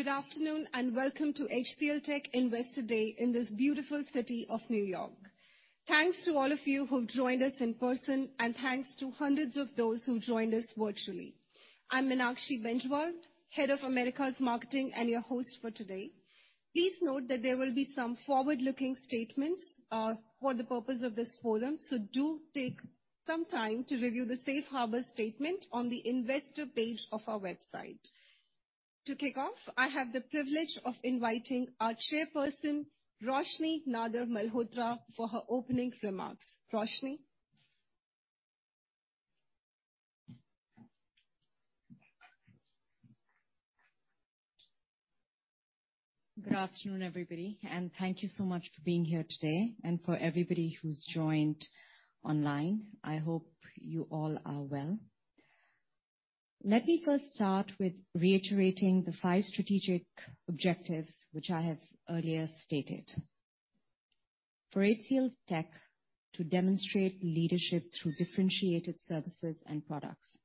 Good afternoon. Welcome to HCLTech Investor Day in this beautiful city of New York. Thanks to all of you who've joined us in person, and thanks to hundreds of those who joined us virtually. I'm Meenakshi Benjwal, Head of Americas Marketing and your host for today. Please note that there will be some forward-looking statements for the purpose of this forum, so do take some time to review the safe harbor statement on the investor page of our website. To kick off, I have the privilege of inviting our Chairperson, Roshni Nadar Malhotra, for her opening remarks. Roshni? Good afternoon, everybody. Thank you so much for being here today. For everybody who's joined online, I hope you all are well. Let me first start with reiterating the five strategic objectives which I have earlier stated. For HCLTech to demonstrate leadership through differentiated services and products.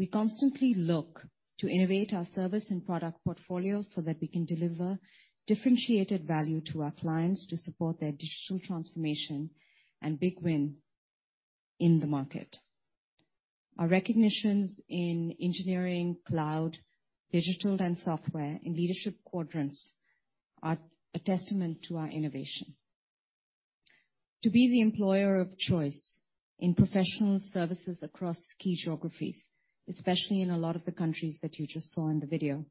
We constantly look to innovate our service and product portfolio so that we can deliver differentiated value to our clients to support their digital transformation and big win in the market. Our recognitions in engineering, cloud, digital, and software in leadership quadrants are a testament to our innovation. To be the employer of choice in professional services across key geographies, especially in a lot of the countries that you just saw in the video.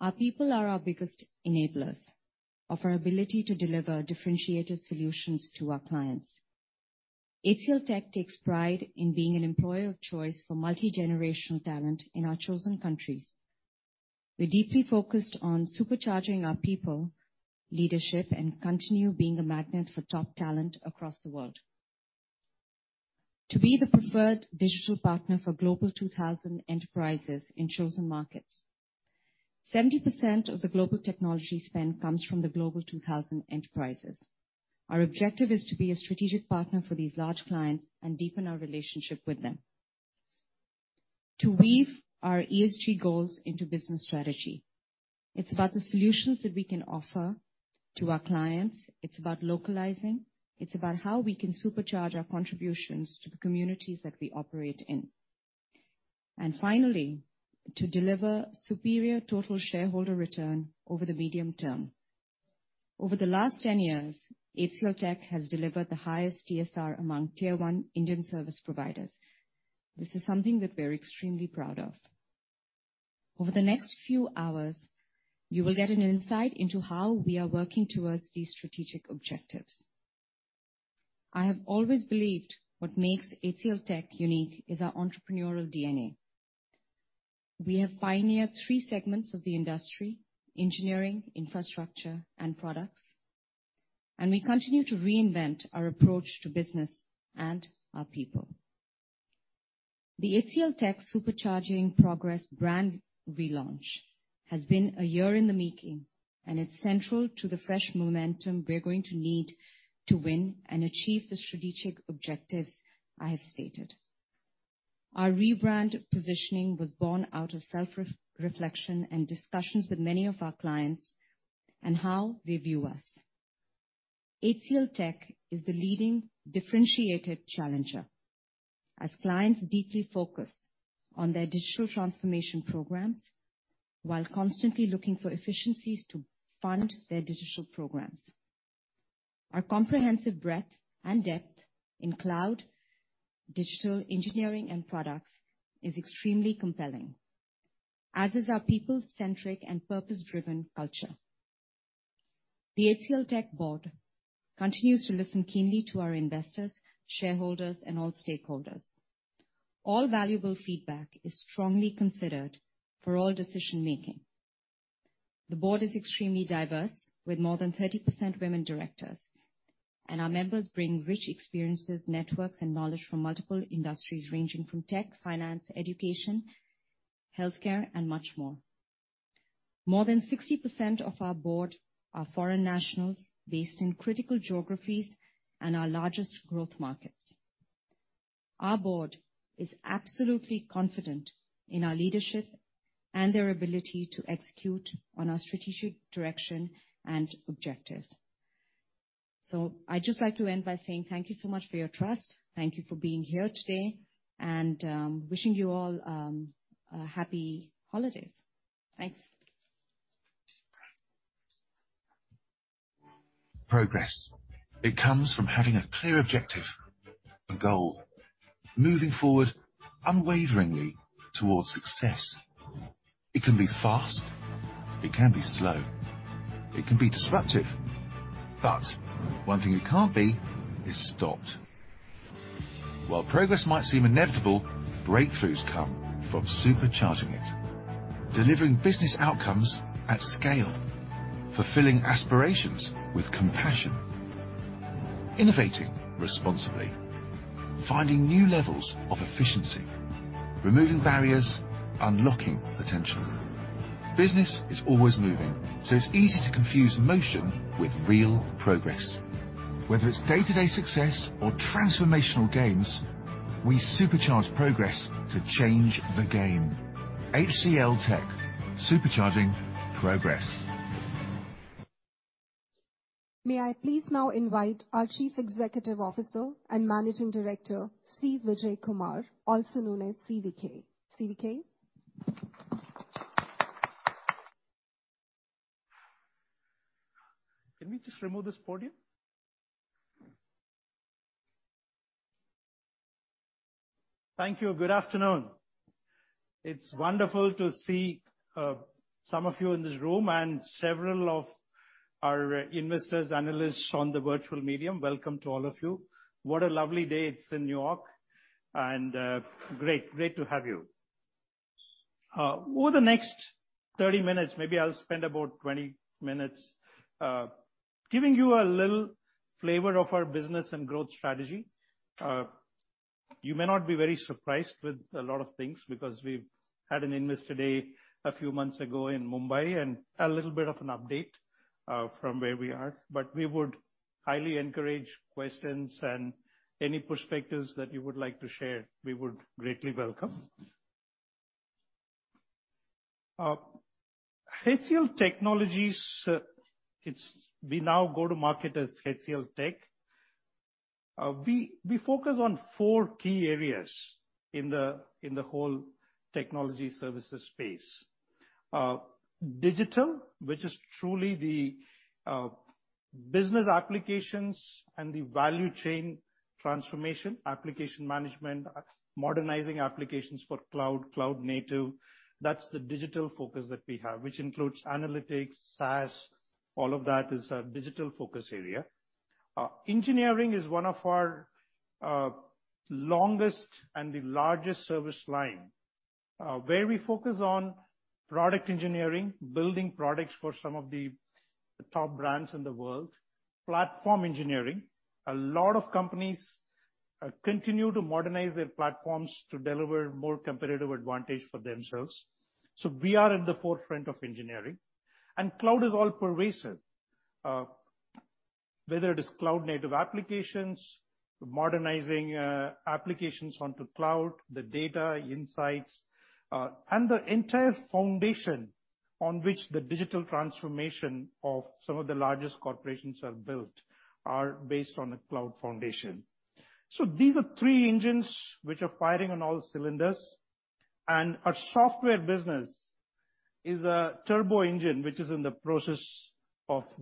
Our people are our biggest enablers of our ability to deliver differentiated solutions to our clients. HCLTech takes pride in being an employer of choice for multi-generational talent in our chosen countries. We're deeply focused on supercharging our people, leadership, and continue being a magnet for top talent across the world. To be the preferred digital partner for Global 2000 enterprises in chosen markets. 70% of the global technology spend comes from the Global 2000 enterprises. Our objective is to be a strategic partner for these large clients and deepen our relationship with them. To weave our ESG goals into business strategy. It's about the solutions that we can offer to our clients. It's about localizing. It's about how we can supercharge our contributions to the communities that we operate in. Finally, to deliver superior total shareholder return over the medium term. Over the last 10 years, HCLTech has delivered the highest TSR among tier one Indian service providers. This is something that we're extremely proud of. Over the next few hours, you will get an insight into how we are working towards these strategic objectives. I have always believed what makes HCLTech unique is our entrepreneurial DNA. We have pioneered three segments of the industry: engineering, infrastructure, and products. We continue to reinvent our approach to business and our people. The HCLTech supercharging progress brand relaunch has been a year in the making, and it's central to the fresh momentum we're going to need to win and achieve the strategic objectives I have stated. Our rebrand positioning was born out of self-reflection and discussions with many of our clients and how they view us. HCLTech is the leading differentiated challenger as clients deeply focus on their digital transformation programs while constantly looking for efficiencies to fund their digital programs. Our comprehensive breadth and depth in cloud, digital, engineering, and products is extremely compelling, as is our people-centric and purpose-driven culture. The HCLTech board continues to listen keenly to our investors, shareholders, and all stakeholders. All valuable feedback is strongly considered for all decision-making. The board is extremely diverse with more than 30% women directors, and our members bring rich experiences, networks, and knowledge from multiple industries, ranging from tech, finance, education, healthcare, and much more. More than 60% of our board are foreign nationals based in critical geographies and are our largest growth markets. Our board is absolutely confident in our leadership and their ability to execute on our strategic direction and objectives. I'd just like to end by saying thank you so much for your trust. Thank you for being here today. Wishing you all a happy holidays. Thanks. Progress. It comes from having a clear objective, a goal. Moving forward unwaveringly towards success. It can be fast. It can be slow. It can be disruptive. One thing it can't be is stopped. While progress might seem inevitable, breakthroughs come from supercharging it. Delivering business outcomes at scale. Fulfilling aspirations with compassion. Innovating responsibly. Finding new levels of efficiency. Removing barriers. Unlocking potential. Business is always moving, it's easy to confuse motion with real progress. Whether it's day-to-day success or transformational gains, we supercharge progress to change the game. HCLTech, supercharging progress. May I please now invite our Chief Executive Officer and Managing Director, C. Vijayakumar, also known as CVK. CVK. Can we just remove this podium? Thank you. Good afternoon. It's wonderful to see some of you in this room and several of our investors, analysts on the virtual medium. Welcome to all of you. What a lovely day it's in New York, and great to have you. Over the next 30 minutes, maybe I'll spend about 20 minutes, giving you a little flavor of our business and growth strategy. You may not be very surprised with a lot of things because we've had an Investor Day a few months ago in Mumbai, and a little bit of an update from where we are. We would highly encourage questions and any perspectives that you would like to share, we would greatly welcome. HCL Technologies, we now go to market as HCLTech. We focus on four key areas in the whole technology services space. Digital, which is truly the business applications and the value chain transformation, application management, modernizing applications for cloud native. That's the digital focus that we have, which includes analytics, SaaS, all of that is our digital focus area. Engineering is one of our longest and the largest service line, where we focus on product engineering, building products for some of the top brands in the world. Platform engineering. A lot of companies continue to modernize their platforms to deliver more competitive advantage for themselves. We are at the forefront of engineering. Cloud is all pervasive. Whether it is cloud-native applications, modernizing applications onto cloud, the data insights, and the entire foundation on which the digital transformation of some of the largest corporations are built are based on a cloud foundation. These are three engines which are firing on all cylinders, and our software business is a turbo engine which is in the process of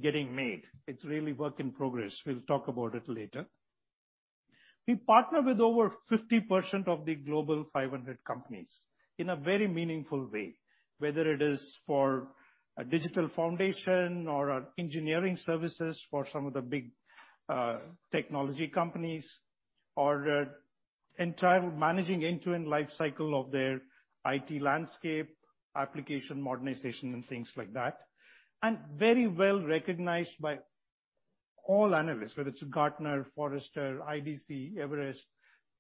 getting made. It's really work in progress. We'll talk about it later. We partner with over 50% of the Global 500 companies in a very meaningful way, whether it is for a digital foundation or our engineering services for some of the big technology companies or the entire managing end-to-end life cycle of their IT landscape, application modernization and things like that. Very well-recognized by all analysts, whether it's Gartner, Forrester, IDC, Everest,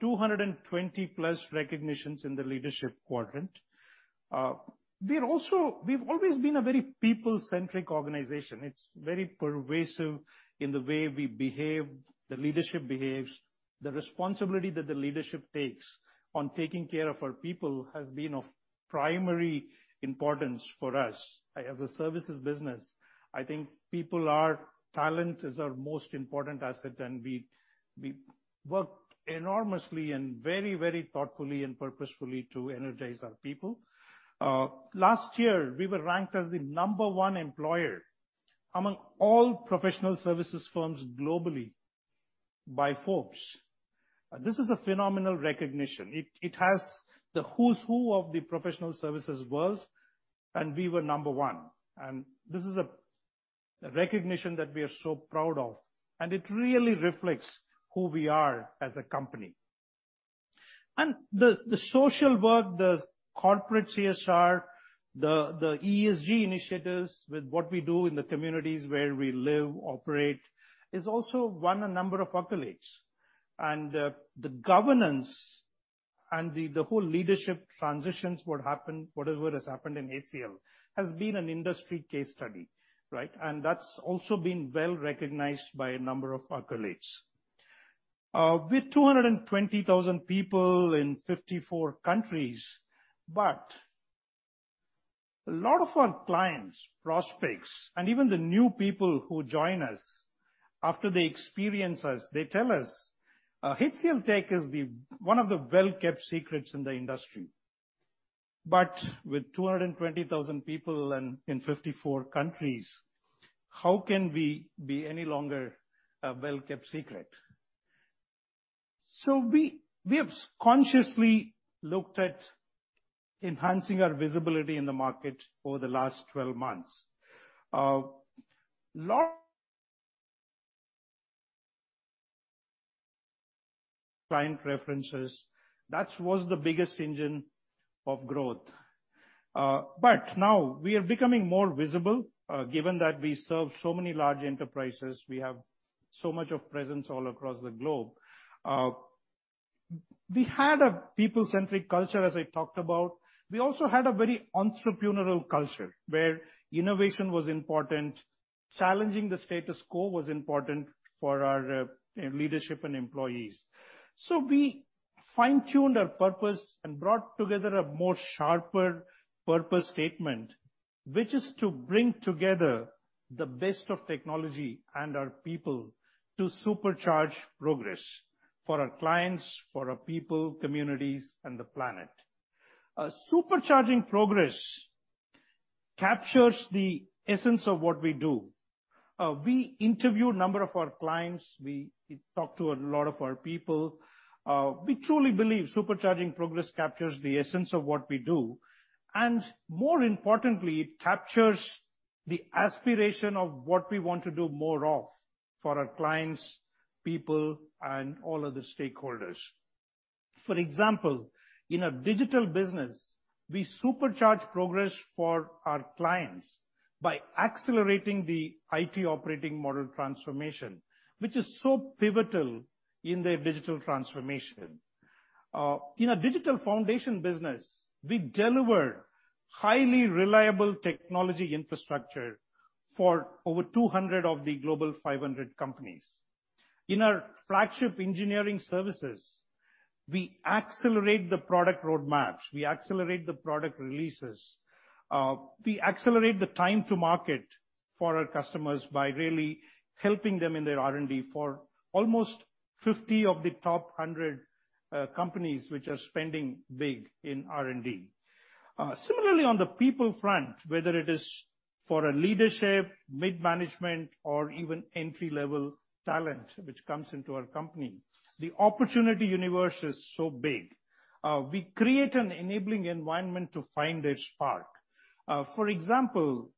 220+ recognitions in the leadership quadrant. We've always been a very people-centric organization. It's very pervasive in the way we behave, the leadership behaves. The responsibility that the leadership takes on taking care of our people has been of primary importance for us. As a services business, I think Talent is our most important asset, and we work enormously and very thoughtfully and purposefully to energize our people. Last year, we were ranked as the number one employer among all professional services firms globally by Forbes. This is a phenomenal recognition. It has the who's who of the professional services world, and we were number one. This is a recognition that we are so proud of, and it really reflects who we are as a company. The social work, the corporate CSR, the ESG initiatives with what we do in the communities where we live, operate, is also won a number of accolades. The governance and the whole leadership transitions, whatever has happened in HCL has been an industry case study, right? That's also been well-recognized by a number of accolades. We're 220,000 people in 54 countries, but a lot of our clients, prospects, and even the new people who join us, after they experience us, they tell us, HCLTech is one of the well-kept secrets in the industry. With 220,000 people and in 54 countries, how can we be any longer a well-kept secret? We have consciously looked at enhancing our visibility in the market over the last 12 months. Lot... Client references. That was the biggest engine of growth. Now we are becoming more visible, given that we serve so many large enterprises. We have so much of presence all across the globe. We had a people-centric culture, as I talked about. We also had a very entrepreneurial culture, where innovation was important, challenging the status quo was important for our leadership and employees. We fine-tuned our purpose and brought together a more sharper purpose statement, which is to bring together the best of technology and our people to supercharge progress for our clients, for our people, communities, and the planet. Supercharging progress captures the essence of what we do. We interviewed a number of our clients. We talked to a lot of our people. We truly believe supercharging progress captures the essence of what we do, more importantly, it captures the aspiration of what we want to do more of for our clients, people, and all other stakeholders. For example, in a digital business, we supercharge progress for our clients by accelerating the IT operating model transformation, which is so pivotal in their digital transformation. In a digital foundation business, we deliver highly reliable technology infrastructure for over 200 of the Global 500 companies. In our flagship engineering services, we accelerate the product roadmaps, we accelerate the product releases, we accelerate the time to market for our customers by really helping them in their R&D for almost 50 of the top 100 companies which are spending big in R&D. Similarly on the people front, whether it is for a leadership, mid-management, or even entry-level talent which comes into our company, the opportunity universe is so big. We create an enabling environment to find their spark. For example,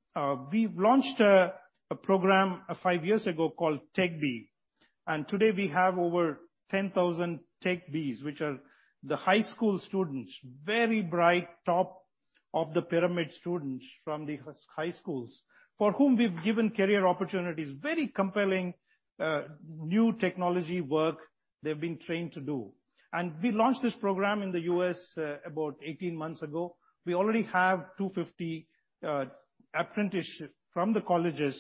we've launched a program five years ago called TechBee, and today we have over 10,000 TechBees, which are the high school students, very bright, top of the pyramid students from the high schools, for whom we've given career opportunities, very compelling new technology work they've been trained to do. We launched this program in the U.S. about 18 months ago. We already have 250 apprentices from the colleges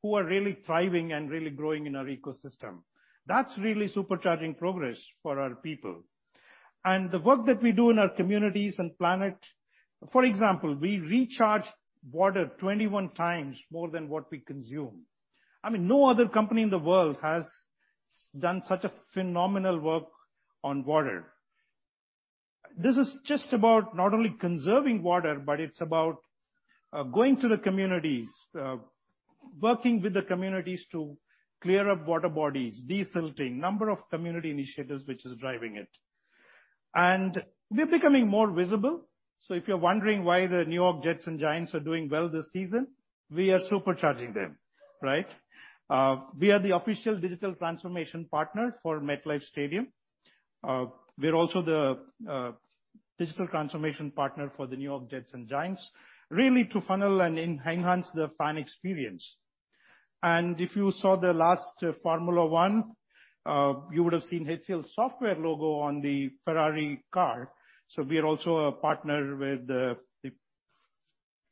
who are really thriving and really growing in our ecosystem. That's really supercharging progress for our people. The work that we do in our communities and planet, for example, we recharge water 21 times more than what we consume. I mean, no other company in the world has done such a phenomenal work on water. This is just about not only conserving water, but it's about going to the communities, working with the communities to clear up water bodies, desilting, number of community initiatives which is driving it. We're becoming more visible, so if you're wondering why the New York Jets and Giants are doing well this season, we are supercharging them, right? We are the official digital transformation partner for MetLife Stadium. We're also the digital transformation partner for the New York Jets and Giants, really to funnel and enhance the fan experience. If you saw the last Formula One, you would have seen HCLSoftware logo on the Ferrari car. We are also a partner with the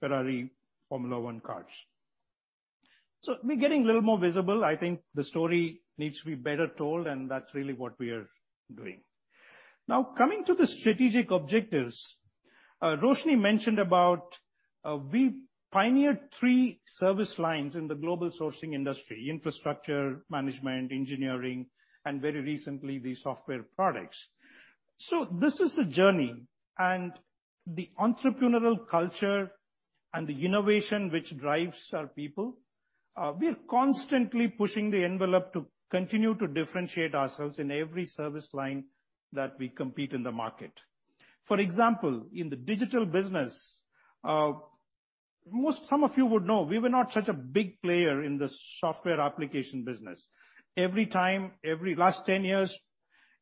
Ferrari Formula One cars. We're getting a little more visible. I think the story needs to be better told, and that's really what we are doing. Now, coming to the strategic objectives, Roshni mentioned about, we pioneered 3 service lines in the global sourcing industry: infrastructure, management, engineering, and very recently, the software products. This is a journey, and the entrepreneurial culture and the innovation which drives our people, we are constantly pushing the envelope to continue to differentiate ourselves in every service line that we compete in the market. For example, in the digital business, some of you would know we were not such a big player in the software application business. Every time, every last 10 years,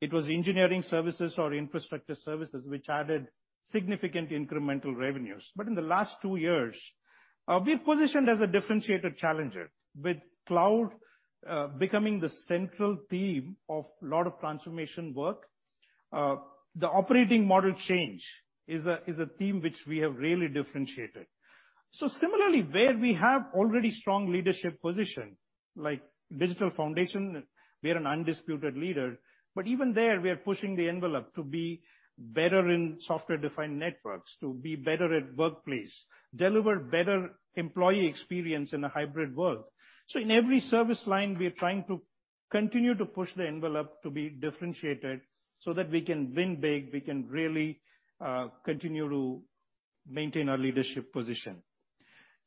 it was engineering services or infrastructure services which added significant incremental revenues. In the last 2 years, we're positioned as a differentiated challenger. With cloud becoming the central theme of a lot of transformation work, the operating model change is a theme which we have really differentiated. Similarly, where we have already strong leadership position, like Digital Foundation, we are an undisputed leader. Even there, we are pushing the envelope to be better in software-defined networks, to be better at workplace, deliver better employee experience in a hybrid world. In every service line, we are trying to continue to push the envelope to be differentiated so that we can win big, we can really continue to maintain our leadership position.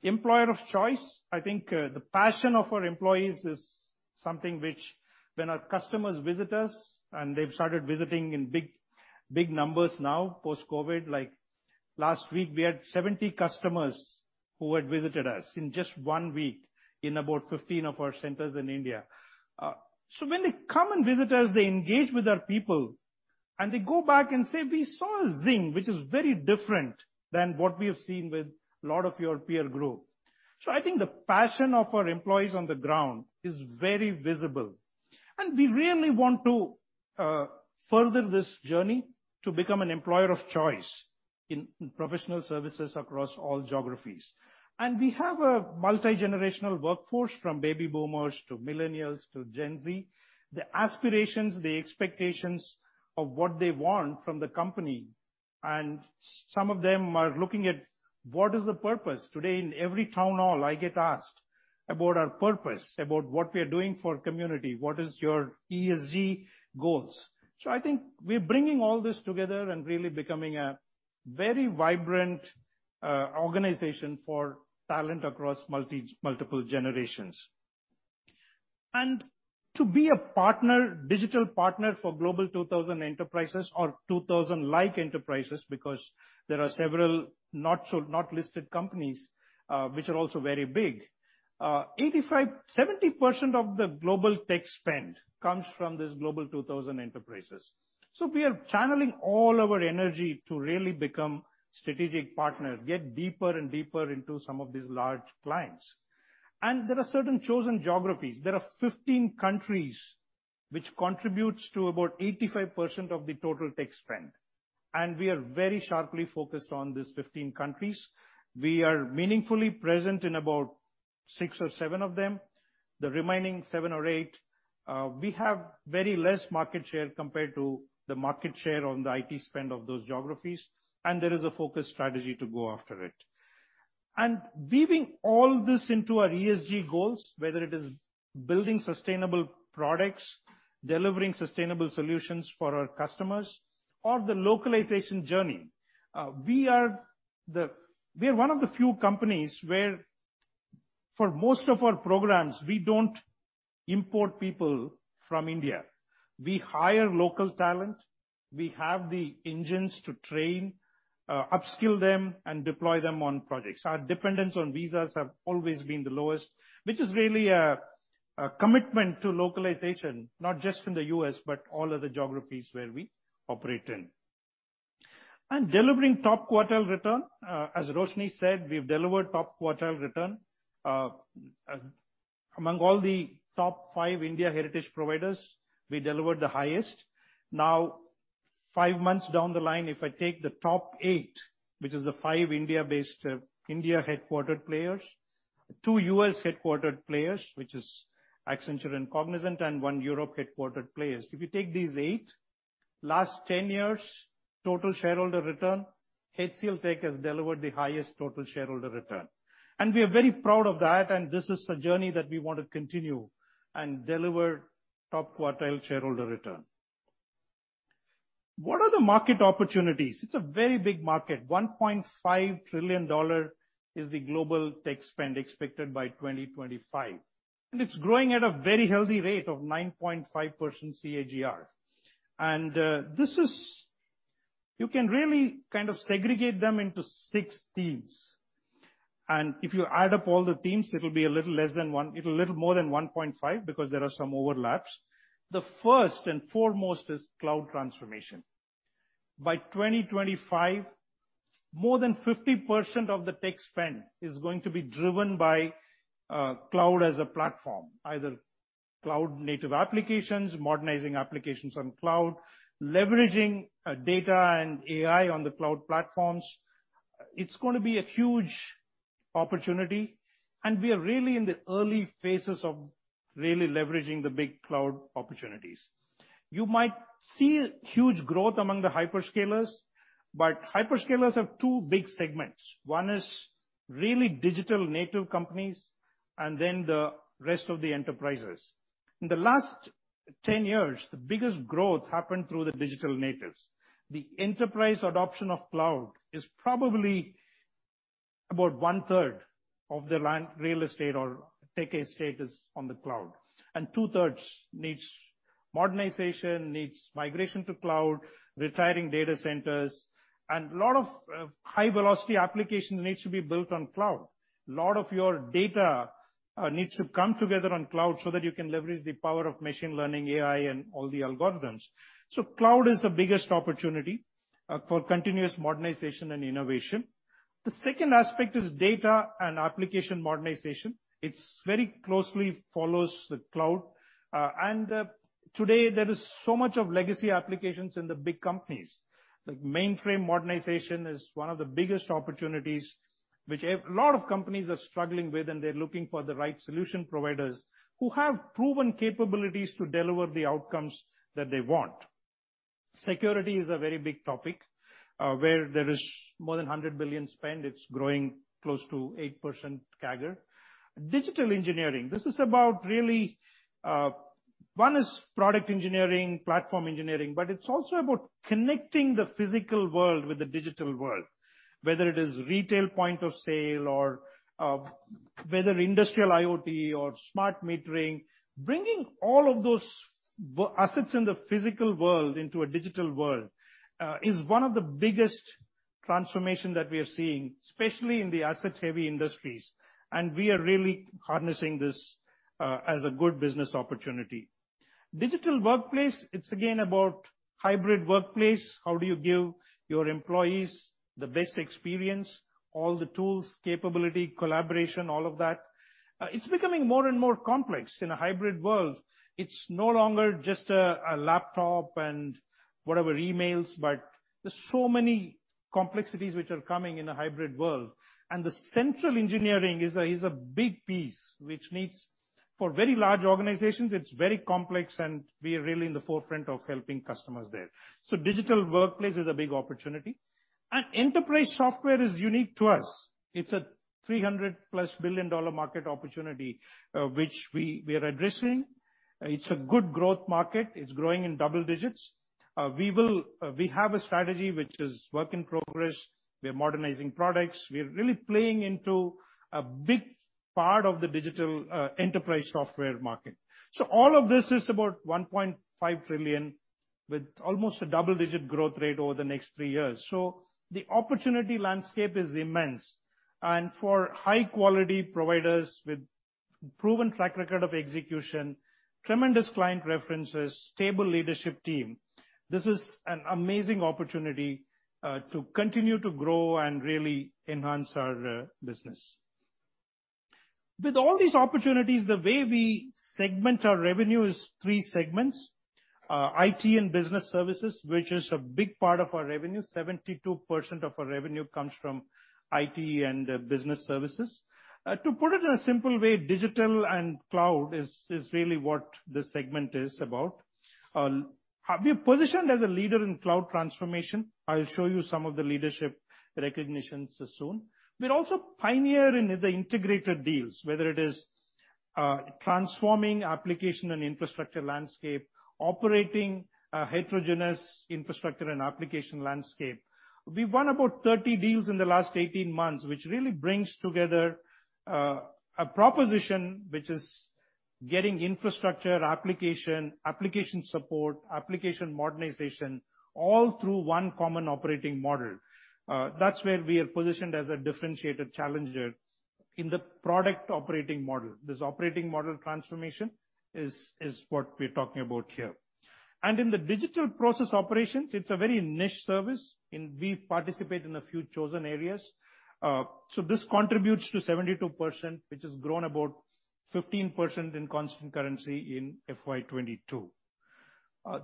Employer of choice. I think the passion of our employees is something which when our customers visit us, and they've started visiting in big, big numbers now post-COVID. Last week, we had 70 customers who had visited us in just one week in about 15 of our centers in India. When they come and visit us, they engage with our people, and they go back and say, "We saw a zing, which is very different than what we have seen with a lot of your peer group." So I think the passion of our employees on the ground is very visible, and we really want to further this journey to become an employer of choice in professional services across all geographies. We have a multi-generational workforce, from baby boomers to millennials to Gen Z. The aspirations, the expectations of what they want from the company. Some of them are looking at what is the purpose. Today in every town hall I get asked about our purpose, about what we are doing for community, what is your ESG goals? I think we're bringing all this together and really becoming a very vibrant organization for talent across multiple generations. To be a partner, digital partner for Global 2000 enterprises or 2000-like enterprises, because there are several not listed companies which are also very big. 70% of the global tech spend comes from these Global 2000 enterprises. We are channeling all our energy to really become strategic partners, get deeper and deeper into some of these large clients. There are certain chosen geographies. There are 15 countries which contributes to about 85% of the total tech spend. We are very sharply focused on these 15 countries. We are meaningfully present in about 6 or 7 of them. The remaining 7 or 8, we have very less market share compared to the market share on the IT spend of those geographies. There is a focus strategy to go after it. Weaving all this into our ESG goals, whether it is building sustainable products, delivering sustainable solutions for our customers or the localization journey. We are one of the few companies where for most of our programs, we don't import people from India. We hire local talent. We have the engines to train, upskill them and deploy them on projects. Our dependence on visas have always been the lowest, which is really a commitment to localization, not just in the U.S., but all other geographies where we operate in. Delivering top quartile return, as Roshni said, we've delivered top quartile return. Among all the top five India heritage providers, we delivered the highest. Now, five months down the line, if I take the top eight, which is the five India-based, India headquartered players, two U.S. headquartered players, which is Accenture and Cognizant, and one Europe headquartered players. If you take these eight, last 10 years total shareholder return, HCLTech has delivered the highest total shareholder return, and we are very proud of that, and this is a journey that we want to continue and deliver top quartile shareholder return. What are the market opportunities? It's a very big market. $1.5 trillion is the global tech spend expected by 2025, and it's growing at a very healthy rate of 9.5% CAGR. You can really kind of segregate them into six themes, and if you add up all the themes, it'll be a little more than 1.5 because there are some overlaps. The first and foremost is cloud transformation. By 2025, more than 50% of the tech spend is going to be driven by cloud as a platform, either cloud native applications, modernizing applications on cloud, leveraging data and AI on the cloud platforms. It's gonna be a huge opportunity, and we are really in the early phases of really leveraging the big cloud opportunities. You might see huge growth among the hyperscalers, but hyperscalers have two big segments. One is really digital native companies and then the rest of the enterprises. In the last 10 years, the biggest growth happened through the digital natives. The enterprise adoption of cloud is probably about one-third of the real estate or tech estate is on the cloud, and two-thirds needs modernization, needs migration to cloud, retiring data centers, and a lot of high velocity applications needs to be built on cloud. A lot of your data needs to come together on cloud so that you can leverage the power of machine learning, AI, and all the algorithms. Cloud is the biggest opportunity for continuous modernization and innovation. The second aspect is data and application modernization. It's very closely follows the cloud. Today there is so much of legacy applications in the big companies. Like mainframe modernization is one of the biggest opportunities which a lot of companies are struggling with, and they're looking for the right solution providers who have proven capabilities to deliver the outcomes that they want. Security is a very big topic, where there is more than $100 billion spend. It's growing close to 8% CAGR. Digital engineering. This is about really, one is product engineering, platform engineering, but it's also about connecting the physical world with the digital world, whether it is retail point of sale or, whether industrial IoT or smart metering. Bringing all of those assets in the physical world into a digital world, is one of the biggest transformation that we are seeing, especially in the asset-heavy industries, and we are really harnessing this, as a good business opportunity. Digital workplace, it's again about hybrid workplace. How do you give your employees the best experience, all the tools, capability, collaboration, all of that? It's becoming more and more complex in a hybrid world. It's no longer just a laptop and whatever emails, but there's so many complexities which are coming in a hybrid world. The central engineering is a big piece. For very large organizations, it's very complex, and we are really in the forefront of helping customers there. Digital workplace is a big opportunity. Enterprise software is unique to us. It's a $300+ billion market opportunity, which we are addressing. It's a good growth market. It's growing in double digits. We have a strategy which is work in progress. We're modernizing products. We're really playing into a big part of the digital enterprise software market. All of this is about $1.5 trillion, with almost a double-digit growth rate over the next three years. The opportunity landscape is immense. For high-quality providers with proven track record of execution, tremendous client references, stable leadership team, this is an amazing opportunity to continue to grow and really enhance our business. With all these opportunities, the way we segment our revenue is three segments. IT and business services, which is a big part of our revenue. 72% of our revenue comes from IT and business services. To put it in a simple way, digital and cloud is really what this segment is about. We're positioned as a leader in cloud transformation. I'll show you some of the leadership recognitions soon. We're also pioneer in the integrated deals, whether it is transforming application and infrastructure landscape, operating a heterogeneous infrastructure and application landscape. We won about 30 deals in the last 18 months, which really brings together a proposition which is getting infrastructure, application support, application modernization, all through one common operating model. That's where we are positioned as a differentiated challenger in the product operating model. This operating model transformation is what we're talking about here. In the digital process operations, it's a very niche service, and we participate in a few chosen areas. This contributes to 72%, which has grown about 15% in constant currency in FY 2022.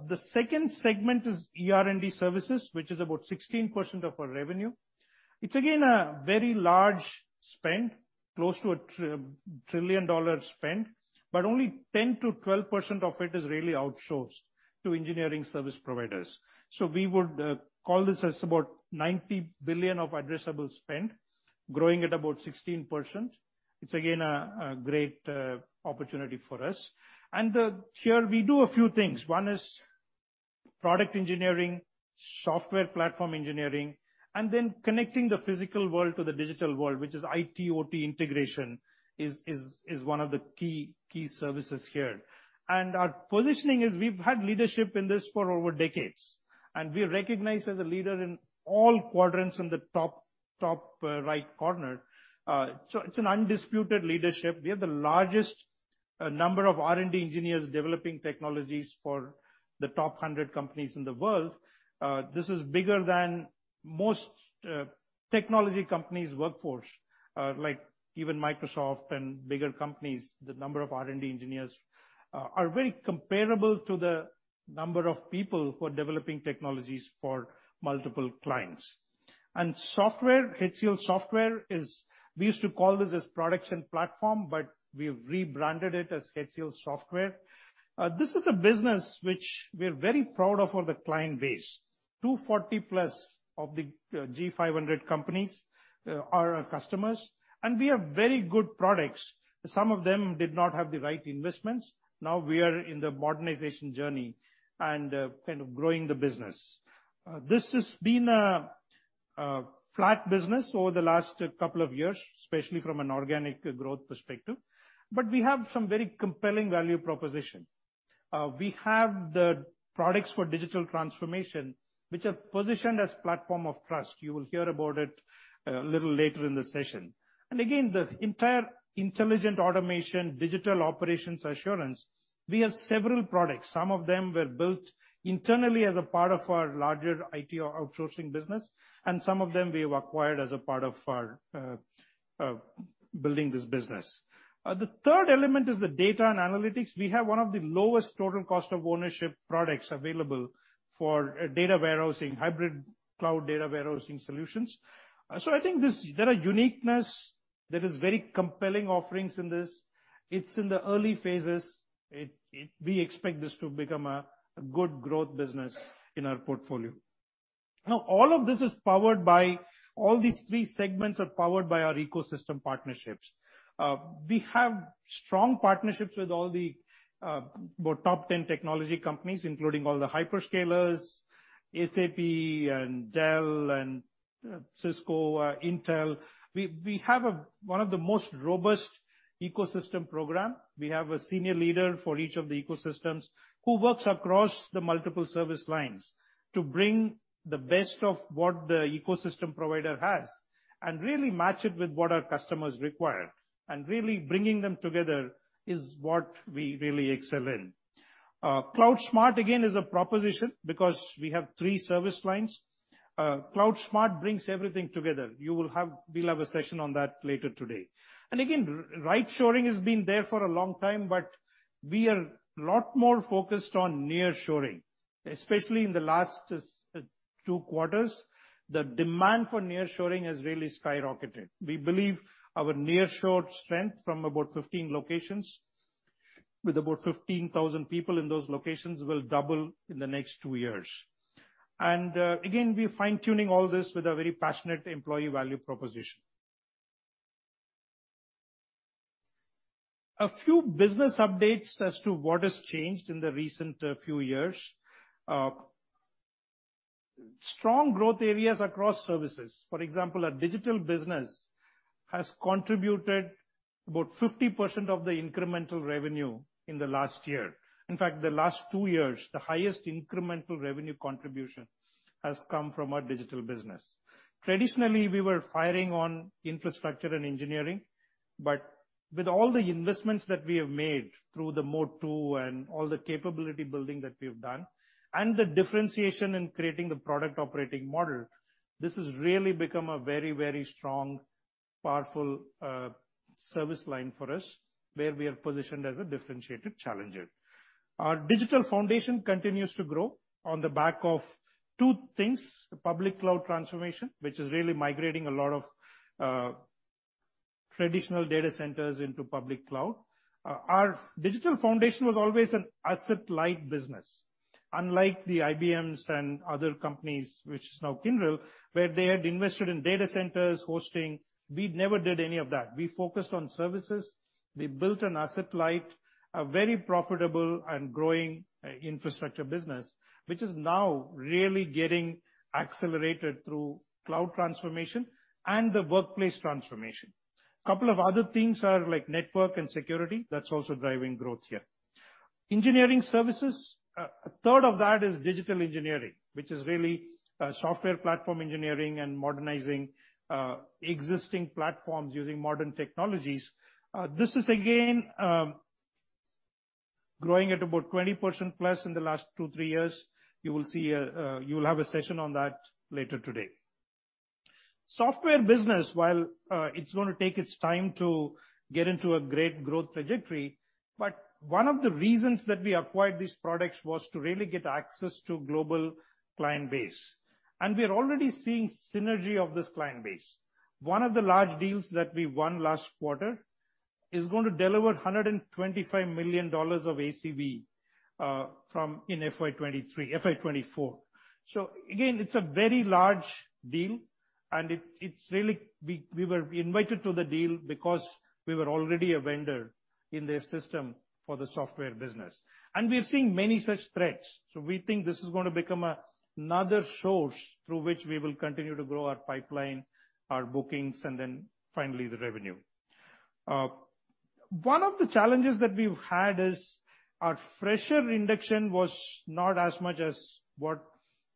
The second segment is ER&D services, which is about 16% of our revenue. It's again a very large spend, close to a tri-trillion dollar spend, only 10%-12% of it is really outsourced to engineering service providers. We would call this as about $90 billion of addressable spend, growing at about 16%. It's again a great opportunity for us. Here we do a few things. One is product engineering, software platform engineering, and then connecting the physical world to the digital world, which is IT/OT integration is one of the key services here. Our positioning is we've had leadership in this for over decades, and we're recognized as a leader in all quadrants in the top right corner. It's an undisputed leadership. We have the largest number of R&D engineers developing technologies for the top 100 companies in the world. This is bigger than most technology companies' workforce, like even Microsoft and bigger companies. The number of R&D engineers are really comparable to the number of people who are developing technologies for multiple clients. HCLSoftware is. We used to call this as Products and Platforms, but we've rebranded it as HCLSoftware. This is a business which we're very proud of for the client base. 240 plus of the Global 500 companies are our customers, and we have very good products. Some of them did not have the right investments. Now we are in the modernization journey and kind of growing the business. This has been a flat business over the last couple of years, especially from an organic growth perspective, but we have some very compelling value proposition. We have the products for digital transformation, which are positioned as platform of trust. You will hear about it a little later in the session. Again, the entire intelligent automation, digital operations assurance, we have several products. Some of them were built internally as a part of our larger IT or outsourcing business, and some of them we have acquired as a part of our building this business. The third element is the data and analytics. We have one of the lowest total cost of ownership products available for data warehousing, hybrid cloud data warehousing solutions. I think this. There are uniqueness that is very compelling offerings in this. It's in the early phases. We expect this to become a good growth business in our portfolio. Now, all of this is powered by all these three segments are powered by our ecosystem partnerships. We have strong partnerships with all the, well, top 10 technology companies, including all the hyperscalers, SAP and Dell and, Cisco, Intel. We have one of the most robust ecosystem program. We have a senior leader for each of the ecosystems who works across the multiple service lines to bring the best of what the ecosystem provider has and really match it with what our customers require. Really bringing them together is what we really excel in. CloudSMART, again, is a proposition because we have three service lines. CloudSMART brings everything together. We'll have a session on that later today. Again, right shoring has been there for a long time, but we are a lot more focused on nearshoring, especially in the last 2 quarters. The demand for nearshoring has really skyrocketed. We believe our nearshore strength from about 15 locations with about 15,000 people in those locations will double in the next 2 years. Again, we're fine-tuning all this with a very passionate employee value proposition. A few business updates as to what has changed in the recent few years. Strong growth areas across services. For example, our digital business has contributed about 50% of the incremental revenue in the last year. In fact, the last 2 years, the highest incremental revenue contribution has come from our digital business. Traditionally, we were firing on infrastructure and engineering, but with all the investments that we have made through the Mode 2 and all the capability building that we've done and the differentiation in creating the product operating model, this has really become a very, very strong, powerful, service line for us where we are positioned as a differentiated challenger. Our digital foundation continues to grow on the back of two things, public cloud transformation, which is really migrating a lot of traditional data centers into public cloud. Our digital foundation was always an asset-light business. Unlike the IBMs and other companies, which is now Kyndryl, where they had invested in data centers, hosting, we'd never did any of that. We focused on services. We built an asset-light, a very profitable and growing infrastructure business, which is now really getting accelerated through cloud transformation and the workplace transformation. Couple of other things are like network and security, that's also driving growth here. Engineering services, a third of that is digital engineering, which is really software platform engineering and modernizing existing platforms using modern technologies. This is again, growing at about 20%+ in the last two, three years. You will have a session on that later today. Software business, while it's gonna take its time to get into a great growth trajectory, but one of the reasons that we acquired these products was to really get access to global client base. We're already seeing synergy of this client base. One of the large deals that we won last quarter is going to deliver $125 million of ACV in FY 2023-FY 2024. Again, it's a very large deal, and it's really. We were invited to the deal because we were already a vendor in their system for the software business. We are seeing many such threads. We think this is gonna become another source through which we will continue to grow our pipeline, our bookings, and then finally the revenue. One of the challenges that we've had is our fresher induction was not as much as what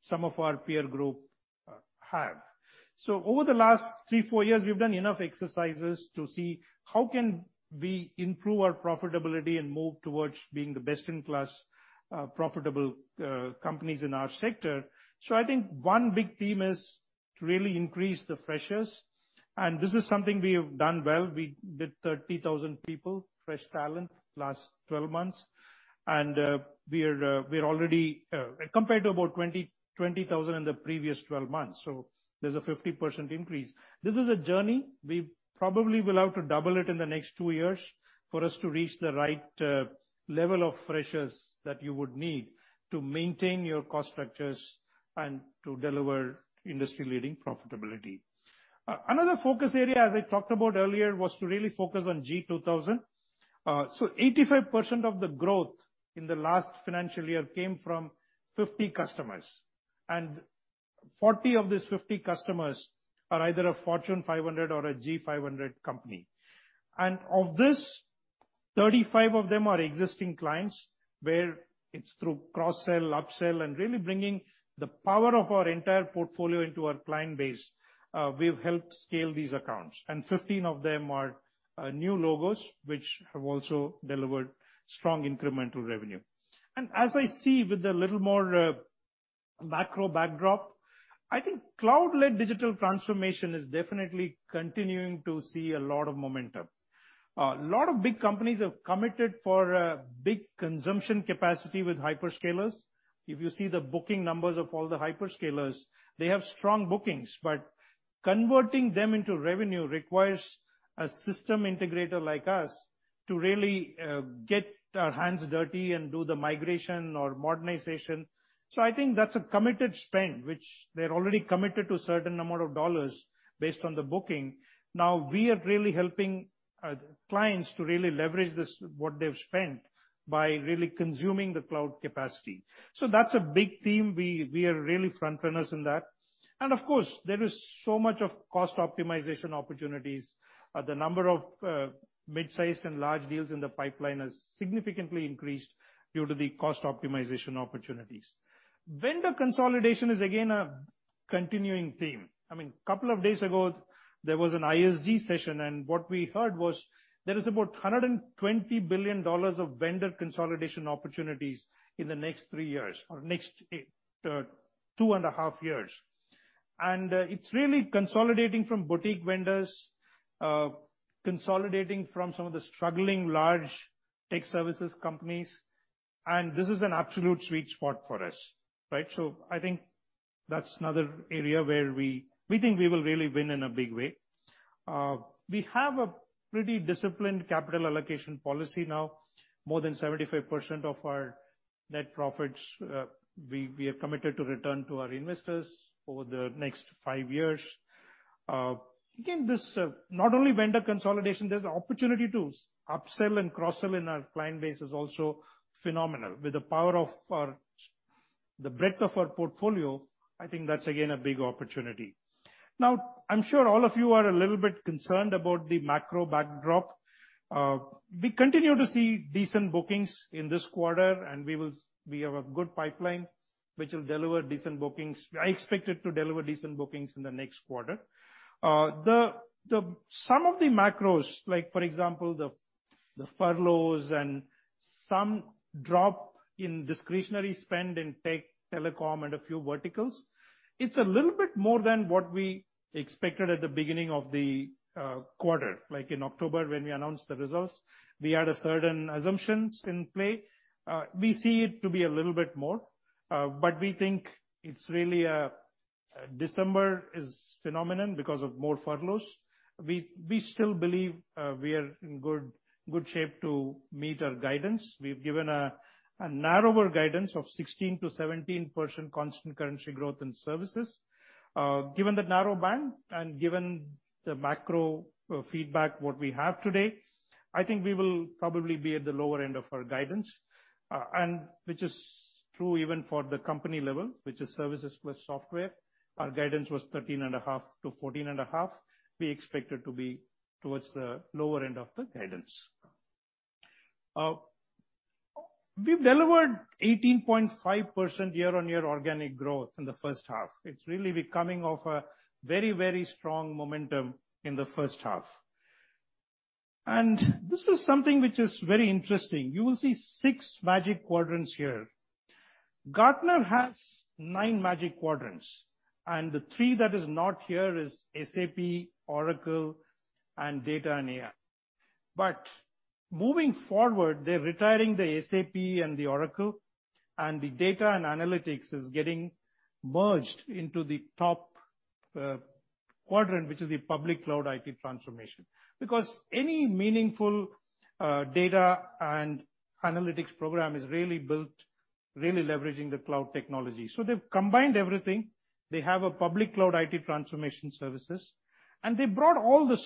some of our peer group had. Over the last three, four years, we've done enough exercises to see how can we improve our profitability and move towards being the best-in-class profitable companies in our sector. I think one big theme is to really increase the freshers, and this is something we have done well. We did 30,000 people, fresh talent, last 12 months. We are already compared to about 20,000 in the previous 12 months, so there's a 50% increase. This is a journey. We probably will have to double it in the next 2 years for us to reach the right level of freshers that you would need to maintain your cost structures and to deliver industry-leading profitability. Another focus area, as I talked about earlier, was to really focus on Global 2000. 85% of the growth in the last financial year came from 50 customers, and 40 of these 50 customers are either a Fortune 500 or a Global 500 company. Of this, 35 of them are existing clients, where it's through cross-sell, up-sell, and really bringing the power of our entire portfolio into our client base. We've helped scale these accounts, and 15 of them are new logos, which have also delivered strong incremental revenue. As I see with a little more macro backdrop, I think cloud-led digital transformation is definitely continuing to see a lot of momentum. A lot of big companies have committed for big consumption capacity with hyperscalers. If you see the booking numbers of all the hyperscalers, they have strong bookings, but converting them into revenue requires a system integrator like us to really get our hands dirty and do the migration or modernization. I think that's a committed spend, which they're already committed to a certain amount of dollars based on the booking. Now, we are really helping clients to really leverage this, what they've spent by really consuming the cloud capacity. That's a big theme. We are really frontrunners in that. Of course, there is so much of cost optimization opportunities. The number of mid-sized and large deals in the pipeline has significantly increased due to the cost optimization opportunities. Vendor consolidation is again a continuing theme. I mean, couple of days ago, there was an ISG session, what we heard was there is about $120 billion of vendor consolidation opportunities in the next 3 years or next 2.5 years. It's really consolidating from boutique vendors, consolidating from some of the struggling large tech services companies, and this is an absolute sweet spot for us. Right? I think that's another area where we think we will really win in a big way. We have a pretty disciplined capital allocation policy now. More than 75% of our net profits, we have committed to return to our investors over the next five years. Again, this not only vendor consolidation, there's opportunity to upsell and cross-sell in our client base is also phenomenal. With the power of our. The breadth of our portfolio, I think that's again a big opportunity. I'm sure all of you are a little bit concerned about the macro backdrop. We continue to see decent bookings in this quarter, and we have a good pipeline which will deliver decent bookings. I expect it to deliver decent bookings in the next quarter. Some of the macros, like for example, the furloughs and some drop in discretionary spend in tech, telecom and a few verticals, it's a little bit more than what we expected at the beginning of the quarter, like in October when we announced the results. We had certain assumptions in play. We see it to be a little bit more, but we think it's really a December phenomenon because of more furloughs. We still believe we are in good shape to meet our guidance. We've given a narrower guidance of 16%-17% constant currency growth in services. Given the narrow band, and given the macro feedback, what we have today, I think we will probably be at the lower end of our guidance. Which is true even for the company level, which is services plus software. Our guidance was 13.5%-14.5%. We expect it to be towards the lower end of the guidance. We've delivered 18.5% year-on-year organic growth in the first half. It's really becoming of a very strong momentum in the first half. This is something which is very interesting. You will see 6 Magic Quadrants here. Gartner has 9 Magic Quadrants, the 3 that is not here is SAP, Oracle, and data and AI. Moving forward, they're retiring the SAP and the Oracle, and the data and analytics is getting merged into the top quadrant, which is the public cloud IT transformation. Any meaningful data and analytics program is really built leveraging the cloud technology. They've combined everything. They have a public cloud IT transformation services. They brought all the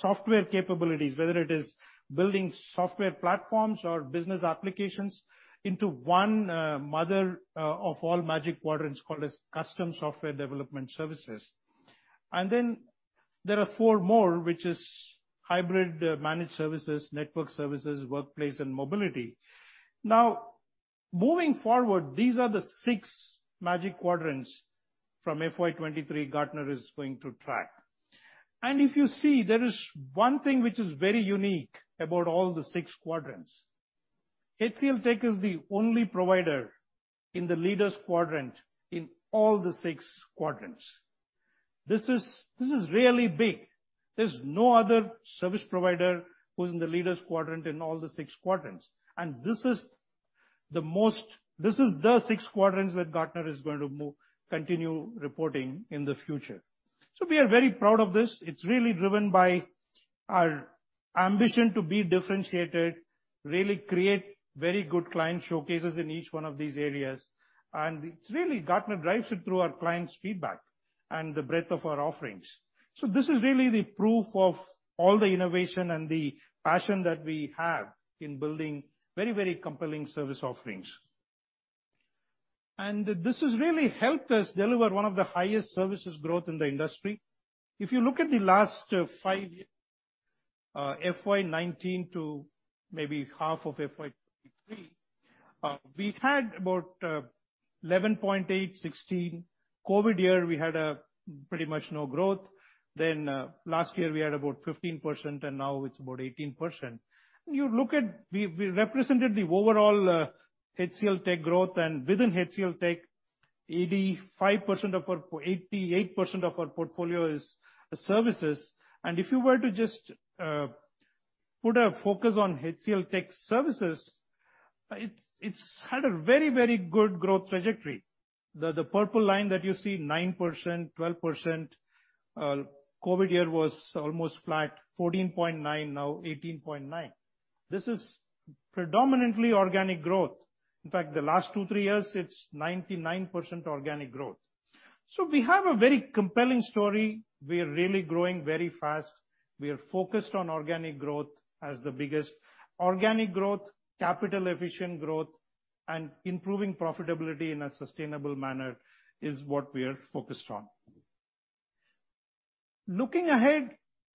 software capabilities, whether it is building software platforms or business applications, into one mother of all magic quadrants called as custom software development services. Then there are four more, which is hybrid managed services, network services, workplace and mobility. Now, moving forward, these are the six magic quadrants from FY 2023 Gartner is going to track. If you see, there is one thing which is very unique about all the six quadrants. HCLTech is the only provider in the leaders quadrant in all the six quadrants. This is really big. There is no other service provider who is in the leaders quadrant in all the six quadrants. This is the six quadrants that Gartner is going to continue reporting in the future. We are very proud of this. It's really driven by our ambition to be differentiated, really create very good client showcases in each one of these areas. It's really, Gartner drives it through our clients' feedback and the breadth of our offerings. This is really the proof of all the innovation and the passion that we have in building very, very compelling service offerings. This has really helped us deliver one of the highest services growth in the industry. If you look at the last 5 years, FY 2019 to maybe half of FY 2023, we had about 11.8%, 16%. COVID year, we had pretty much no growth. Then last year we had about 15%, and now it's about 18%. You look at. We represented the overall HCLTech growth, and within HCLTech, 88% of our portfolio is services. If you were to just put a focus on HCLTech services, it's had a very, very good growth trajectory. The purple line that you see, 9%, 12%. COVID year was almost flat, 14.9%, now 18.9%. This is predominantly organic growth. In fact, the last 2, 3 years, it's 99% organic growth. We have a very compelling story. We are really growing very fast. We are focused on organic growth as the biggest. Organic growth, capital efficient growth, and improving profitability in a sustainable manner is what we are focused on. Looking ahead,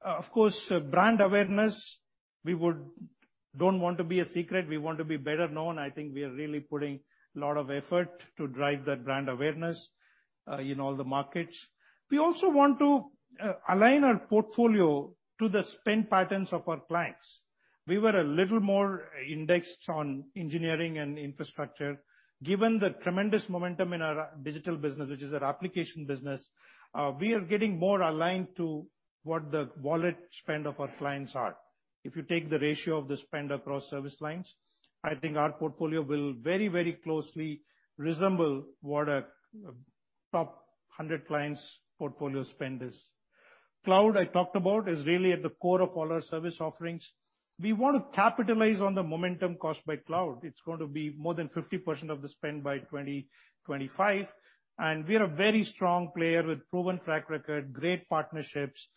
of course, brand awareness, we don't want to be a secret. We want to be better known. I think we are really putting a lot of effort to drive that brand awareness in all the markets. We also want to align our portfolio to the spend patterns of our clients. We were a little more indexed on engineering and infrastructure. Given the tremendous momentum in our digital business, which is our application business, we are getting more aligned to what the wallet spend of our clients are. If you take the ratio of the spend across service lines, I think our portfolio will very, very closely resemble what a top 100 clients portfolio spend is. Cloud, I talked about, is really at the core of all our service offerings. We want to capitalize on the momentum caused by cloud. It's going to be more than 50% of the spend by 2025, and we're a very strong player with proven track record, great partnerships.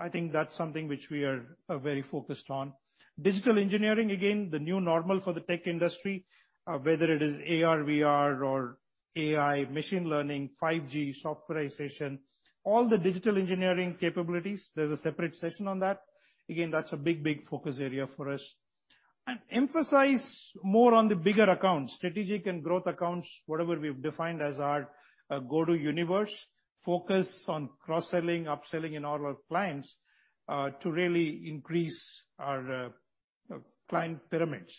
I think that's something which we are very focused on. Digital engineering, again, the new normal for the tech industry, whether it is AR, VR or AI, machine learning, 5G, softwarization, all the digital engineering capabilities, there's a separate session on that. Again, that's a big, big focus area for us. Emphasize more on the bigger accounts, strategic and growth accounts, whatever we've defined as our go-to universe. Focus on cross-selling, upselling in all our clients to really increase our client pyramids.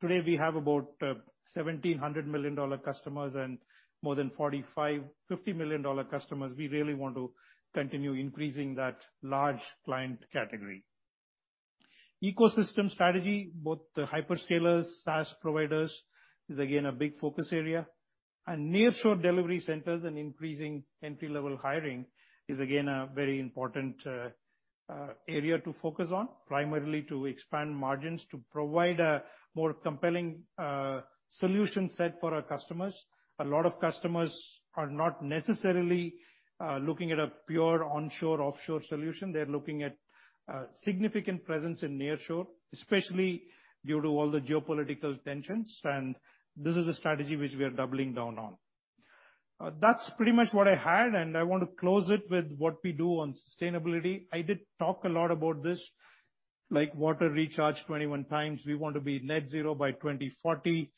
Today, we have about 1,700 million dollar customers and more than 45-50 million dollar customers. We really want to continue increasing that large client category. Ecosystem strategy, both the hyperscalers, SaaS providers, is again a big focus area. Nearshore delivery centers and increasing entry-level hiring is again a very important area to focus on, primarily to expand margins to provide a more compelling solution set for our customers. A lot of customers are not necessarily looking at a pure onshore-offshore solution. They're looking at significant presence in nearshore, especially due to all the geopolitical tensions. This is a strategy which we are doubling down on. That's pretty much what I had, and I want to close it with what we do on sustainability. I did talk a lot about this, like water recharge 21 times. We want to be net zero by 2040.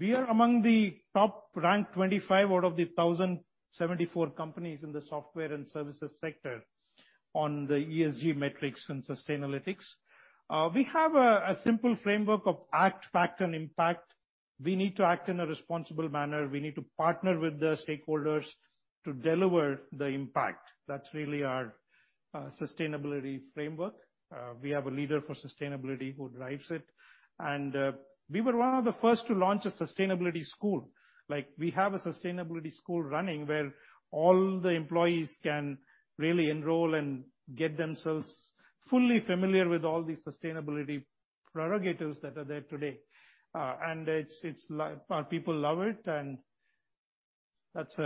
We are among the top ranked 25 out of the 1,074 companies in the software and services sector on the ESG metrics and Sustainalytics. We have a simple framework of act, pact and impact. We need to act in a responsible manner. We need to partner with the stakeholders to deliver the impact. That's really our sustainability framework. We have a leader for sustainability who drives it. We were one of the first to launch a sustainability school. Like, we have a sustainability school running where all the employees can really enroll and get themselves fully familiar with all the sustainability prerogatives that are there today. Our people love it, and that's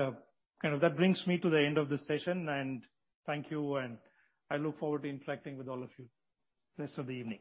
Kind of that brings me to the end of this session. Thank you, and I look forward to interacting with all of you rest of the evening.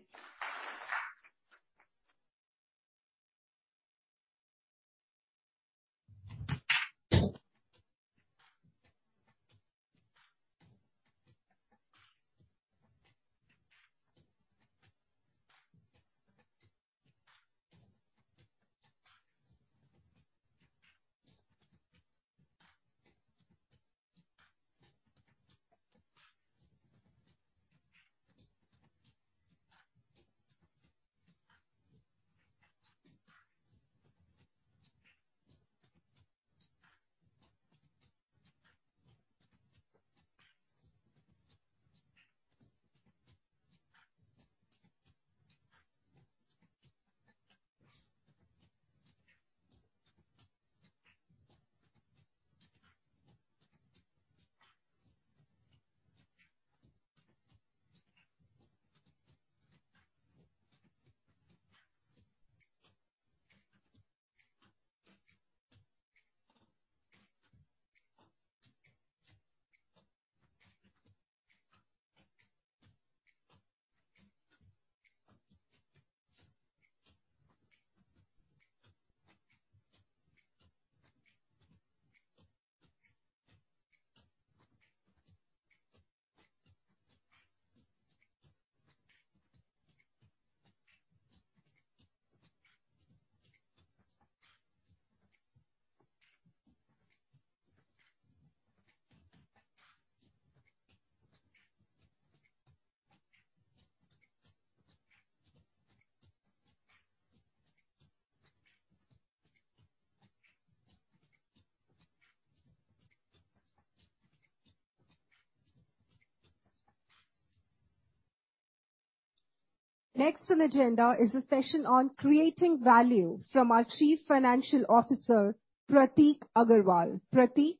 Next on agenda is a session on creating value from our Chief Financial Officer, Prateek Aggarwal. Prateek?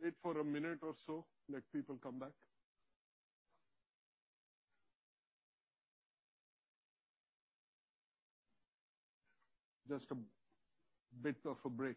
Wait for a minute or so, let people come back. Just a bit of a break.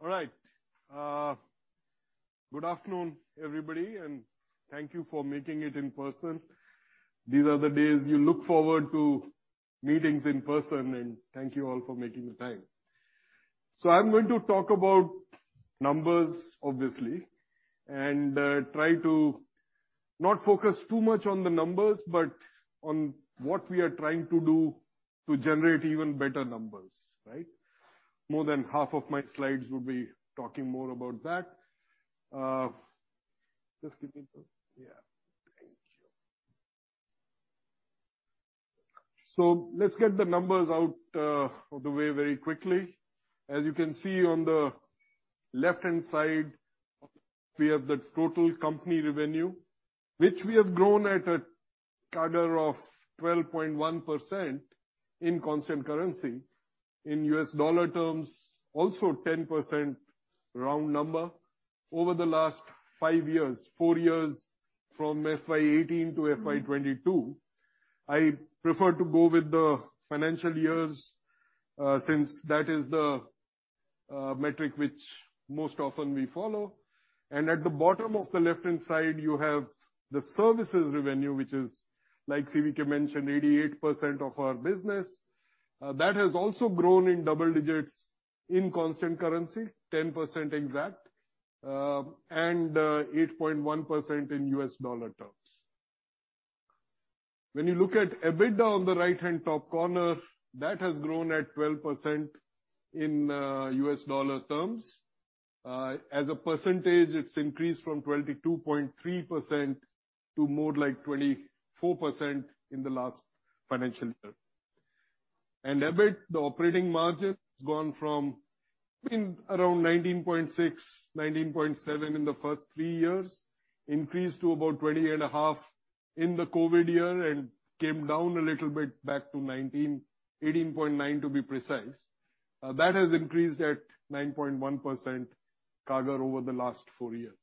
Okay. All right. Good afternoon, everybody. Thank you for making it in person. These are the days you look forward to meetings in person. Thank you all for making the time. I'm going to talk about numbers, obviously. Try to not focus too much on the numbers, but on what we are trying to do to generate even better numbers, right? More than half of my slides will be talking more about that. Just give me the. Yeah, thank you. Let's get the numbers out of the way very quickly. As you can see on the left-hand side, we have the total company revenue, which we have grown at a CAGR of 12.1% in constant currency. In US dollar terms, also 10% round number over the last four years from FY 2018 to FY 2022. I prefer to go with the financial years, since that is the metric which most often we follow. At the bottom of the left-hand side, you have the services revenue, which is, like CVK mentioned, 88% of our business. That has also grown in double digits in constant currency, 10% exact, and 8.1% in US dollar terms. When you look at EBITDA on the right-hand top corner, that has grown at 12% in US dollar terms. As a percentage, it's increased from 22.3% to more like 24% in the last financial year. EBIT, the operating margin, has gone from around 19.6%, 19.7% in the first 3 years, increased to about 20.5% in the COVID year and came down a little bit back to 19%, 18.9% to be precise. That has increased at 9.1% CAGR over the last 4 years.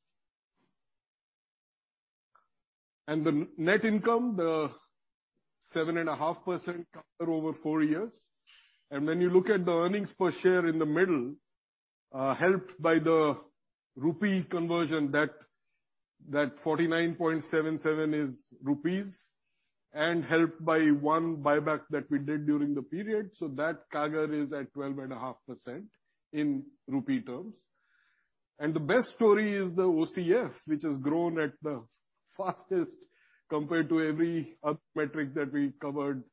The net income, the 7.5% CAGR over 4 years. When you look at the earnings per share in the middle, helped by the rupee conversion, that 49.77 is INR, and helped by 1 buyback that we did during the period. That CAGR is at 12.5% in INR terms. The best story is the OCF, which has grown at the fastest compared to every other metric that we covered,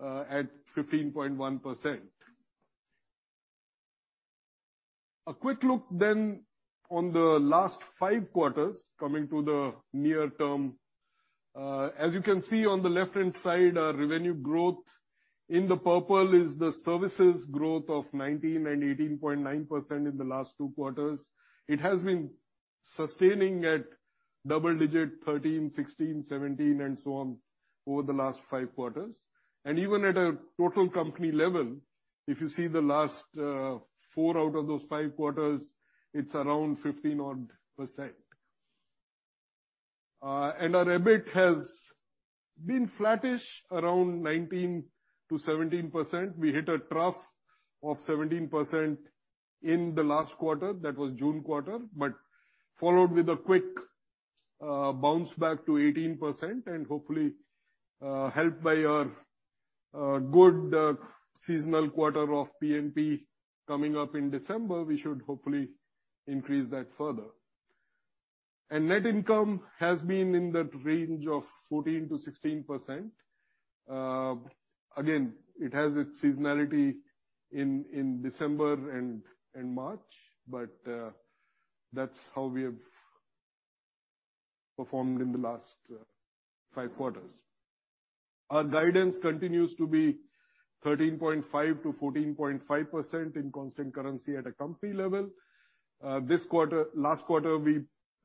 at 15.1%. A quick look on the last five quarters, coming to the near term. As you can see on the left-hand side, our revenue growth in the purple is the services growth of 19% and 18.9% in the last two quarters. It has been sustaining at double digit, 13%, 16%, 17% and so on over the last five quarters. Even at a total company level, if you see the last, four out of those five quarters, it's around 15 odd percent. Our EBIT has been flattish around 19%-17%. We hit a trough of 17% in the last quarter. That was June quarter. Followed with a quick bounce back to 18% and hopefully, helped by our good seasonal quarter of P&P coming up in December, we should hopefully increase that further. Net income has been in that range of 14%-16%. Again, it has its seasonality in December and March, but that's how we have performed in the last 5 quarters. Our guidance continues to be 13.5%-14.5% in constant currency at a company level. Last quarter, we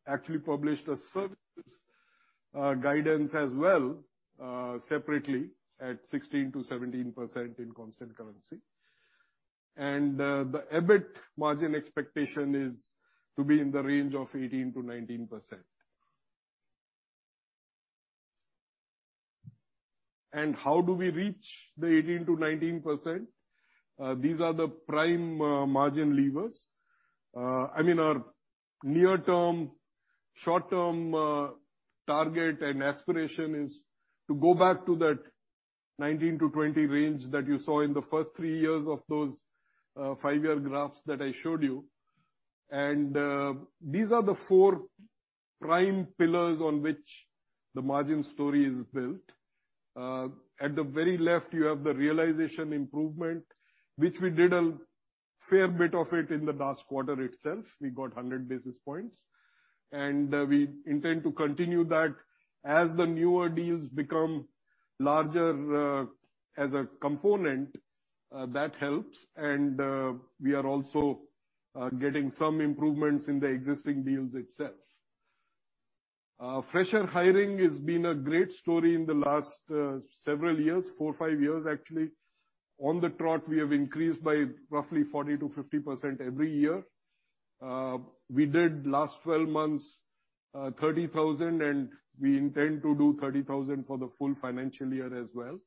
actually published a services guidance as well, separately at 16%-17% in constant currency. The EBIT margin expectation is to be in the range of 18%-19%. How do we reach the 18%-19%? These are the prime margin levers. I mean, our near-term, short-term target and aspiration is to go back to that 19-20 range that you saw in the first three years of those five-year graphs that I showed you. These are the four prime pillars on which the margin story is built. At the very left, you have the realization improvement, which we did a fair bit of it in the last quarter itself. We got 100 basis points, we intend to continue that. As the newer deals become larger, as a component, that helps, we are also getting some improvements in the existing deals itself. Fresher hiring has been a great story in the last several years, four, five years, actually. On the trot, we have increased by roughly 40%-50% every year. We did last 12 months, 30,000, and we intend to do 30,000 for the full financial year as well.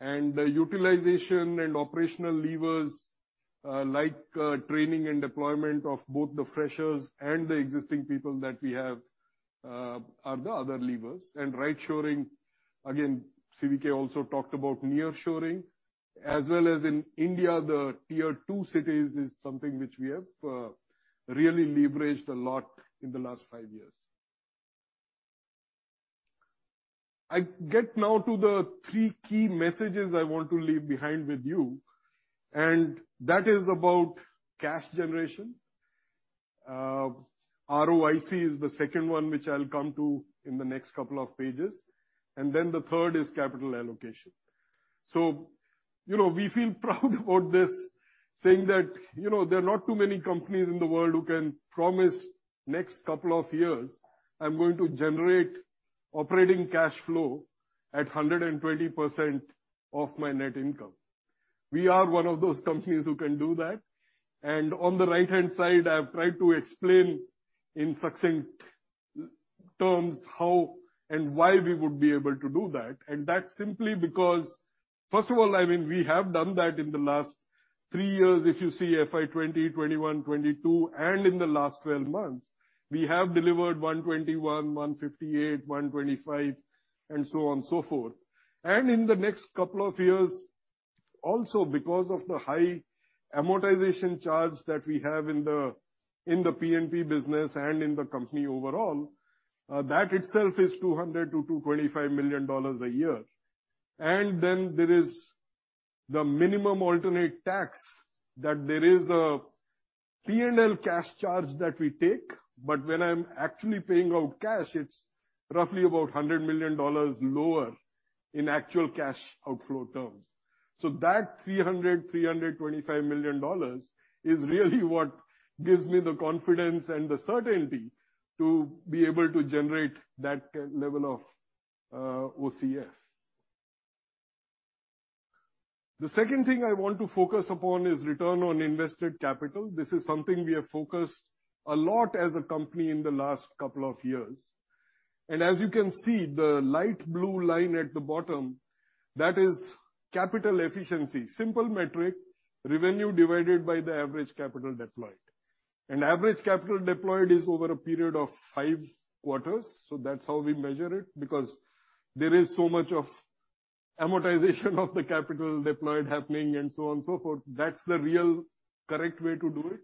The utilization and operational levers, like training and deployment of both the freshers and the existing people that we have, are the other levers. Right shoring, again, CVK also talked about nearshoring, as well as in India, the tier two cities is something which we have really leveraged a lot in the last five years. I get now to the three key messages I want to leave behind with you, and that is about cash generation. ROIC is the second one, which I'll come to in the next couple of pages. The third is capital allocation. You know, we feel proud about this, saying that, you know, there are not too many companies in the world who can promise next couple of years, I'm going to generate operating cash flow at 120% of my net income. We are one of those companies who can do that. On the right-hand side, I have tried to explain in succinct terms how and why we would be able to do that. That's simply because, first of all, I mean, we have done that in the last 3 years, if you see FY 20, 21, 22, and in the last 12 months. We have delivered 121, 158, 125, and so on and so forth. In the next couple of years, also because of the high amortization charge that we have in the P&P business and in the company overall, that itself is $200 million-$225 million a year. Then there is the Minimum Alternate Tax that there is a P&L cash charge that we take, but when I'm actually paying out cash, it's roughly about $100 million lower in actual cash outflow terms. That $300 million-$325 million is really what gives me the confidence and the certainty to be able to generate that level of OCF. The second thing I want to focus upon is return on invested capital. This is something we have focused a lot as a company in the last couple of years. As you can see, the light blue line at the bottom, that is capital efficiency. Simple metric, revenue divided by the average capital deployed. Average capital deployed is over a period of 5 quarters, so that's how we measure it, because there is so much of amortization of the capital deployed happening and so on and so forth. That's the real correct way to do it.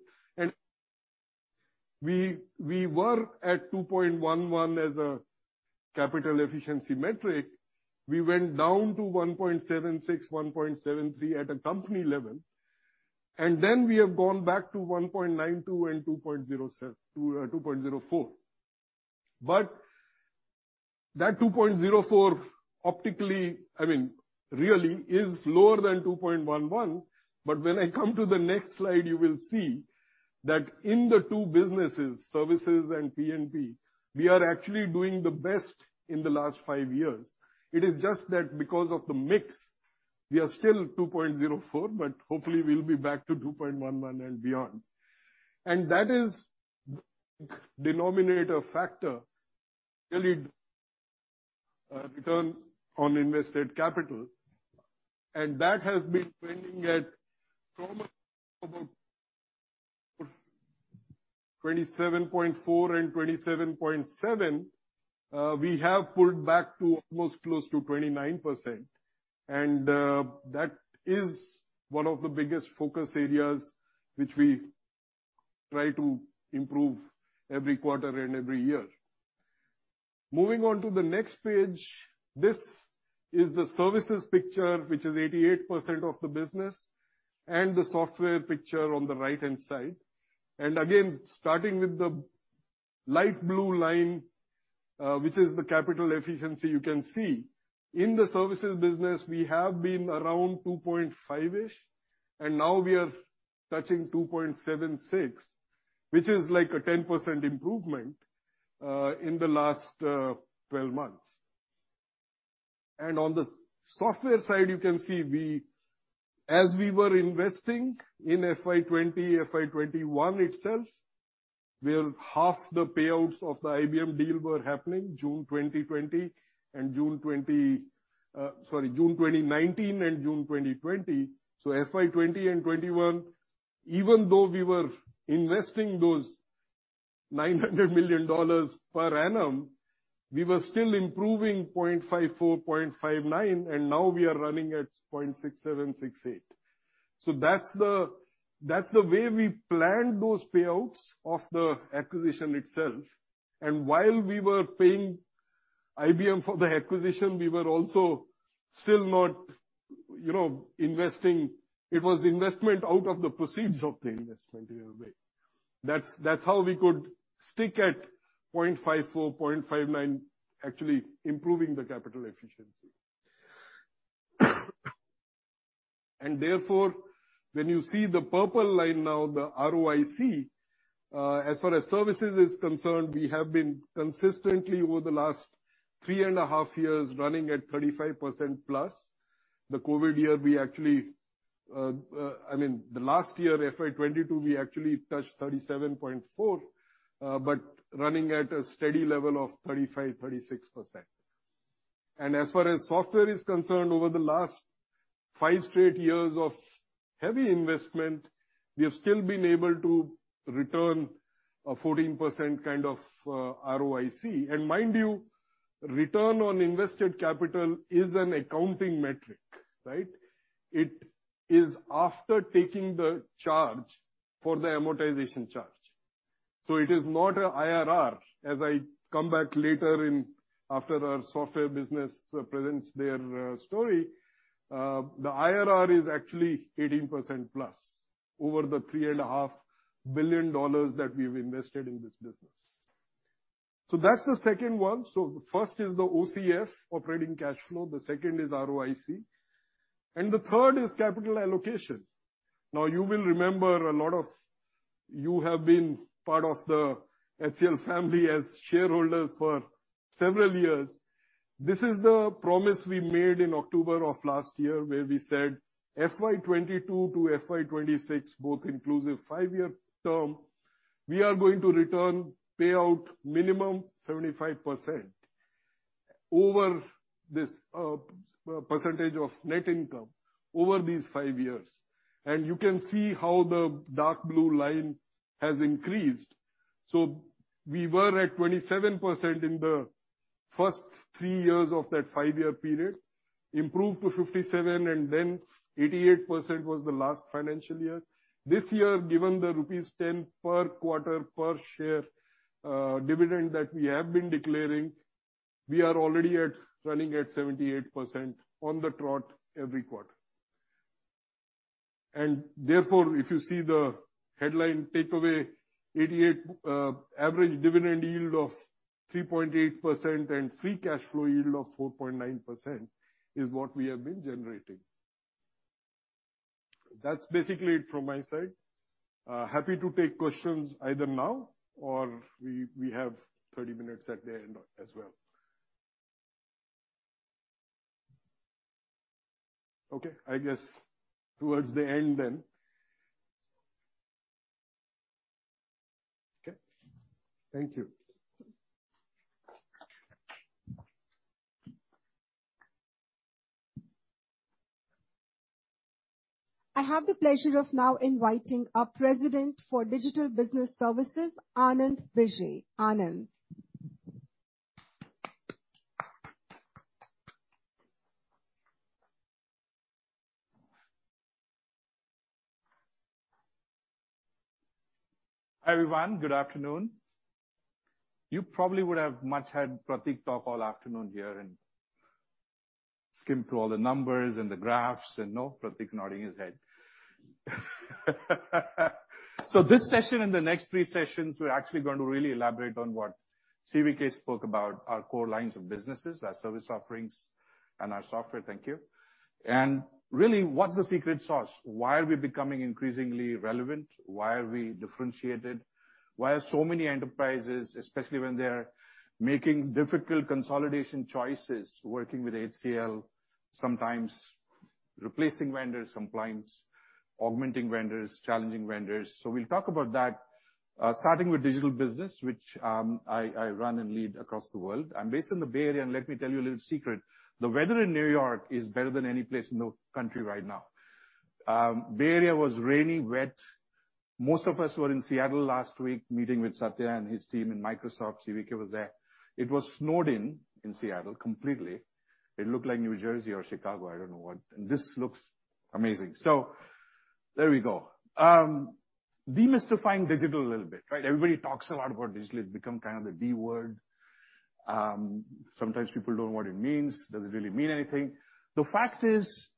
We were at 2.11 as a capital efficiency metric. We went down to 1.76, 1.73 at a company level. Then we have gone back to 1.92 and 2.04. That 2.04 optically, I mean, really is lower than 2.11, but when I come to the next slide, you will see that in the two businesses, services and P&P, we are actually doing the best in the last 5 years. It is just that because of the mix, we are still 2.04, but hopefully we'll be back to 2.11 and beyond. That is denominator factor, really return on invested capital, and that has been trending at from about 27.4 and 27.7, we have pulled back to almost close to 29%. That is one of the biggest focus areas which we try to improve every quarter and every year. Moving on to the next page, this is the services picture, which is 88% of the business, and the software picture on the right-hand side. Again, starting with the light blue line, which is the capital efficiency, you can see in the services business, we have been around 2.5-ish, and now we are touching 2.76, which is like a 10% improvement in the last 12 months. On the software side, you can see as we were investing in FY20, FY21 itself, where half the payouts of the IBM deal were happening June 2020 and sorry, June 2019 and June 2020. FY 20 and 21, even though we were investing those $900 million per annum, we were still improving 0.54, 0.59, and now we are running at 0.67, 0.68. That's the, that's the way we planned those payouts of the acquisition itself. While we were paying IBM for the acquisition, we were also still not, you know, investing. It was investment out of the proceeds of the investment, in a way. That's, that's how we could stick at 0.54, 0.59, actually improving the capital efficiency. Therefore, when you see the purple line now, the ROIC, as far as services is concerned, we have been consistently over the last 3.5 years running at 35%+. The COVID year, we actually, I mean, the last year, FY22, we actually touched 37.4%, but running at a steady level of 35%-36%. As far as software is concerned, over the last five straight years of heavy investment, we have still been able to return a 14% kind of ROIC. Mind you, return on invested capital is an accounting metric, right? It is after taking the charge for the amortization charge. It is not a IRR. As I come back later after our software business presents their story, the IRR is actually 18% plus over the three and a half billion dollars that we've invested in this business. That's the second one. The first is the OCF, operating cash flow. The second is ROIC, and the third is capital allocation. You will remember a lot of you have been part of the HCL family as shareholders for several years. This is the promise we made in October of last year, where we said FY 22 to FY 26, both inclusive, 5-year term, we are going to return payout minimum 75% over this percentage of net income over these five years. You can see how the dark blue line has increased. We were at 27% in the first 3 years of that 5-year period, improved to 57, and then 88% was the last financial year. This year, given the rupees 10 per quarter per share dividend that we have been declaring, we are already at, running at 78% on the trot every quarter. Therefore, if you see the headline takeaway, 88 average dividend yield of 3.8% and free cash flow yield of 4.9% is what we have been generating. That's basically it from my side. Happy to take questions either now or we have 30 minutes at the end as well. Okay, I guess towards the end then. Okay. Thank you. I have the pleasure of now inviting our President for Digital Business Services, Anand Vijay. Anand. Hi, everyone. Good afternoon. You probably would have much heard Prateek talk all afternoon here and skimmed through all the numbers and the graphs, and no, Prateek's nodding his head. This session and the next three sessions, we're actually going to really elaborate on what CVK spoke about, our core lines of businesses, our service offerings and our software. Thank you. Really, what's the secret sauce? Why are we becoming increasingly relevant? Why are we differentiated? Why are so many enterprises, especially when they're making difficult consolidation choices, working with HCL, sometimes replacing vendors, sometimes augmenting vendors, challenging vendors? We'll talk about that, starting with digital business, which I run and lead across the world. I'm based in the Bay Area, and let me tell you a little secret. The weather in New York is better than any place in the country right now. Bay Area was rainy, wet. Most of us were in Seattle last week meeting with Satya and his team in Microsoft. CVK was there. It was snowed in in Seattle completely. It looked like New Jersey or Chicago, I don't know what. This looks amazing. There we go. Demystifying digital a little bit, right? Everybody talks a lot about digital. It's become kind of the D word. Sometimes people don't know what it means. Does it really mean anything? The fact is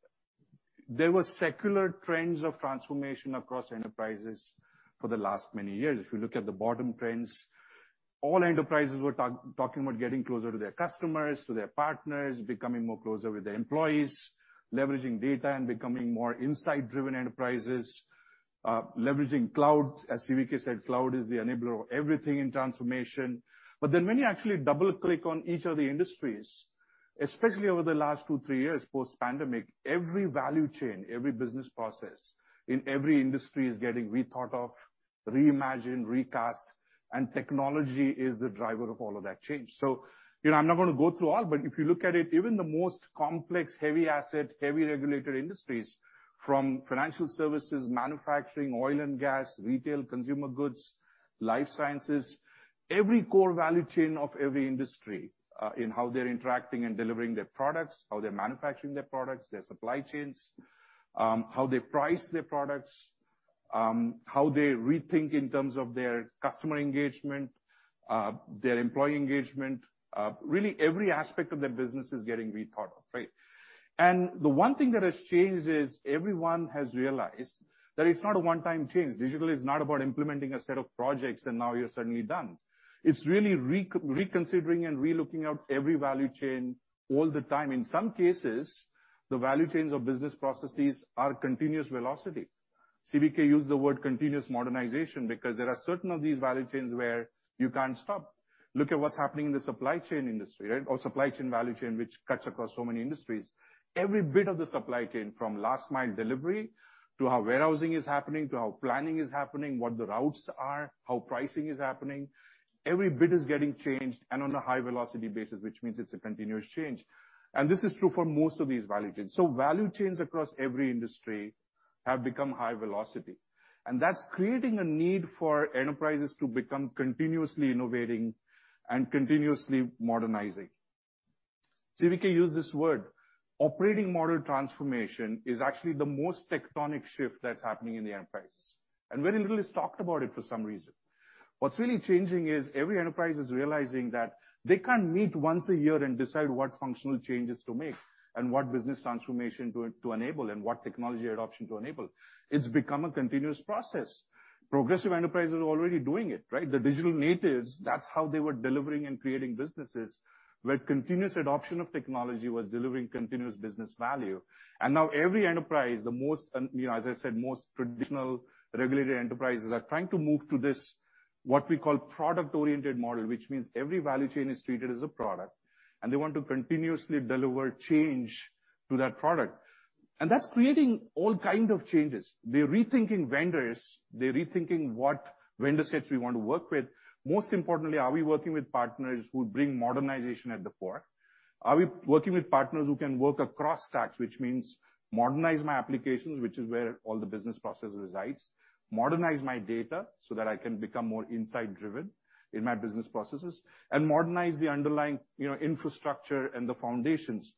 there were secular trends of transformation across enterprises for the last many years. If you look at the bottom trends, all enterprises were talking about getting closer to their customers, to their partners, becoming more closer with their employees, leveraging data and becoming more insight-driven enterprises, leveraging cloud. As CVK said, cloud is the enabler of everything in transformation. When you actually double-click on each of the industries, especially over the last 2, 3 years post-pandemic, every value chain, every business process in every industry is getting rethought of, reimagined, recast, and technology is the driver of all of that change. You know, I'm not gonna go through all, but if you look at it, even the most complex, heavy asset, heavy regulated industries from financial services, manufacturing, oil and gas, retail, consumer goods, life sciences, every core value chain of every industry, in how they're interacting and delivering their products, how they're manufacturing their products, their supply chains, how they price their products, how they rethink in terms of their customer engagement, their employee engagement, really every aspect of their business is getting rethought of, right? The one thing that has changed is everyone has realized that it's not a one-time change. Digital is not about implementing a set of projects and now you're suddenly done. It's really reconsidering and re-looking at every value chain all the time. In some cases, the value chains or business processes are continuous velocities. CVK used the word continuous modernization because there are certain of these value chains where you can't stop. Look at what's happening in the supply chain industry, right? Or supply chain value chain, which cuts across so many industries. Every bit of the supply chain from last mile delivery to how warehousing is happening, to how planning is happening, what the routes are, how pricing is happening, every bit is getting changed and on a high velocity basis, which means it's a continuous change. This is true for most of these value chains. Value chains across every industry have become high velocity. That's creating a need for enterprises to become continuously innovating and continuously modernizing. CVK used this word. Operating model transformation is actually the most tectonic shift that's happening in the enterprises, and very little is talked about it for some reason. What's really changing is every enterprise is realizing that they can't meet once a year and decide what functional changes to make and what business transformation to enable and what technology adoption to enable. It's become a continuous process. Progressive enterprises are already doing it, right? The digital natives, that's how they were delivering and creating businesses, where continuous adoption of technology was delivering continuous business value. Now every enterprise, the most, you know, as I said, most traditional regulated enterprises are trying to move to this, what we call product-oriented model, which means every value chain is treated as a product, and they want to continuously deliver change to that product. That's creating all kind of changes. They're rethinking vendors. They're rethinking what vendor sets we want to work with. Most importantly, are we working with partners who bring modernization at the fore? Are we working with partners who can work across stacks, which means modernize my applications, which is where all the business process resides, modernize my data so that I can become more insight driven in my business processes and modernize the underlying, you know, infrastructure and the foundations.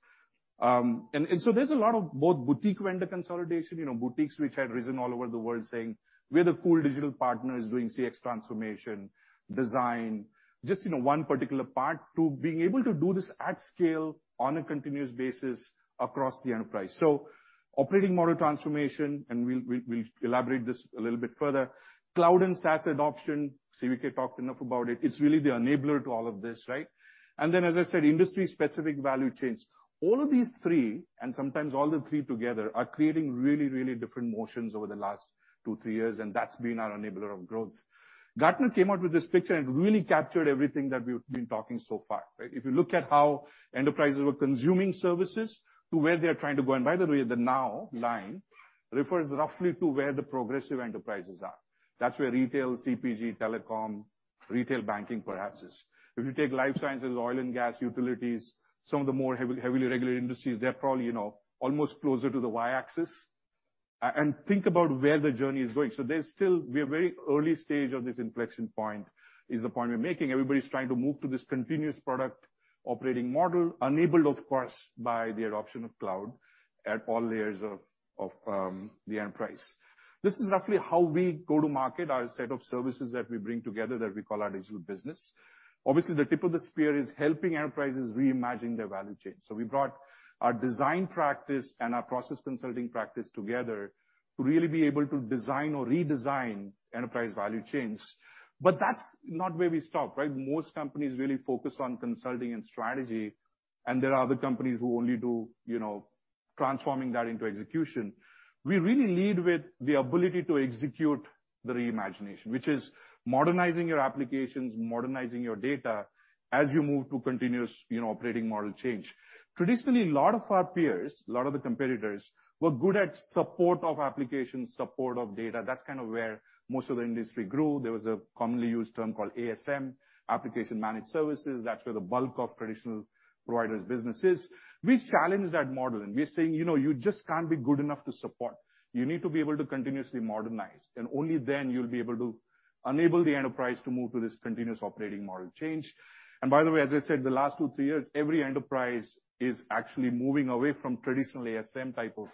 So there's a lot of both boutique vendor consolidation, you know, boutiques which had risen all over the world saying, "We're the cool digital partners doing CX transformation, design," just, you know, one particular part to being able to do this at scale on a continuous basis across the enterprise. Operating model transformation, and we'll elaborate this a little bit further. Cloud and SaaS adoption, CVK talked enough about it. It's really the enabler to all of this, right? As I said, industry specific value chains. All of these three, and sometimes all the three together, are creating really, really different motions over the last two, three years, and that's been our enabler of growth. Gartner came out with this picture and really captured everything that we've been talking so far, right? If you look at how enterprises were consuming services to where they're trying to go, and by the way, the now line refers roughly to where the progressive enterprises are. That's where retail, CPG, telecom, retail banking perhaps is. If you take life sciences, oil and gas, utilities, some of the more heavy, heavily regulated industries, they're probably, you know, almost closer to the Y-axis. Think about where the journey is going. There's still. We're very early stage of this inflection point, is the point we're making. Everybody's trying to move to this continuous product operating model enabled, of course, by the adoption of cloud at all layers of the enterprise. This is roughly how we go to market, our set of services that we bring together that we call our digital business. Obviously, the tip of the spear is helping enterprises reimagine their value chain. We brought our design practice and our process consulting practice together to really be able to design or redesign enterprise value chains. That's not where we stop, right? Most companies really focus on consulting and strategy, and there are other companies who only do, you know, transforming that into execution. We really lead with the ability to execute the reimagination, which is modernizing your applications, modernizing your data as you move to continuous, you know, operating model change. Traditionally, a lot of our peers, a lot of the competitors, were good at support of applications, support of data. That's kind of where most of the industry grew. There was a commonly used term called ASM, application managed services. That's where the bulk of traditional providers' business is. We challenged that model, and we're saying, "You know, you just can't be good enough to support. You need to be able to continuously modernize, only then you'll be able to enable the enterprise to move to this continuous operating model change. By the way, as I said, the last two, three years, every enterprise is actually moving away from traditional ASM type of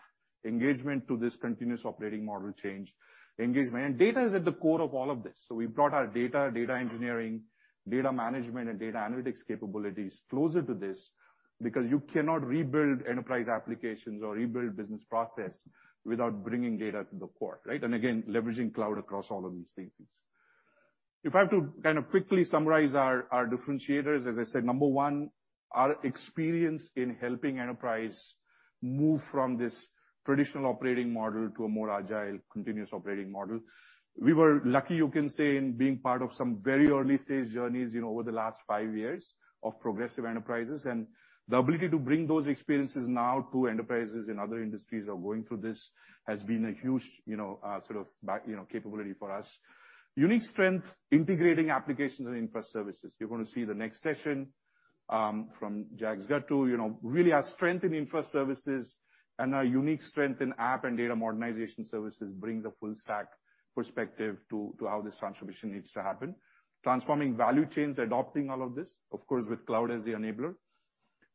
engagement to this continuous operating model change engagement. Data is at the core of all of this. We've brought our data engineering, data management, and data analytics capabilities closer to this because you cannot rebuild enterprise applications or rebuild business process without bringing data to the core, right? Again, leveraging cloud across all of these things. If I have to kind of quickly summarize our differentiators, as I said, number one, our experience in helping enterprise move from this traditional operating model to a more agile continuous operating model. We were lucky, you can say, in being part of some very early-stage journeys, you know, over the last five years of progressive enterprises. The ability to bring those experiences now to enterprises in other industries that are going through this has been a huge, you know, sort of you know capability for us. Unique strength, integrating applications and infra services. You're gonna see the next session from Jax Gattu. You know, really our strength in infra services and our unique strength in app and data modernization services brings a full stack perspective to how this transformation needs to happen. Transforming value chains, adopting all of this, of course, with cloud as the enabler.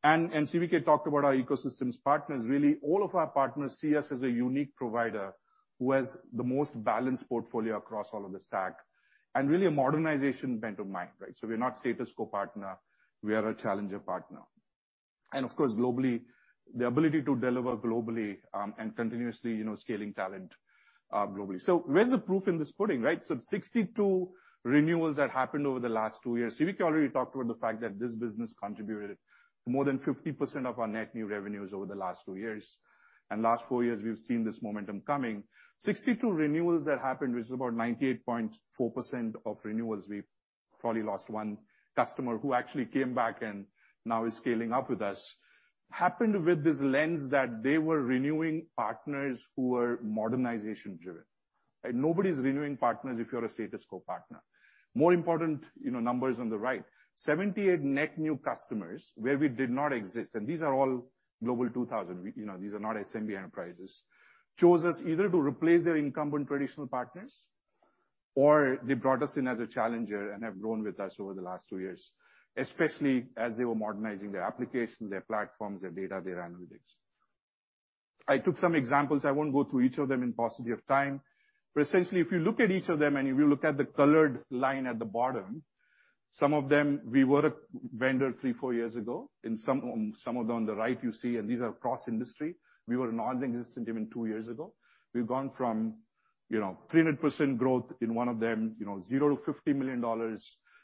CVK talked about our ecosystems partners. Really, all of our partners see us as a unique provider who has the most balanced portfolio across all of the stack, and really a modernization bent of mind, right? We're not status quo partner. We are a challenger partner. Of course, globally, the ability to deliver globally, and continuously, you know, scaling talent globally. Where's the proof in this pudding, right? 62 renewals that happened over the last 2 years. CVK already talked about the fact that this business contributed more than 50% of our net new revenues over the last 2 years. Last 4 years, we've seen this momentum coming. 62 renewals that happened, which is about 98.4% of renewals Probably lost 1 customer who actually came back and now is scaling up with us. Happened with this lens that they were renewing partners who were modernization-driven. Nobody's renewing partners if you're a status quo partner. More important, you know, numbers on the right. 78 net new customers where we did not exist, and these are all Global 2000. You know, these are not SMB enterprises. Chose us either to replace their incumbent traditional partners, or they brought us in as a challenger and have grown with us over the last two years, especially as they were modernizing their applications, their platforms, their data, their analytics. I took some examples. I won't go through each of them in paucity of time. Essentially, if you look at each of them, and if you look at the colored line at the bottom, some of them we were a vendor 3, 4 years ago. In some of them on the right you see, and these are cross-industry, we were nonexistent even 2 years ago. We've gone from 300% growth in one of them, $0-$50 million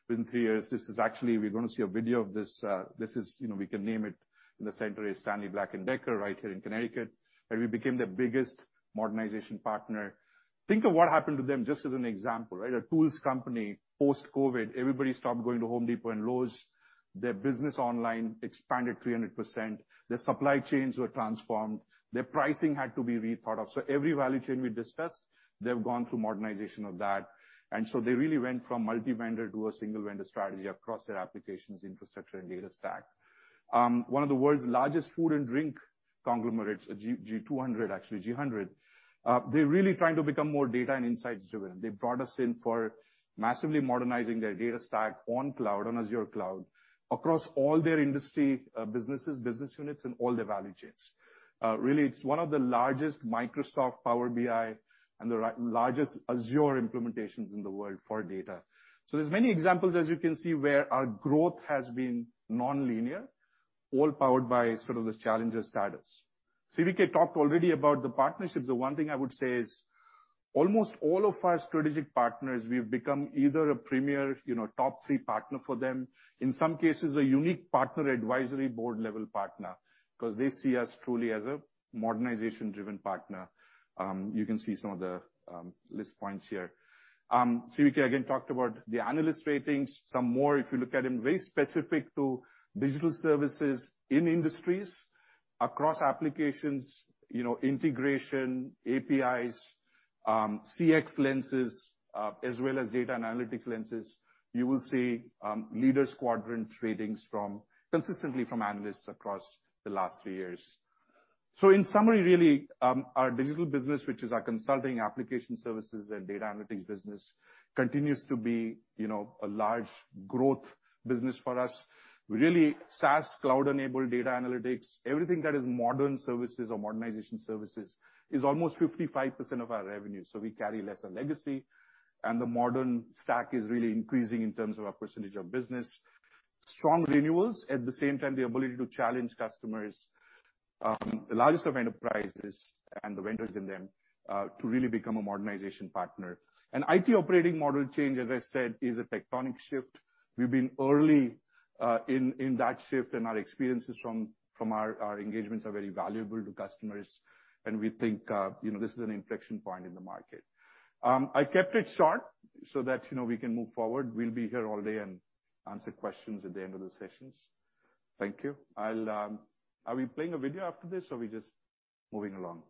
within 3 years. We're gonna see a video of this. We can name it. In the center is Stanley Black & Decker right here in Connecticut, where we became their biggest modernization partner. Think of what happened to them just as an example, right? A tools company post-COVID. Everybody stopped going to Home Depot and Lowe's. Their business online expanded 300%. Their supply chains were transformed. Their pricing had to be rethought of. Every value chain we discussed, they've gone through modernization of that. They really went from multi-vendor to a single vendor strategy across their applications, infrastructure and data stack. One of the world's largest food and drink conglomerates, Global 100. They're really trying to become more data and insights-driven. They brought us in for massively modernizing their data stack on cloud, on Azure Cloud, across all their industry businesses, business units and all their value chains. Really, it's one of the largest Microsoft Power BI and largest Azure implementations in the world for data. There's many examples, as you can see, where our growth has been nonlinear, all powered by sort of this challenger status. CVK talked already about the partnerships. The one thing I would say is almost all of our strategic partners, we've become either a premier, you know, top three partner for them. In some cases, a unique partner, advisory board-level partner, 'cause they see us truly as a modernization-driven partner. You can see some of the list points here. CVK again talked about the analyst ratings. Some more if you look at them, very specific to digital services in industries across applications, you know, integration, APIs, CX lenses, as well as data analytics lenses. You will see leaders quadrant ratings from, consistently from analysts across the last 3 years. In summary, really, our digital business, which is our consulting application services and data analytics business, continues to be, you know, a large growth business for us. Really, SaaS cloud-enabled data analytics, everything that is modern services or modernization services is almost 55% of our revenue, so we carry lesser legacy. The modern stack is really increasing in terms of our percentage of business. Strong renewals, at the same time, the ability to challenge customers, the largest of enterprises and the vendors in them, to really become a modernization partner. IT operating model change, as I said, is a tectonic shift. We've been early in that shift, and our experiences from our engagements are very valuable to customers. We think, you know, this is an inflection point in the market. I kept it short so that, you know, we can move forward. We'll be here all day and answer questions at the end of the sessions. Thank you. I'll. Are we playing a video after this or we just moving along?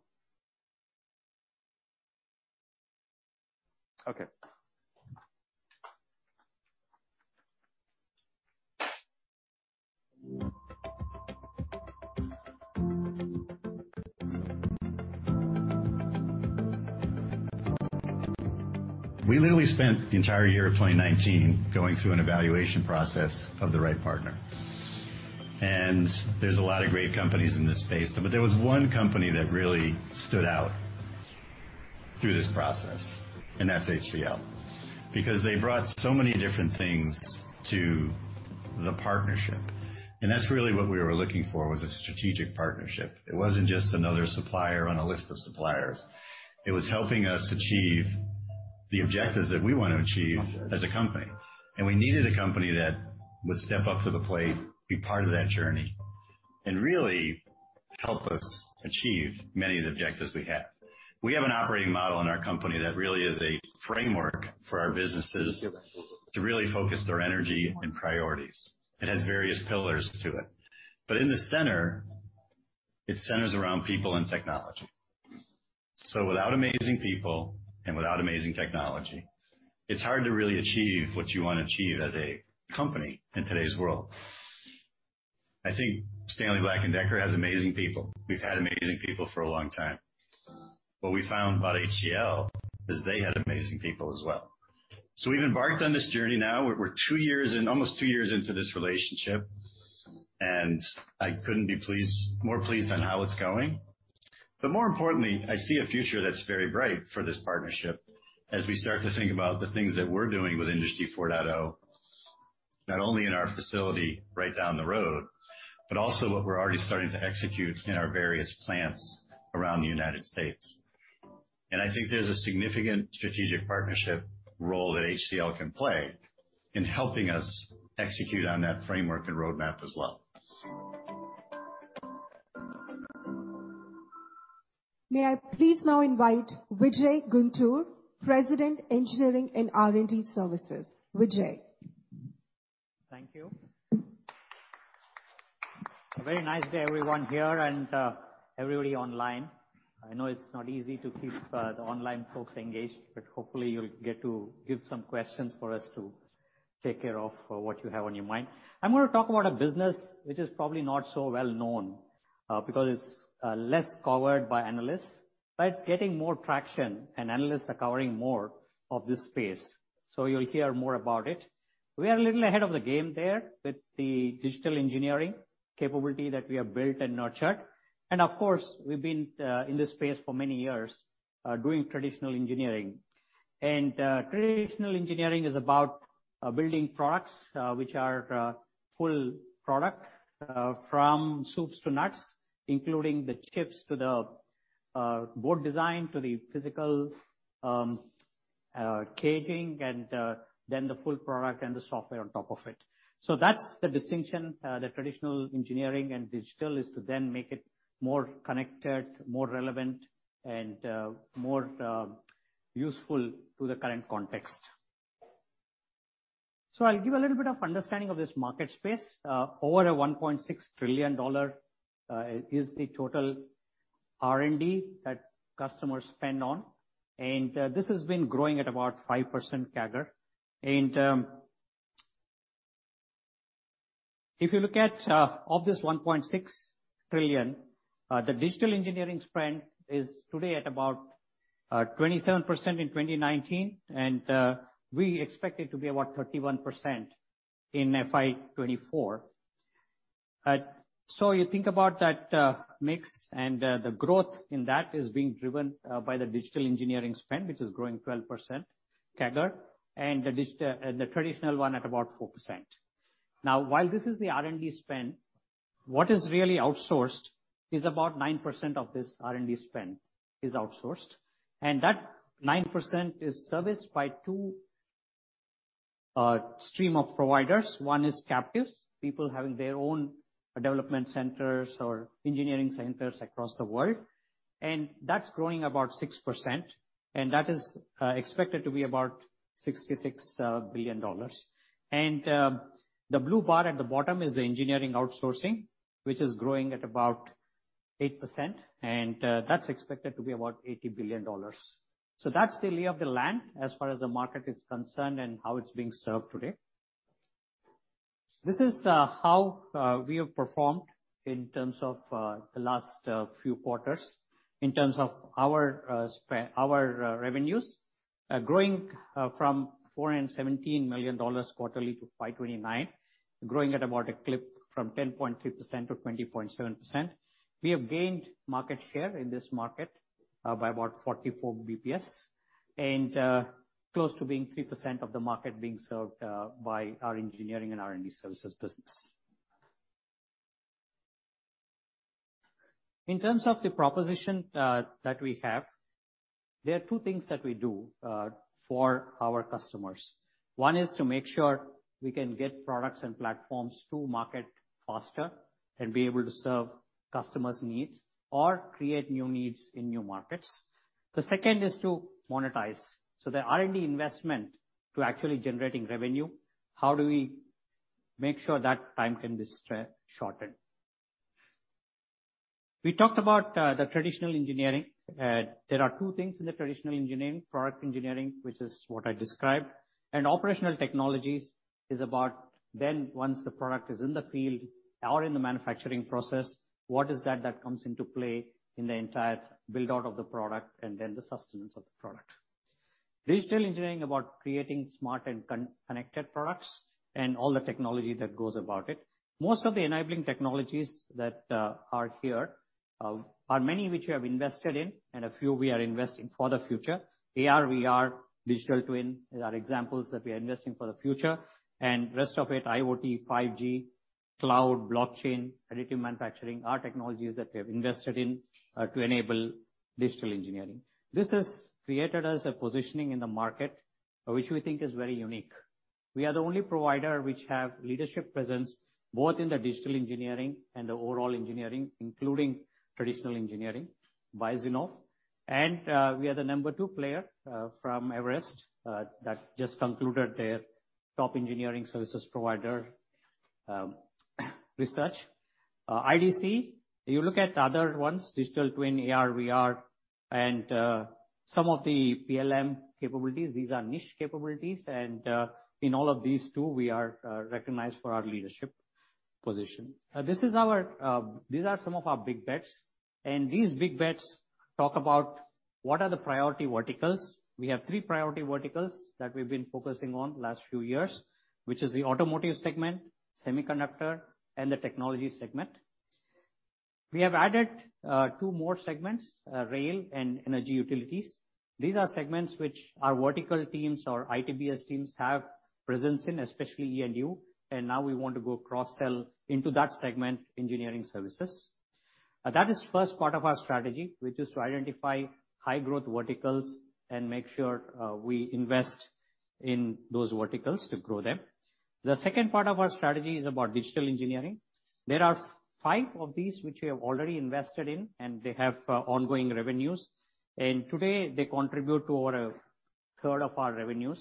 Okay. We literally spent the entire year of 2019 going through an evaluation process of the right partner. There's a lot of great companies in this space, but there was one company that really stood out through this process, and that's HCL. They brought so many different things to the partnership, and that's really what we were looking for, was a strategic partnership. It wasn't just another supplier on a list of suppliers. It was helping us achieve the objectives that we wanna achieve as a company. We needed a company that would step up to the plate, be part of that journey, and really help us achieve many of the objectives we have. We have an operating model in our company that really is a framework for our businesses to really focus their energy and priorities. It has various pillars to it. In the center, it centers around people and technology. Without amazing people and without amazing technology, it's hard to really achieve what you wanna achieve as a company in today's world. I think Stanley Black & Decker has amazing people. We've had amazing people for a long time. What we found about HCL is they had amazing people as well. We've embarked on this journey now. We're 2 years in, almost 2 years into this relationship, and I couldn't be pleased, more pleased on how it's going. More importantly, I see a future that's very bright for this partnership as we start to think about the things that we're doing with Industry 4.0, not only in our facility right down the road, but also what we're already starting to execute in our various plants around the United States. I think there's a significant strategic partnership role that HCL can play in helping us execute on that framework and roadmap as well. May I please now invite Vijay Guntur, President Engineering and R&D Services. Vijay. Thank you. Very nice day everyone here and everybody online. I know it's not easy to keep the online folks engaged, but hopefully you'll get to give some questions for us to take care of what you have on your mind. I'm gonna talk about a business which is probably not so well-known because it's less covered by analysts, but it's getting more traction and analysts are covering more of this space. You'll hear more about it. We are a little ahead of the game there with the digital engineering capability that we have built and nurtured. Of course, we've been in this space for many years doing traditional engineering. Traditional engineering is about building products which are full product from soups to nuts, including the chips to the board design, to the physical caging and then the full product and the software on top of it. That's the distinction, the traditional engineering and digital is to then make it more connected, more relevant, and more useful to the current context. I'll give a little bit of understanding of this market space. Over a $1.6 trillion is the total R&D that customers spend on. This has been growing at about 5% CAGR. If you look at of this $1.6 trillion, the digital engineering spend is today at about 27% in 2019, we expect it to be about 31% in FY 2024. You think about that mix and the growth in that is being driven by the digital engineering spend, which is growing 12% CAGR and the traditional one at about 4%. While this is the R&D spend, what is really outsourced is about 9% of this R&D spend is outsourced, and that 9% is serviced by 2 stream of providers. One is captives, people having their own development centers or engineering centers across the world, that's growing about 6%. That is expected to be about $66 billion. The blue bar at the bottom is the engineering outsourcing, which is growing at about 8%, that's expected to be about $80 billion. That's the lay of the land as far as the market is concerned and how it's being served today. This is how we have performed in terms of the last few quarters in terms of our revenues growing from $417 million quarterly to $529 million. Growing at about a clip from 10.3% to 20.7%. We have gained market share in this market by about 44 BPS, close to being 3% of the market being served by our engineering and R&D services business. In terms of the proposition, that we have, there are two things that we do for our customers. One is to make sure we can get products and platforms to market faster and be able to serve customers' needs or create new needs in new markets. The second is to monetize. The R&D investment to actually generating revenue, how do we make sure that time can be shortened? We talked about the traditional engineering. There are two things in the traditional engineering. Product engineering, which is what I described, and operational technologies is about then once the product is in the field or in the manufacturing process, what is that that comes into play in the entire build-out of the product and then the sustenance of the product. Digital engineering about creating smart and connected products and all the technology that goes about it. Most of the enabling technologies that are here are many which we have invested in and a few we are investing for the future. AR/VR, digital twin are examples that we are investing for the future. Rest of it, IoT, 5G, cloud, blockchain, additive manufacturing, are technologies that we have invested in to enable digital engineering. This has created us a positioning in the market which we think is very unique. We are the only provider which have leadership presence both in the digital engineering and the overall engineering, including traditional engineering by Zinnov. We are the number two player from Everest that just concluded their top engineering services provider research. IDC, you look at the other ones, digital twin, AR/VR and some of the PLM capabilities. These are niche capabilities. In all of these 2, we are recognized for our leadership position. This is our. These are some of our big bets. These big bets talk about what are the priority verticals. We have 3 priority verticals that we've been focusing on last few years, which is the automotive segment, semiconductor, and the technology segment. We have added 2 more segments, rail and energy utilities. These are segments which our vertical teams or ITBS teams have presence in, especially E&U, and now we want to go cross-sell into that segment, engineering services. That is first part of our strategy, which is to identify high growth verticals and make sure we invest in those verticals to grow them. The second part of our strategy is about digital engineering. There are 5 of these which we have already invested in, and they have ongoing revenues. Today they contribute to over a third of our revenues.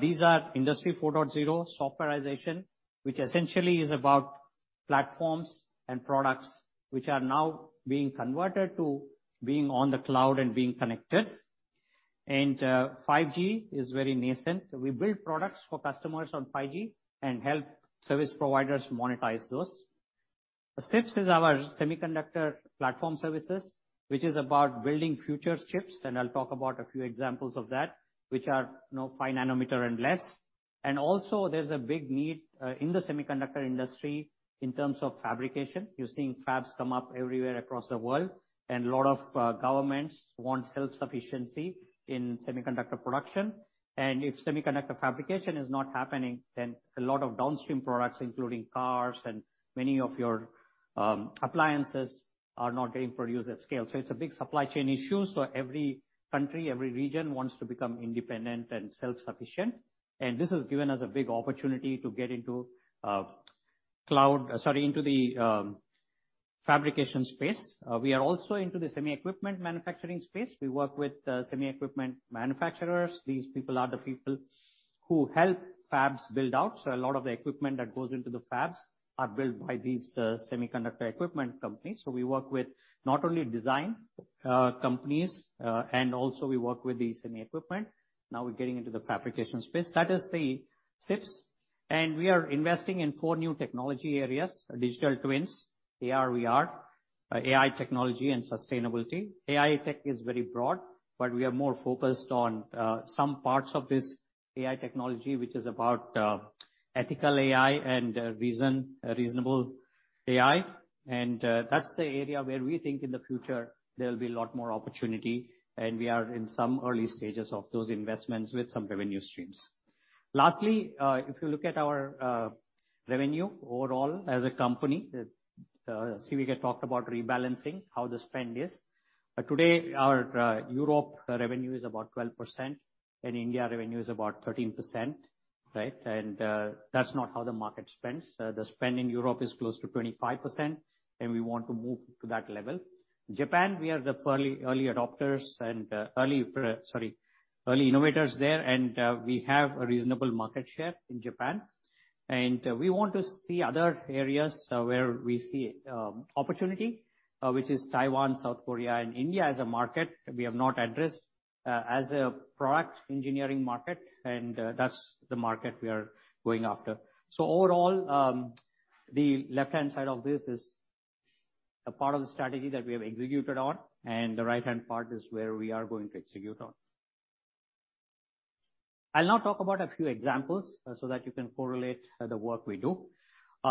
These are Industry 4.0 softwarization, which essentially is about platforms and products which are now being converted to being on the cloud and being connected. 5G is very nascent. We build products for customers on 5G and help service providers monetize those. SIPS is our semiconductor platform services, which is about building future chips, and I'll talk about a few examples of that, which are now 5 nanometer and less. Also there's a big need in the semiconductor industry in terms of fabrication. You're seeing fabs come up everywhere across the world. A lot of governments want self-sufficiency in semiconductor production. If semiconductor fabrication is not happening, a lot of downstream products, including cars and many of your appliances are not getting produced at scale. It's a big supply chain issue. Every country, every region, wants to become independent and self-sufficient. This has given us a big opportunity to get into the fabrication space. We are also into the semi equipment manufacturing space. We work with semi equipment manufacturers. These people are the people who help fabs build out. A lot of the equipment that goes into the fabs are built by these semiconductor equipment companies. We work with not only design companies and also we work with the semi equipment. Now we're getting into the fabrication space. That is the SIPS. We are investing in 4 new technology areas: digital twins, AR/VR, AI technology, and sustainability. AI tech is very broad, but we are more focused on some parts of this AI technology, which is about ethical AI and reasonable AI. That's the area where we think in the future there'll be a lot more opportunity, and we are in some early stages of those investments with some revenue streams. Lastly, if you look at our revenue overall as a company, Sivakumar talked about rebalancing, how the spend is. Today, our Europe revenue is about 12% and India revenue is about 13%, right? That's not how the market spends. The spend in Europe is close to 25%, and we want to move to that level. Japan, we are the early adopters. Sorry, early innovators there. We have a reasonable market share in Japan. We want to see other areas where we see opportunity, which is Taiwan, South Korea, and India as a market we have not addressed as a product engineering market. That's the market we are going after. Overall, the left-hand side of this is a part of the strategy that we have executed on, and the right-hand part is where we are going to execute on. I'll now talk about a few examples so that you can correlate the work we do.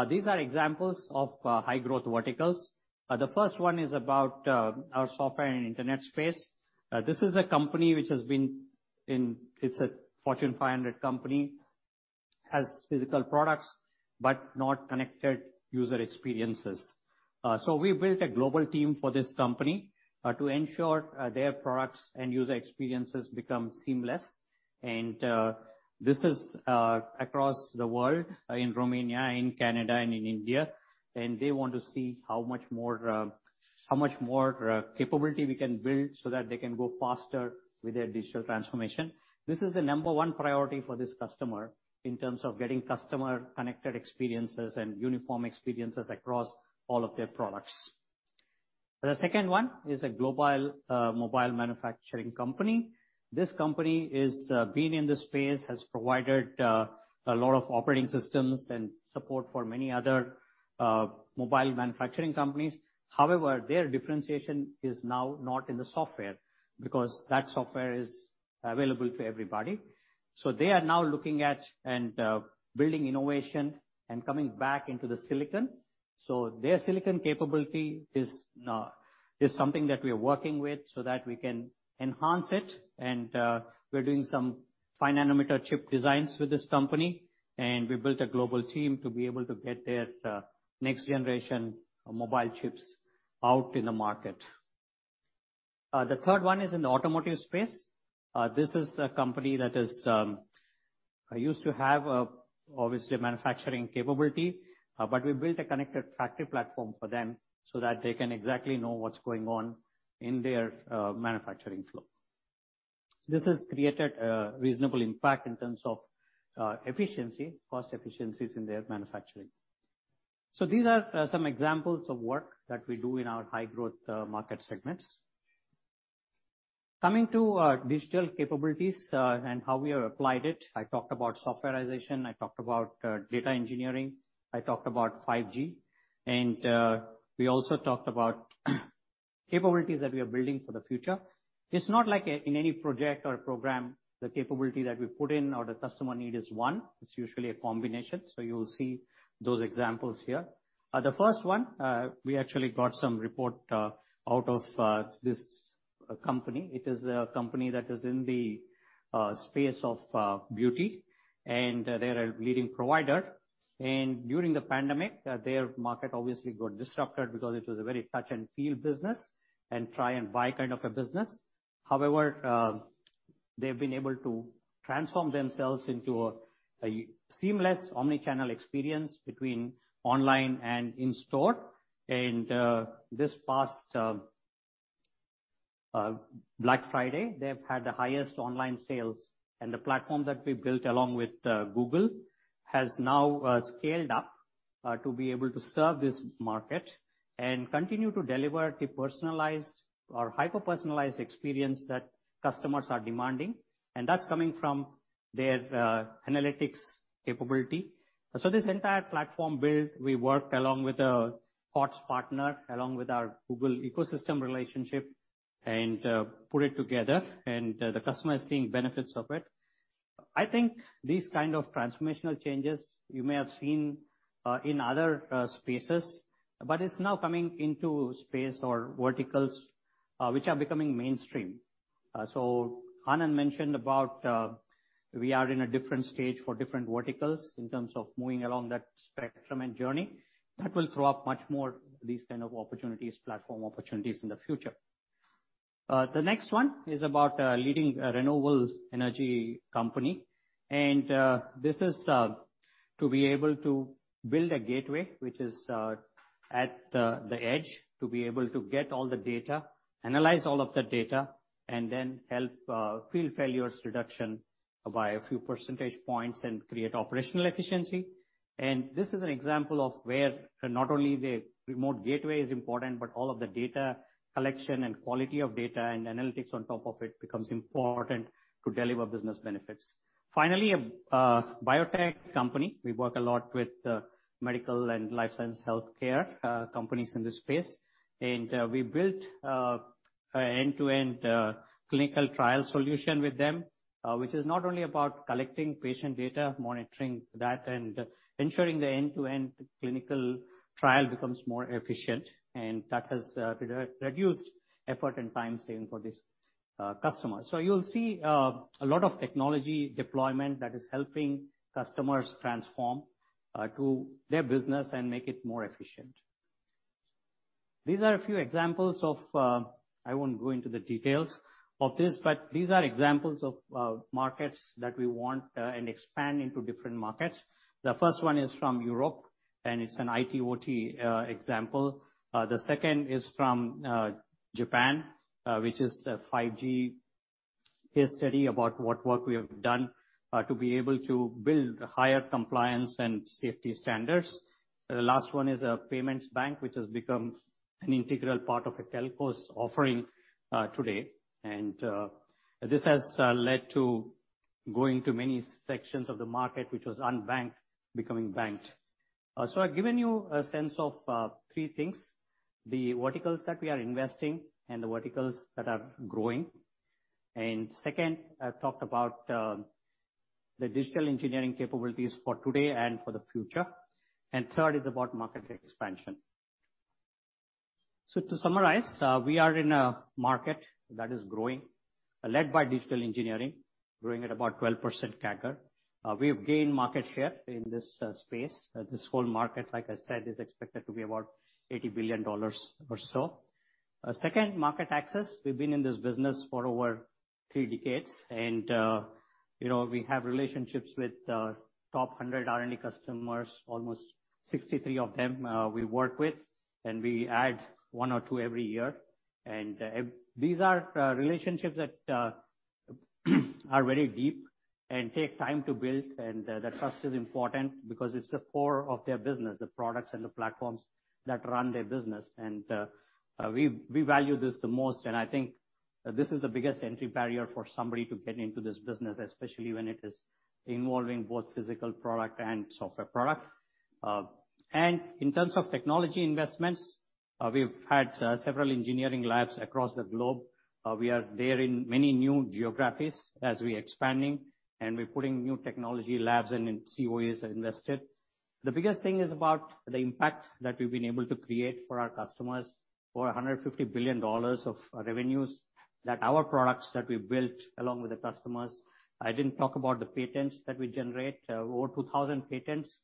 These are examples of high growth verticals. The first one is about our software and internet space. This is a company which has been in. It's a Fortune 500 company. Has physical products but not connected user experiences. We built a global team for this company to ensure their products and user experiences become seamless. This is across the world, in Romania, in Canada, and in India. They want to see how much more capability we can build so that they can go faster with their digital transformation. This is the number 1 priority for this customer in terms of getting customer-connected experiences and uniform experiences across all of their products. The second one is a global mobile manufacturing company. This company is been in this space, has provided a lot of operating systems and support for many other mobile manufacturing companies. However, their differentiation is now not in the software because that software is available to everybody. They are now looking at and building innovation and coming back into the silicon. Their silicon capability is something that we are working with so that we can enhance it. We're doing some fine nanometer chip designs with this company. We built a global team to be able to get their next generation mobile chips out in the market. The third one is in the automotive space. This is a company that is used to have obviously a manufacturing capability, but we built a connected factory platform for them so that they can exactly know what's going on in their manufacturing flow. This has created a reasonable impact in terms of efficiency, cost efficiencies in their manufacturing. These are some examples of work that we do in our high growth market segments. Coming to our digital capabilities and how we have applied it. I talked about softwarization, I talked about data engineering, I talked about 5G, and we also talked about capabilities that we are building for the future. It's not like in any project or program, the capability that we put in or the customer need is one. It's usually a combination. You'll see those examples here. The first one, we actually got some report out of this company. It is a company that is in the space of beauty, and they're a leading provider. During the pandemic, their market obviously got disrupted because it was a very touch and feel business and try and buy kind of a business. However, they've been able to transform themselves into a seamless omni-channel experience between online and in-store. This past Black Friday, they've had the highest online sales. The platform that we built along with Google has now scaled up to be able to serve this market and continue to deliver the personalized or hyper-personalized experience that customers are demanding. That's coming from their analytics capability. This entire platform build, we worked along with a thoughts partner, along with our Google ecosystem relationship and put it together. The customer is seeing benefits of it. I think these kind of transformational changes you may have seen in other spaces, but it's now coming into space or verticals which are becoming mainstream. Anand mentioned about, we are in a different stage for different verticals in terms of moving along that spectrum and journey. That will throw up much more these kind of opportunities, platform opportunities in the future. The next one is about, leading a renewable energy company. This is, to be able to build a gateway which is, at the edge, to be able to get all the data, analyze all of the data, and then help field failures reduction by a few percentage points and create operational efficiency. This is an example of where not only the remote gateway is important, but all of the data collection and quality of data and analytics on top of it becomes important to deliver business benefits. Finally, a biotech company. We work a lot with medical and life science healthcare companies in this space. We built a end-to-end clinical trial solution with them, which is not only about collecting patient data, monitoring that, and ensuring the end-to-end clinical trial becomes more efficient. That has reduced effort and time saving for this customer. You'll see a lot of technology deployment that is helping customers transform to their business and make it more efficient. These are a few examples of, I won't go into the details of this, but these are examples of markets that we want and expand into different markets. The first one is from Europe, it's an IT/OT example. The second is from Japan, which is a 5G case study about what work we have done to be able to build higher compliance and safety standards. The last one is a payments bank, which has become an integral part of a telco's offering today. This has led to going to many sections of the market which was unbanked becoming banked. I've given you a sense of 3 things. The verticals that we are investing and the verticals that are growing. Second, I've talked about the digital engineering capabilities for today and for the future. Third is about market expansion. To summarize, we are in a market that is growing, led by digital engineering, growing at about 12% CAGR. We have gained market share in this space. This whole market, like I said, is expected to be about $80 billion or so. Second, market access. We've been in this business for over three decades. You know, we have relationships with top 100 R&D customers. Almost 63 of them, we work with, and we add one or two every year. These are relationships that are very deep and take time to build. The trust is important because it's the core of their business, the products and the platforms that run their business. We value this the most. I think this is the biggest entry barrier for somebody to get into this business, especially when it is involving both physical product and software product. In terms of technology investments, we've had several engineering labs across the globe. We are there in many new geographies as we expanding, and we're putting new technology labs and COEs are invested. The biggest thing is about the impact that we've been able to create for our customers, for $150 billion of revenues that our products that we built along with the customers. I didn't talk about the patents that we generate. Over 2,000 patents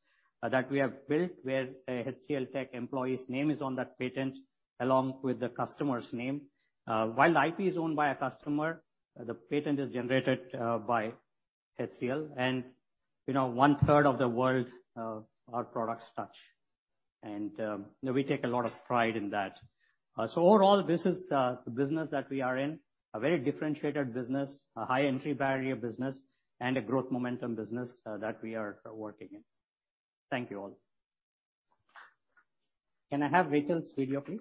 that we have built, where a HCLTech employee's name is on that patent along with the customer's name. While the IP is owned by a customer, the patent is generated by HCL. You know, one-third of the world, our products touch. We take a lot of pride in that. Overall, this is the business that we are in. A very differentiated business, a high entry barrier business, and a growth momentum business, that we are working in. Thank you all. Can I have Rachel's video, please?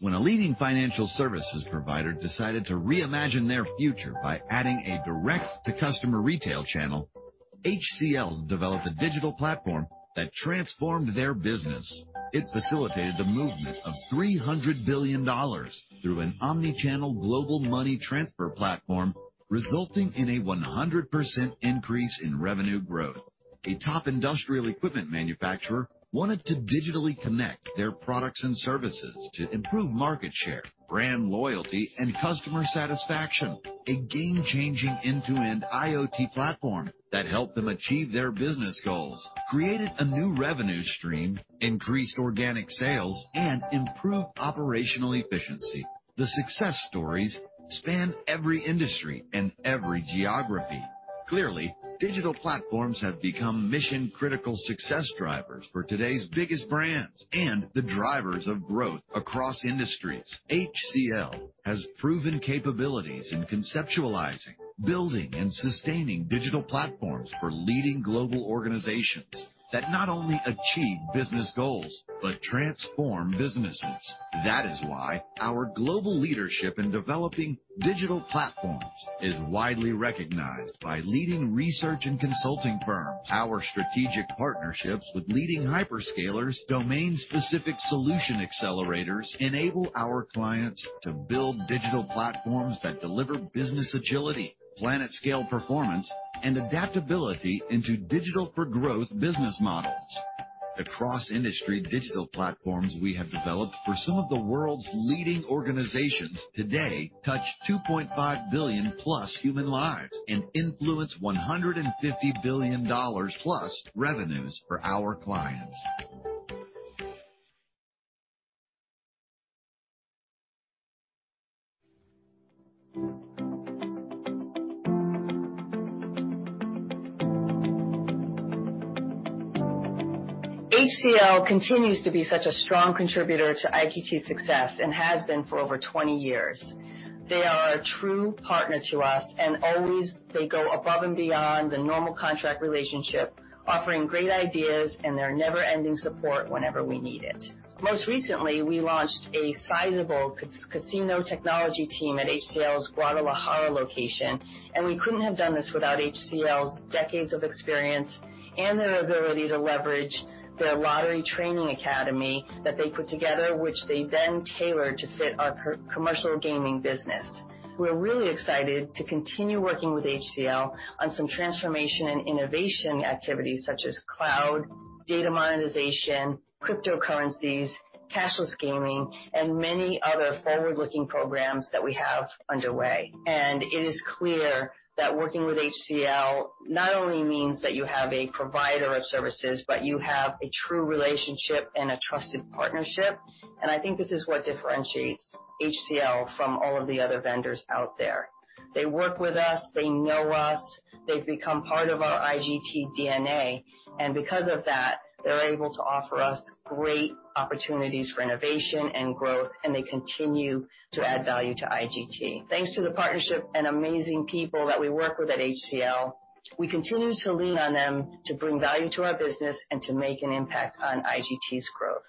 When a leading financial services provider decided to reimagine their future by adding a direct-to-customer retail channel, HCL developed a digital platform that transformed their business. It facilitated the movement of $300 billion through an omni-channel global money transfer platform, resulting in a 100% increase in revenue growth. A top industrial equipment manufacturer wanted to digitally connect their products and services to improve market share, brand loyalty, and customer satisfaction. A game-changing end-to-end IoT platform that helped them achieve their business goals, created a new revenue stream, increased organic sales, and improved operational efficiency. The success stories span every industry and every geography. Clearly, digital platforms have become mission-critical success drivers for today's biggest brands and the drivers of growth across industries. HCL has proven capabilities in conceptualizing, building and sustaining digital platforms for leading global organizations that not only achieve business goals, but transform businesses. That is why our global leadership in developing digital platforms is widely recognized by leading research and consulting firms. Our strategic partnerships with leading hyperscalers, domain-specific solution accelerators enable our clients to build digital platforms that deliver business agility, planet-scale performance, and adaptability into digital for growth business models. The cross-industry digital platforms we have developed for some of the world's leading organizations today touch 2.5 billion-plus human lives and influence $150 billion-plus revenues for our clients. HCL continues to be such a strong contributor to IGT's success and has been for over 20 years. They are a true partner to us. Always they go above and beyond the normal contract relationship, offering great ideas and their never-ending support whenever we need it. Most recently, we launched a sizable casino technology team at HCL's Guadalajara location. We couldn't have done this without HCL's decades of experience and their ability to leverage their lottery training academy that they put together, which they then tailored to fit our commercial gaming business. We're really excited to continue working with HCL on some transformation and innovation activities such as cloud, data monetization, cryptocurrencies, cashless gaming, and many other forward-looking programs that we have underway. It is clear that working with HCL not only means that you have a provider of services, but you have a true relationship and a trusted partnership. I think this is what differentiates HCL from all of the other vendors out there. They work with us, they know us, they've become part of our IGT DNA, and because of that, they're able to offer us great opportunities for innovation and growth, and they continue to add value to IGT. Thanks to the partnership and amazing people that we work with at HCL, we continue to lean on them to bring value to our business and to make an impact on IGT's growth.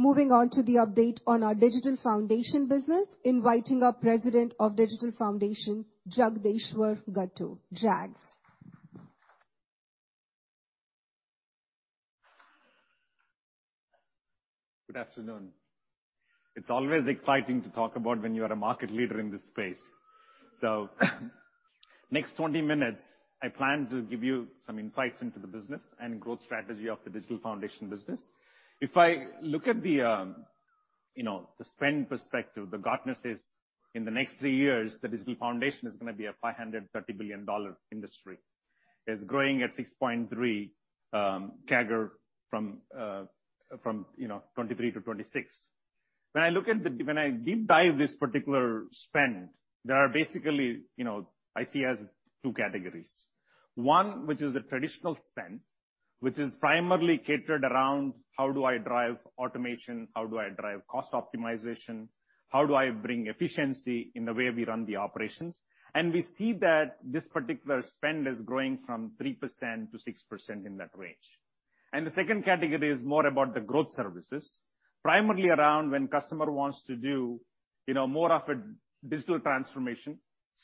Moving on to the update on our Digital Foundation business. Inviting up President of Digital Foundation, Jagadeshwar Gattu. Jag. Good afternoon. It's always exciting to talk about when you are a market leader in this space. Next 20 minutes, I plan to give you some insights into the business and growth strategy of the digital foundation business. If I look at the, you know, the spend perspective, Gartner says in the next 3 years, the digital foundation is gonna be a $530 billion industry. It's growing at 6.3% CAGR from, you know, 2023-2026. When I deep dive this particular spend, there are basically, you know, I see as 2 categories. One, which is a traditional spend, which is primarily catered around how do I drive automation, how do I drive cost optimization, how do I bring efficiency in the way we run the operations. We see that this particular spend is growing from 3%-6% in that range. The second category is more about the growth services, primarily around when customer wants to do, you know, more of a digital transformation,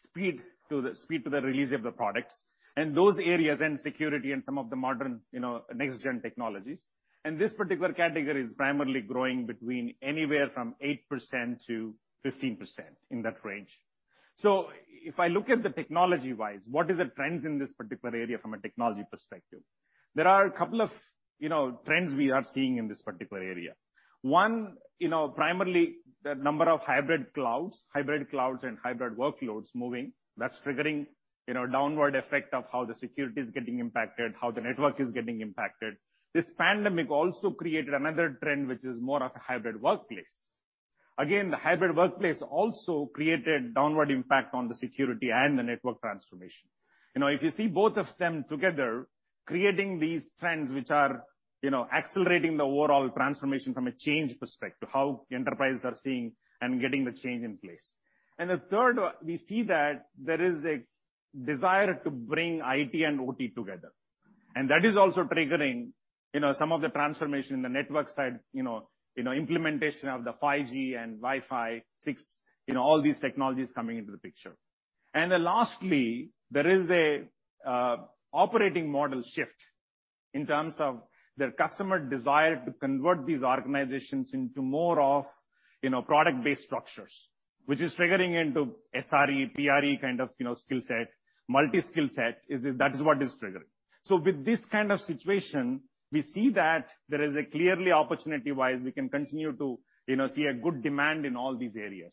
speed to the release of the products in those areas, and security and some of the modern, you know, next-gen technologies. This particular category is primarily growing between anywhere from 8%-15% in that range. If I look at the technology-wise, what is the trends in this particular area from a technology perspective? There are a couple of, you know, trends we are seeing in this particular area. One, you know, primarily the number of hybrid clouds and hybrid workloads moving. That's triggering, you know, downward effect of how the security is getting impacted, how the network is getting impacted. This pandemic also created another trend, which is more of a hybrid workplace. Again, the hybrid workplace also created downward impact on the security and the network transformation. You know, if you see both of them together, creating these trends which are, you know, accelerating the overall transformation from a change perspective, how enterprises are seeing and getting the change in place. The third, we see that there is a desire to bring IT and OT together. That is also triggering, you know, some of the transformation in the network side, you know, implementation of the 5G and Wi-Fi 6, you know, all these technologies coming into the picture. Lastly, there is an operating model shift. In terms of their customer desire to convert these organizations into more of, you know, product-based structures, which is figuring into SRE, PRE kind of, you know, skill set. Multi-skill set is it. That is what is triggering. With this kind of situation, we see that there is a clearly opportunity-wise we can continue to, you know, see a good demand in all these areas.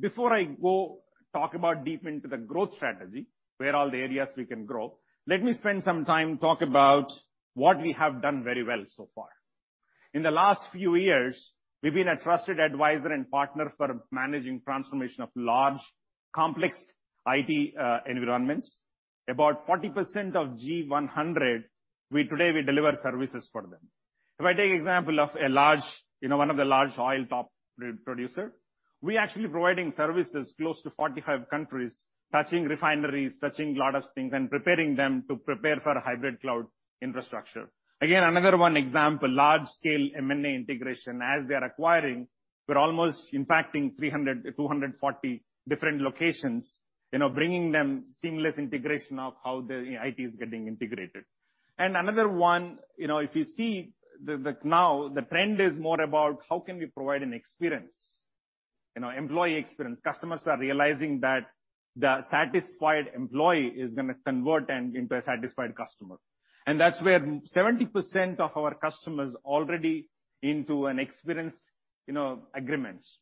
Before I go talk about deep into the growth strategy, where all the areas we can grow, let me spend some time talk about what we have done very well so far. In the last few years, we've been a trusted advisor and partner for managing transformation of large, complex IT environments. About 40% of Global 100, we today we deliver services for them. If I take example of a large, you know, one of the large oil top producer, we actually providing services close to 45 countries, touching refineries, touching a lot of things and preparing them to prepare for a hybrid cloud infrastructure. Another one example, large-scale M&A integration. As they are acquiring, we're almost impacting 300, 240 different locations, you know, bringing them seamless integration of how the, you know, IT is getting integrated. Another one, you know, if you see the, now the trend is more about how can we provide an experience. You know, employee experience. Customers are realizing that the satisfied employee is gonna convert them into a satisfied customer. That's where 70% of our customers already into an experience, you know, agreements.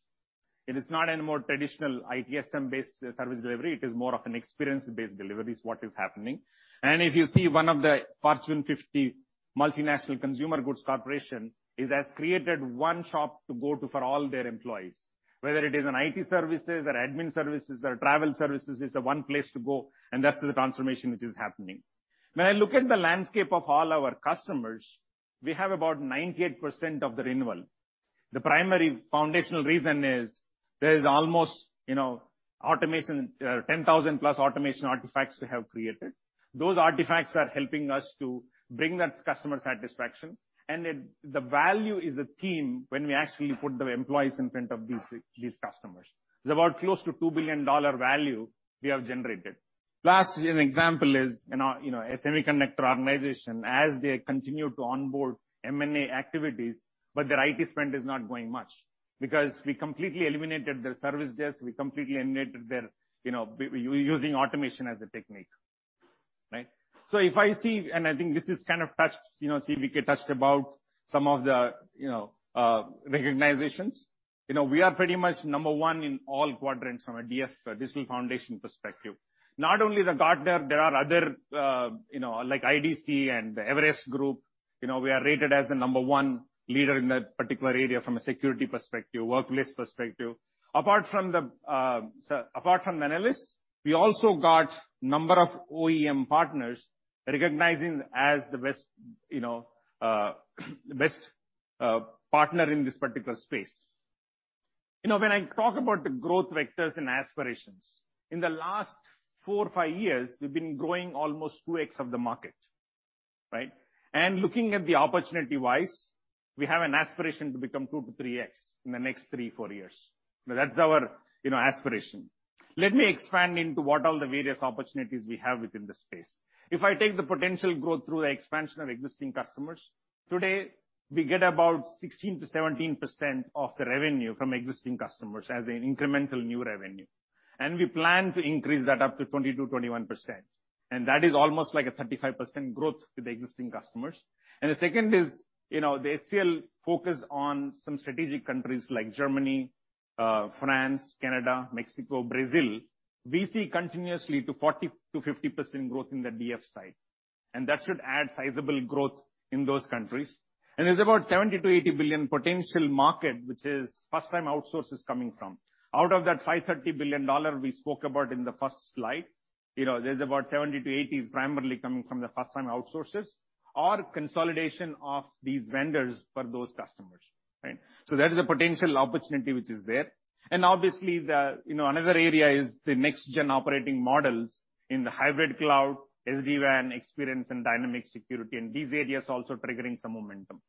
It is not any more traditional ITSM-based service delivery, it is more of an experience-based delivery is what is happening. If you see one of the Fortune 50 multinational consumer goods corporation has created one shop to go to for all their employees. Whether it is an IT services or admin services or travel services, it's the one place to go. That's the transformation which is happening. When I look at the landscape of all our customers, we have about 98% of the renewal. The primary foundational reason is there is almost, you know, automation, 10,000 plus automation artifacts we have created. Those artifacts are helping us to bring that customer satisfaction. The value is a team when we actually put the employees in front of these customers. It's about close to $2 billion value we have generated. Last, an example is in our, you know, a semiconductor organization, as they continue to onboard M&A activities, but their IT spend is not going much because we completely eliminated their service desk, we completely eliminated their, you know, using automation as a technique, right? If I see, and I think this is kind of touched, you know, CVK touched about some of the, you know, recognizations. You know, we are pretty much number one in all quadrants from a DF, digital foundation perspective. Not only the Gartner, there are other, you know, like IDC and the Everest Group, you know, we are rated as the number one leader in that particular area from a security perspective, workplace perspective. Apart from the analysts, we also got number of OEM partners recognizing as the best, you know, the best partner in this particular space. You know, when I talk about the growth vectors and aspirations, in the last four, five years, we've been growing almost 2x of the market, right? Looking at the opportunity-wise, we have an aspiration to become 2x-3x in the next three, four years. That's our, you know, aspiration. Let me expand into what all the various opportunities we have within this space. If I take the potential growth through the expansion of existing customers, today, we get about 16%-17% of the revenue from existing customers as an incremental new revenue. We plan to increase that up to 20%-21%. That is almost like a 35% growth with the existing customers. The second is, you know, the HCL focus on some strategic countries like Germany, France, Canada, Mexico, Brazil. We see continuously to 40%-50% growth in the DF side. That should add sizable growth in those countries. There's about $70 billion-$80 billion potential market, which is first time outsources coming from. Out of that $530 billion we spoke about in the first slide, you know, there's about $70 billion-$80 billion is primarily coming from the first time outsources or consolidation of these vendors for those customers, right? There is a potential opportunity which is there. Obviously, the, you know, another area is the next-gen operating models in the hybrid cloud, SD-WAN, experience and dynamic security, and these areas also triggering some momentum.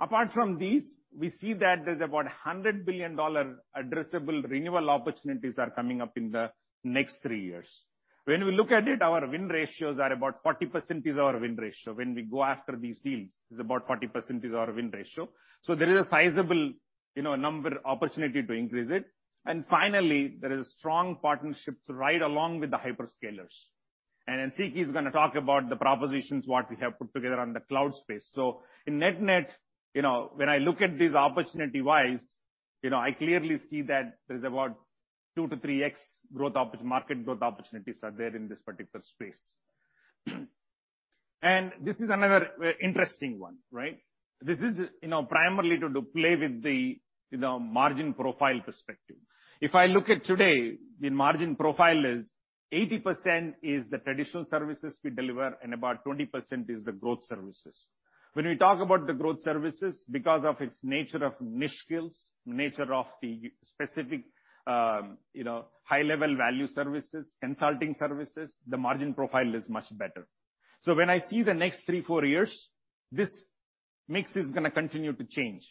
Apart from these, we see that there's about $100 billion addressable renewal opportunities coming up in the next three years. When we look at it, our win ratios are about 40% is our win ratio. When we go after these deals, it's about 40% is our win ratio. There is a sizable, you know, number opportunity to increase it. Finally, there is strong partnerships right along with the hyperscalers. CVK is gonna talk about the propositions, what we have put together on the cloud space. In net-net, you know, when I look at this opportunity-wise, you know, I clearly see that there's about 2-3x market growth opportunities are there in this particular space. This is another interesting one, right? This is, you know, primarily to play with the, you know, margin profile perspective. If I look at today, the margin profile is 80% is the traditional services we deliver, and about 20% is the growth services. When we talk about the growth services, because of its nature of niche skills, nature of the specific, you know, high-level value services, consulting services, the margin profile is much better. When I see the next three, four years, this mix is gonna continue to change.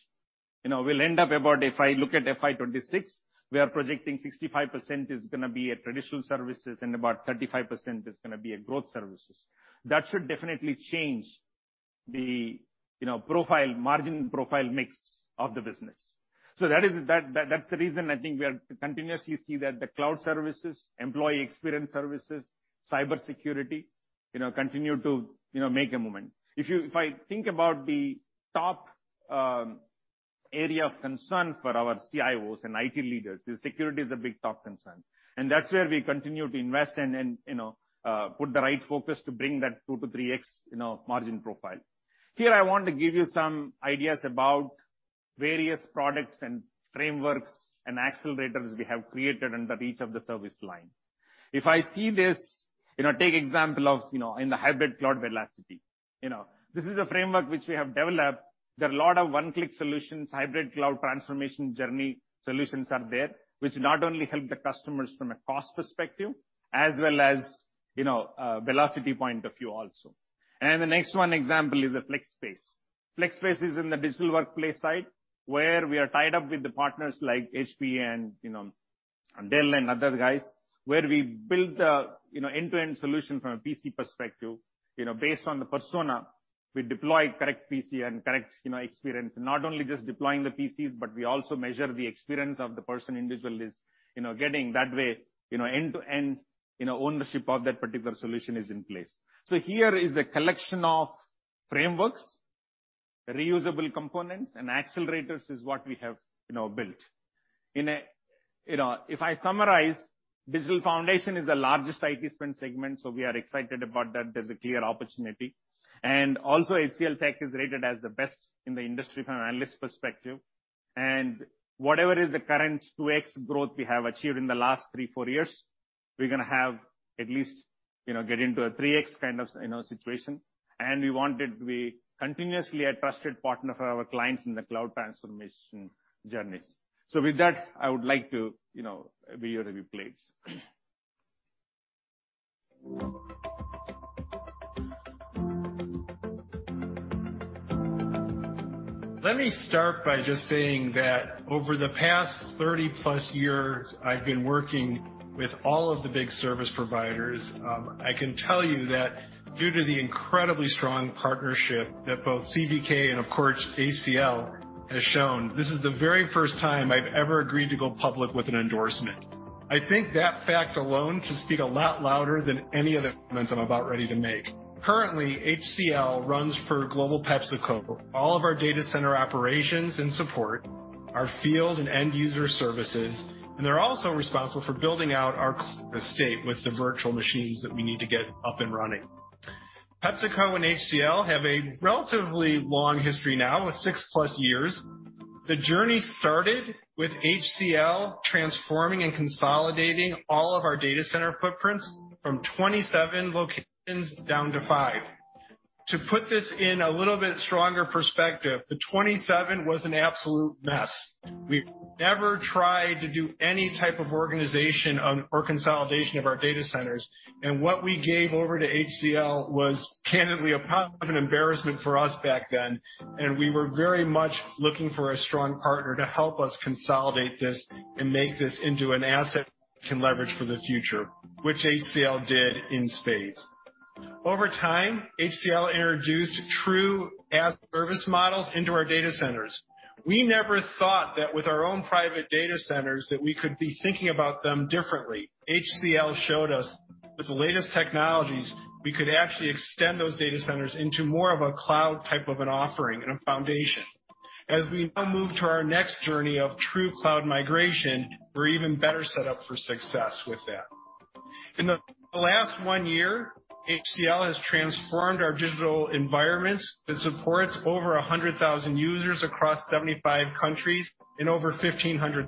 You know, we'll end up about if I look at FY 2026, we are projecting 65% is gonna be a traditional services and about 35% is gonna be a growth services. That should definitely change the, you know, profile, margin profile mix of the business. That's the reason I think we are continuously see that the cloud services, employee experience services, cybersecurity, you know, continue to, you know, make a moment. If I think about the top area of concern for our CIOs and IT leaders, the security is a big top concern. That's where we continue to invest and, you know, put the right focus to bring that 2-3x, you know, margin profile. Here, I want to give you some ideas about various products and frameworks and accelerators we have created under each of the service line. If I see this, you know, take example of, in the hybrid cloud velocity. You know, this is a framework which we have developed. There are a lot of one-click solutions, hybrid cloud transformation journey solutions are there, which not only help the customers from a cost perspective as well as, you know, velocity point of view also. The next one example is the FlexSpace. FlexSpace is in the digital workplace side, where we are tied up with the partners like HP and, you know, Dell and other guys, where we build the, you know, end-to-end solution from a PC perspective. You know, based on the persona, we deploy correct PC and correct, you know, experience, not only just deploying the PCs, but we also measure the experience of the person individually is, you know, getting that way, you know, end-to-end, you know, ownership of that particular solution is in place. Here is a collection of frameworks, reusable components, and accelerators is what we have, you know, built. You know, if I summarize, digital foundation is the largest IT spend segment, so we are excited about that. There's a clear opportunity. Also HCLTech is rated as the best in the industry from an analyst perspective. Whatever is the current 2x growth we have achieved in the last three, four years, we're gonna have at least, you know, get into a 3x kind of, you know, situation. We wanted to be continuously a trusted partner for our clients in the cloud transformation journeys. With that, I would like to, you know, be able to be pleased. Let me start by just saying that over the past 30-plus years, I've been working with all of the big service providers. I can tell you that due to the incredibly strong partnership that both CVK and of course HCL has shown, this is the very first time I've ever agreed to go public with an endorsement. I think that fact alone can speak a lot louder than any other comments I'm about ready to make. Currently, HCL runs for global PepsiCo, all of our data center operations and support, our field and end user services, and they're also responsible for building out our estate with the virtual machines that we need to get up and running. PepsiCo and HCL have a relatively long history now with 6-plus years. The journey started with HCL transforming and consolidating all of our data center footprints from 27 locations down to five. To put this in a little bit stronger perspective, the 27 was an absolute mess. We've never tried to do any type of organization on or consolidation of our data centers. What we gave over to HCL was candidly a problem of embarrassment for us back then, and we were very much looking for a strong partner to help us consolidate this and make this into an asset we can leverage for the future, which HCL did in spades. Over time, HCL introduced true as service models into our data centers. We never thought that with our own private data centers that we could be thinking about them differently. HCL showed us with the latest technologies, we could actually extend those data centers into more of a cloud type of an offering and a foundation. As we now move to our next journey of true cloud migration, we're even better set up for success with that. In the last one year, HCL has transformed our digital environments that supports over 100,000 users across 75 countries in over 1,500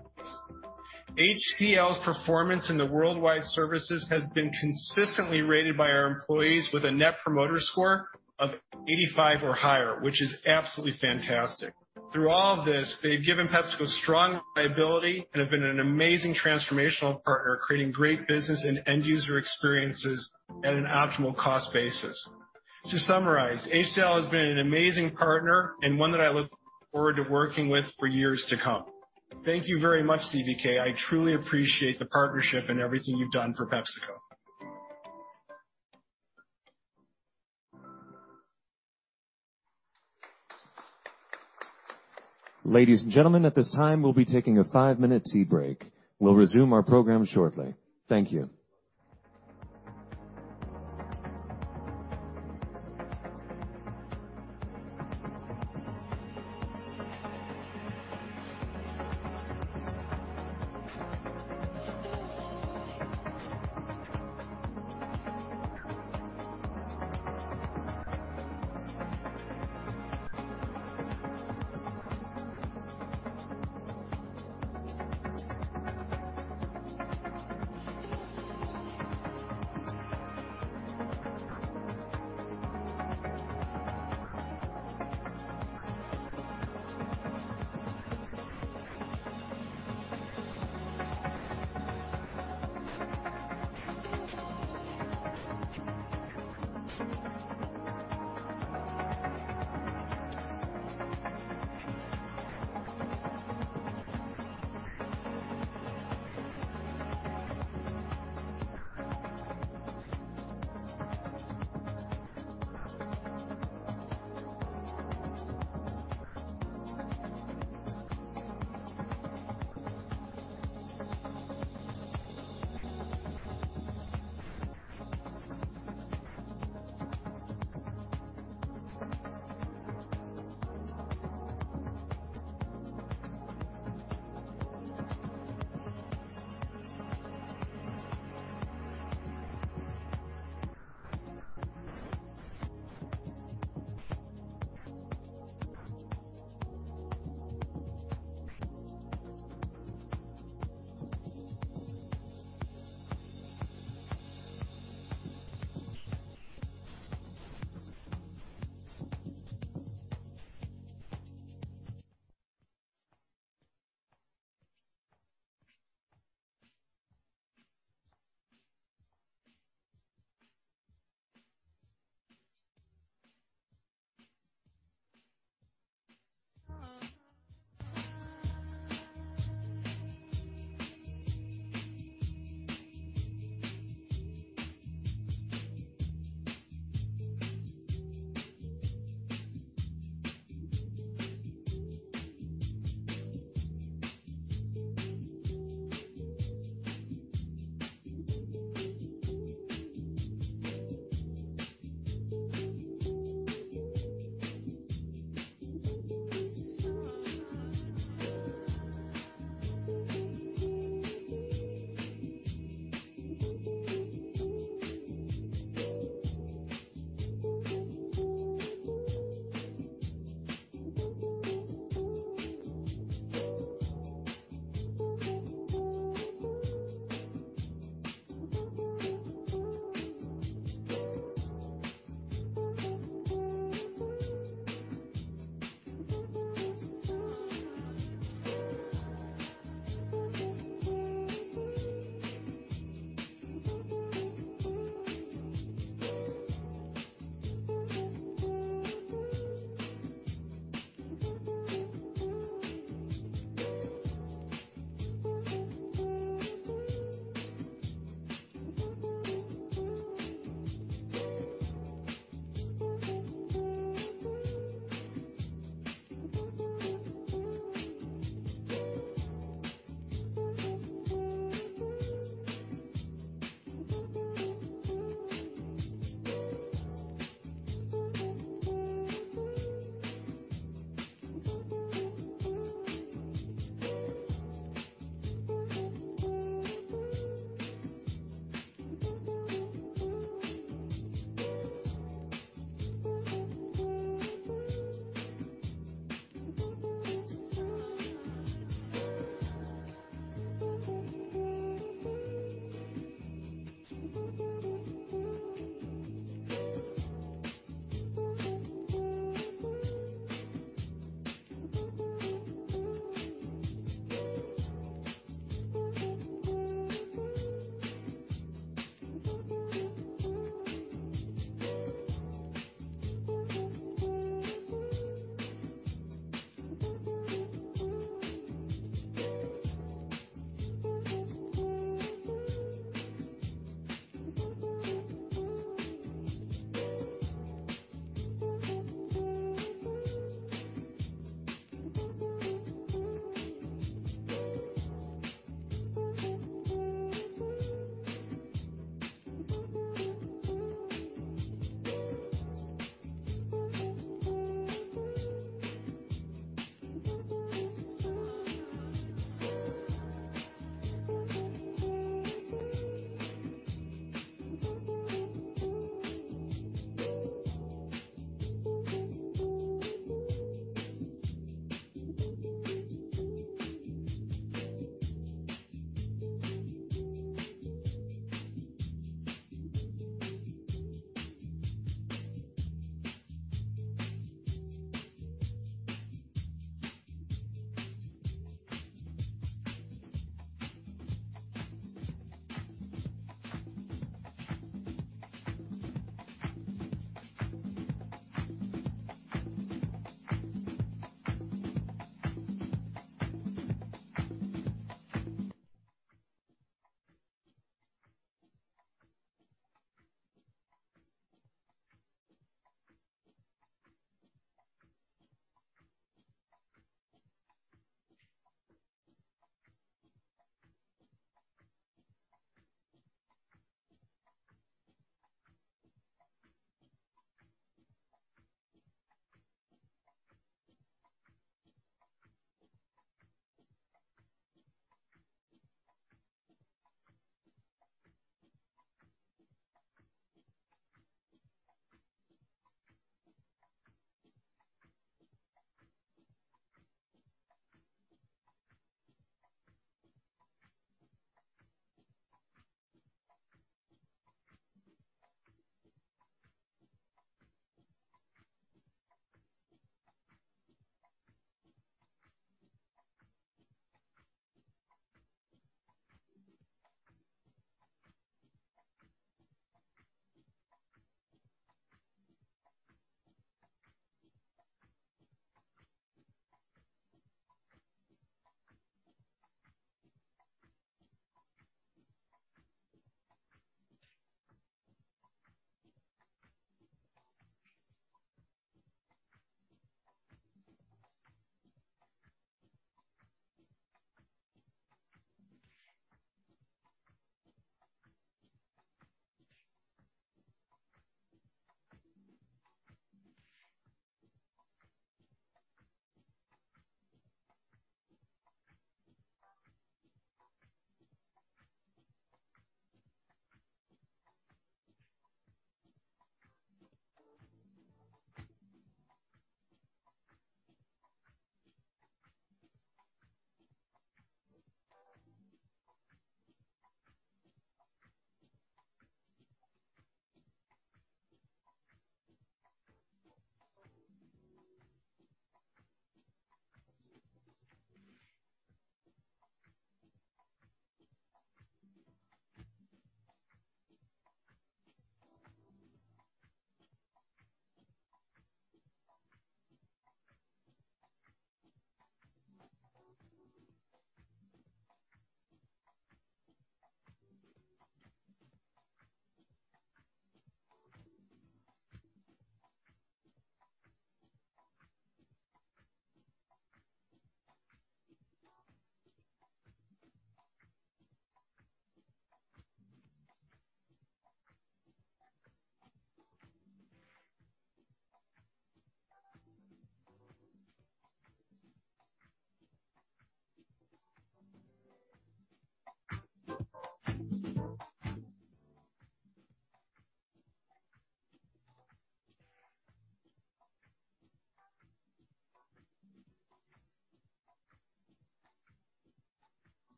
HCL's performance in the worldwide services has been consistently rated by our employees with a Net Promoter Score of 85 or higher, which is absolutely fantastic. Through all of this, they've given PepsiCo strong liability and have been an amazing transformational partner, creating great business and end user experiences at an optimal cost basis. To summarize, HCL has been an amazing partner and one that I look forward to working with for years to come. Thank you very much, CVK. I truly appreciate the partnership and everything you've done for PepsiCo. Ladies and gentlemen, at this time, we'll be taking a five-minute tea break. We'll resume our program shortly. Thank you.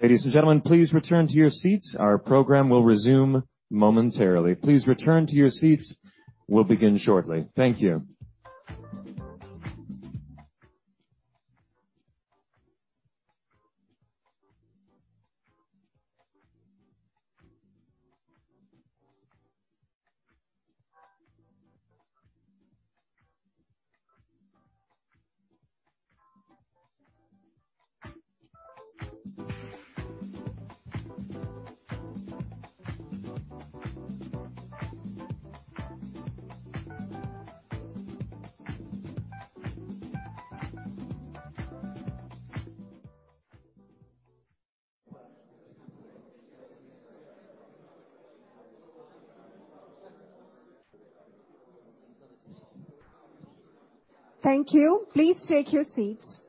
Thank you. Please take your seats.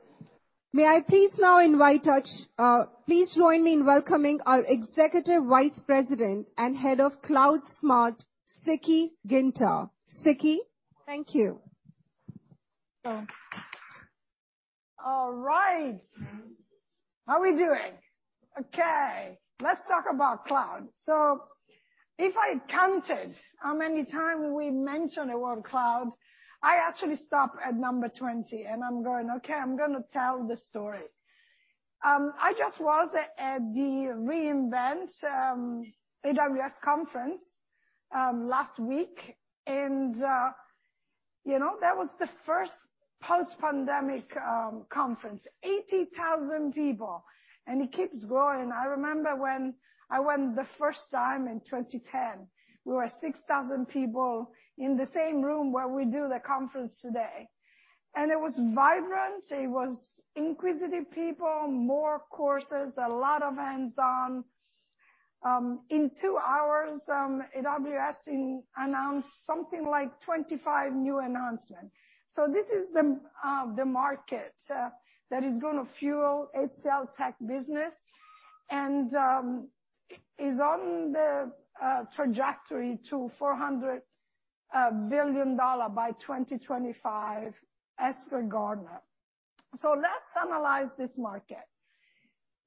Please join me in welcoming our Executive Vice President and Head of CloudSMART, Siki Giunta. Sikhi? Thank you. All right. How are we doing? Okay, let's talk about cloud. If I counted how many times we mentioned the word cloud, I actually stop at number 20, and I'm going, "Okay, I'm gonna tell the story." I just was at the re:Invent AWS conference last week. You know, that was the first post-pandemic conference. 80,000 people, and it keeps growing. I remember when I went the first time in 2010, we were 6,000 people in the same room where we do the conference today. It was vibrant. It was inquisitive people, more courses, a lot of hands-on. In 2 hours, AWS announced something like 25 new announcements. This is the market that is gonna fuel HCLTech business and is on the trajectory to $400 billion by 2025 as per Gartner. Let's analyze this market.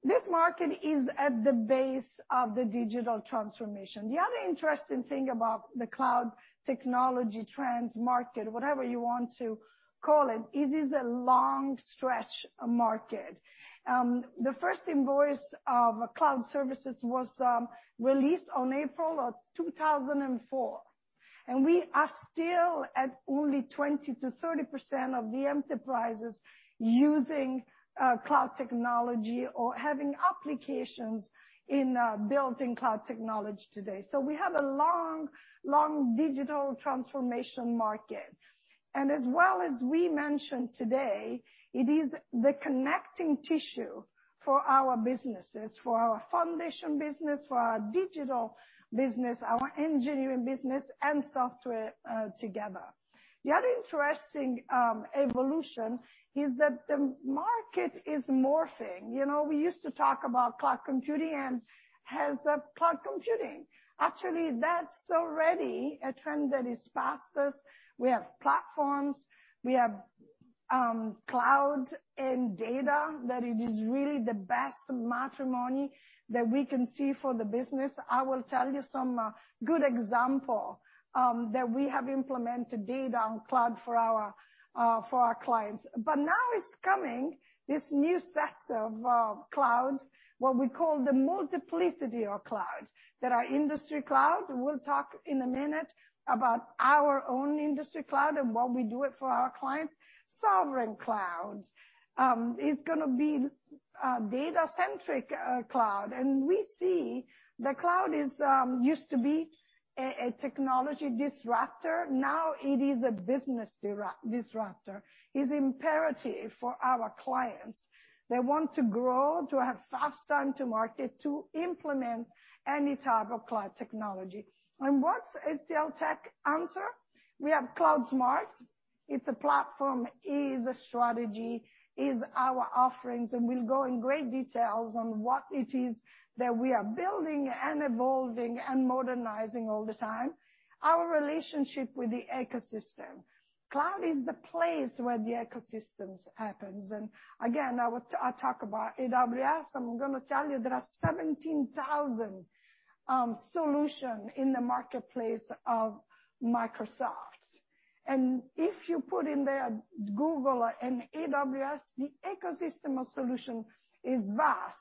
This market is at the base of the digital transformation. The other interesting thing about the cloud technology trends market, whatever you want to call it is a long stretch market. The first invoice of cloud services was released on April of 2004, and we are still at only 20%-30% of the enterprises using cloud technology or having applications in built-in cloud technology today. We have a long, long digital transformation market. As well as we mentioned today, it is the connecting tissue for our businesses, for our foundation business, for our digital business, our engineering business and software together. The other interesting evolution is that the market is morphing. You know, we used to talk about cloud computing and has a cloud computing. Actually, that's already a trend that is past us. We have platforms, we have cloud and data that it is really the best matrimony that we can see for the business. I will tell you some good example that we have implemented data on cloud for our for our clients. Now it's coming, this new set of clouds, what we call the multiplicity of clouds that are industry cloud. We'll talk in a minute about our own industry cloud and why we do it for our clients. Sovereign clouds is gonna be data-centric cloud. We see the cloud is used to be a technology disruptor. Now it is a business disruptor. It's imperative for our clients. They want to grow, to have fast time to market, to implement any type of cloud technology. What's HCLTech answer? We have CloudSmart. It's a platform, is a strategy, is our offerings, and we'll go in great details on what it is that we are building and evolving and modernizing all the time. Our relationship with the ecosystem. Cloud is the place where the ecosystems happens. Again, I talk about AWS, I'm gonna tell you there are 17,000 solution in the marketplace of Microsoft. If you put in there Google and AWS, the ecosystem of solution is vast.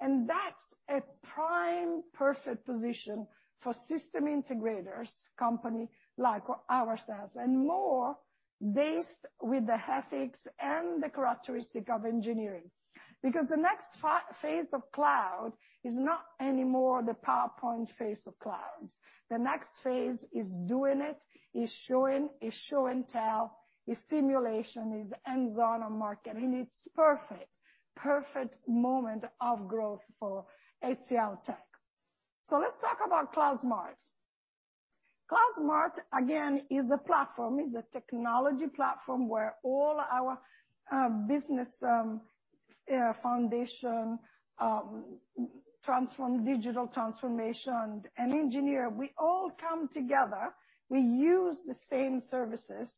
That's a prime, perfect position for system integrators, company like ourselves, and more based with the ethics and the characteristic of engineering. The next phase of cloud is not anymore the PowerPoint phase of clouds. The next phase is doing it, is showing, is show and tell, is simulation, is hands-on on market. It's perfect moment of growth for HCLTech. Let's talk about CloudSmart. CloudSmart, again, is a platform, is a technology platform where all our business foundation transform digital transformation and engineer, we all come together. We use the same services.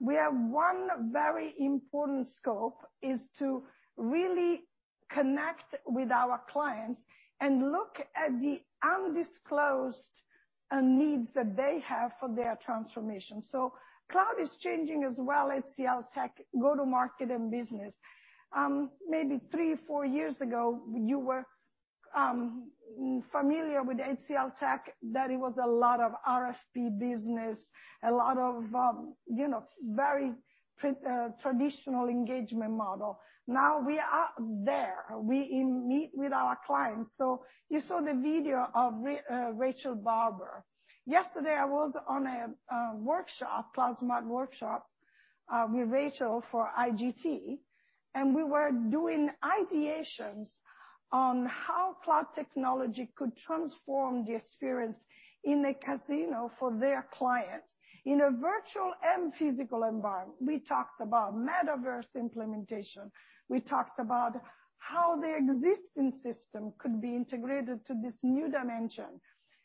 We have one very important scope, is to really connect with our clients and look at the undisclosed needs that they have for their transformation. Cloud is changing as well HCLTech go-to-market and business. Maybe three, four years ago, you were familiar with HCLTech, that it was a lot of RFP business, a lot of, you know, very traditional engagement model. Now we are there. We meet with our clients. You saw the video of Rachel Barber. Yesterday, I was on a workshop, CloudSmart workshop, with Rachel for IGT, and we were doing ideations on how cloud technology could transform the experience in a casino for their clients in a virtual and physical environment. We talked about Metaverse implementation. We talked about how the existing system could be integrated to this new dimension.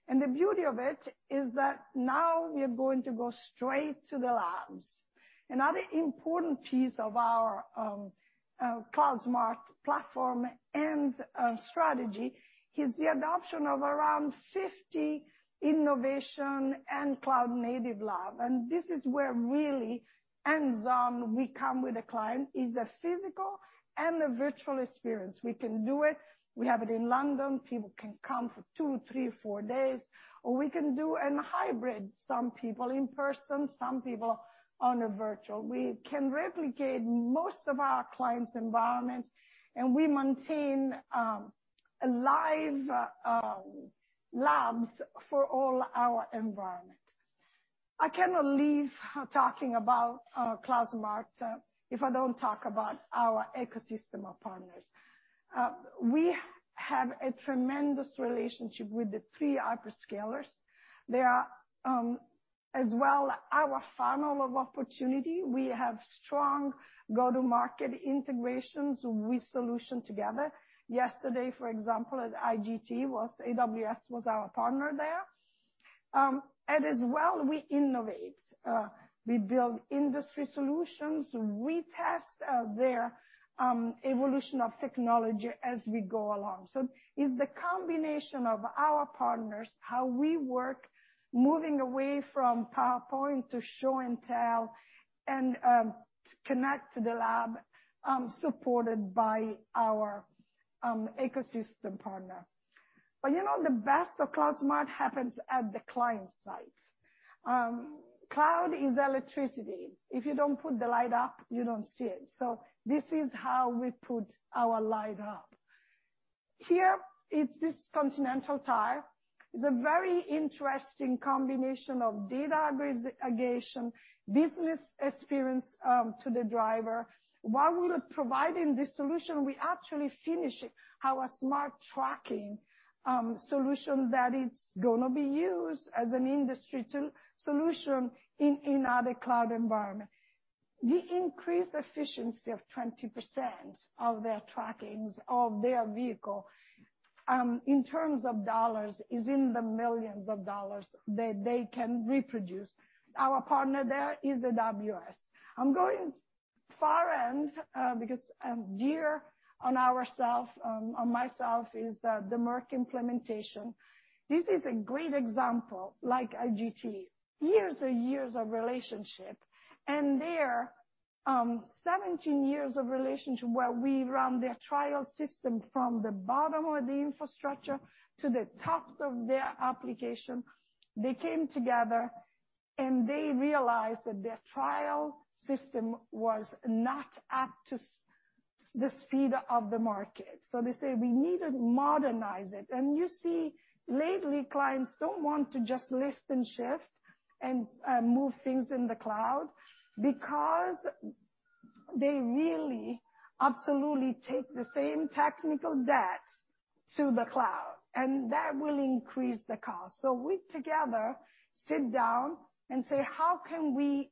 The beauty of it is that now we are going to go straight to the labs. Another important piece of our CloudSmart platform and strategy is the adoption of around 50 innovation and cloud native lab. This is where really hands-on we come with a client is the physical and the virtual experience. We can do it. We have it in London. People can come for two, three, four days, or we can do an hybrid, some people in person, some people on a virtual. We can replicate most of our clients' environment, and we maintain live labs for all our environment. I cannot leave talking about CloudSmart if I don't talk about our ecosystem of partners. We have a tremendous relationship with the three hyperscalers. They are as well our funnel of opportunity. We have strong go-to-market integrations. We solution together. Yesterday, for example, at IGT was AWS was our partner there. As well we innovate. We build industry solutions. We test their evolution of technology as we go along. It's the combination of our partners, how we work, moving away from PowerPoint to show and tell and to connect to the lab, supported by our ecosystem partner. You know, the best of CloudSMART happens at the client site. Cloud is electricity. If you don't put the light up, you don't see it. This is how we put our light up. Here is this Continental tire. It's a very interesting combination of data aggregation, business experience to the driver. While we were providing this solution, we actually finished our smart tracking solution that is gonna be used as an industry solution in other cloud environment. The increased efficiency of 20% of their trackings of their vehicle, in terms of dollars, is in the $ millions that they can reproduce. Our partner there is AWS. I'm going far end, because dear on ourself, on myself is the Merck implementation. This is a great example, like IGT. Years and years of relationship. There, 17 years of relationship where we run their trial system from the bottom of the infrastructure to the top of their application. They came together, and they realized that their trial system was not up to the speed of the market. They say we need to modernize it. You see lately, clients don't want to just lift and shift and move things in the cloud because they really absolutely take the same technical debt to the cloud, and that will increase the cost. We together sit down and say, "How can we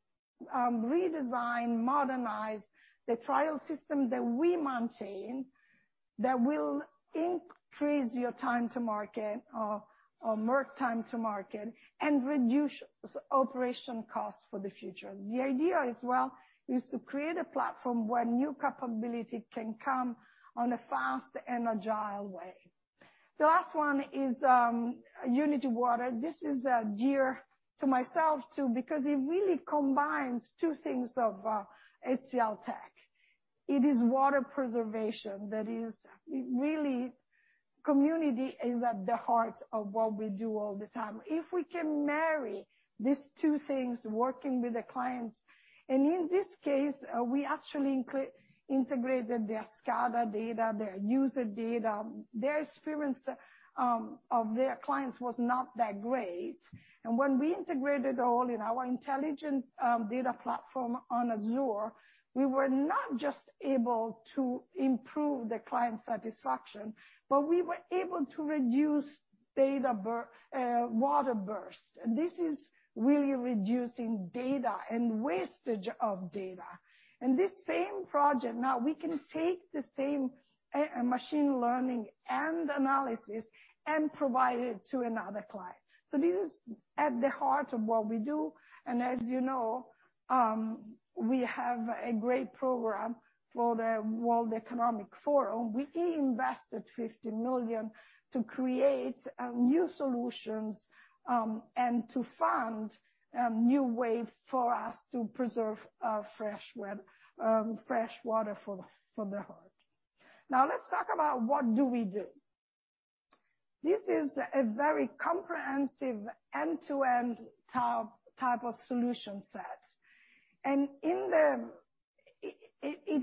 redesign, modernize the trial system that we maintain that will increase your time to market or, Merck time to market and reduce operation costs for the future?" The idea as well is to create a platform where new capability can come on a fast and agile way. The last one is Unitywater. This is dear to myself too because it really combines two things of HCLTech. It is water preservation. That is, really community is at the heart of what we do all the time. If we can marry these two things working with the clients, and in this case, we actually integrated their SCADA data, their user data. Their experience of their clients was not that great. When we integrated all in our intelligent data platform on Azure, we were not just able to improve the client satisfaction, but we were able to reduce water burst. This is really reducing data and wastage of data. This same project now we can take the same machine learning and analysis and provide it to another client. This is at the heart of what we do. As you know, we have a great program for the World Economic Forum. We reinvested $50 million to create new solutions and to fund a new way for us to preserve fresh water for the earth. Now let's talk about what do we do. This is a very comprehensive end-to-end type of solution set. It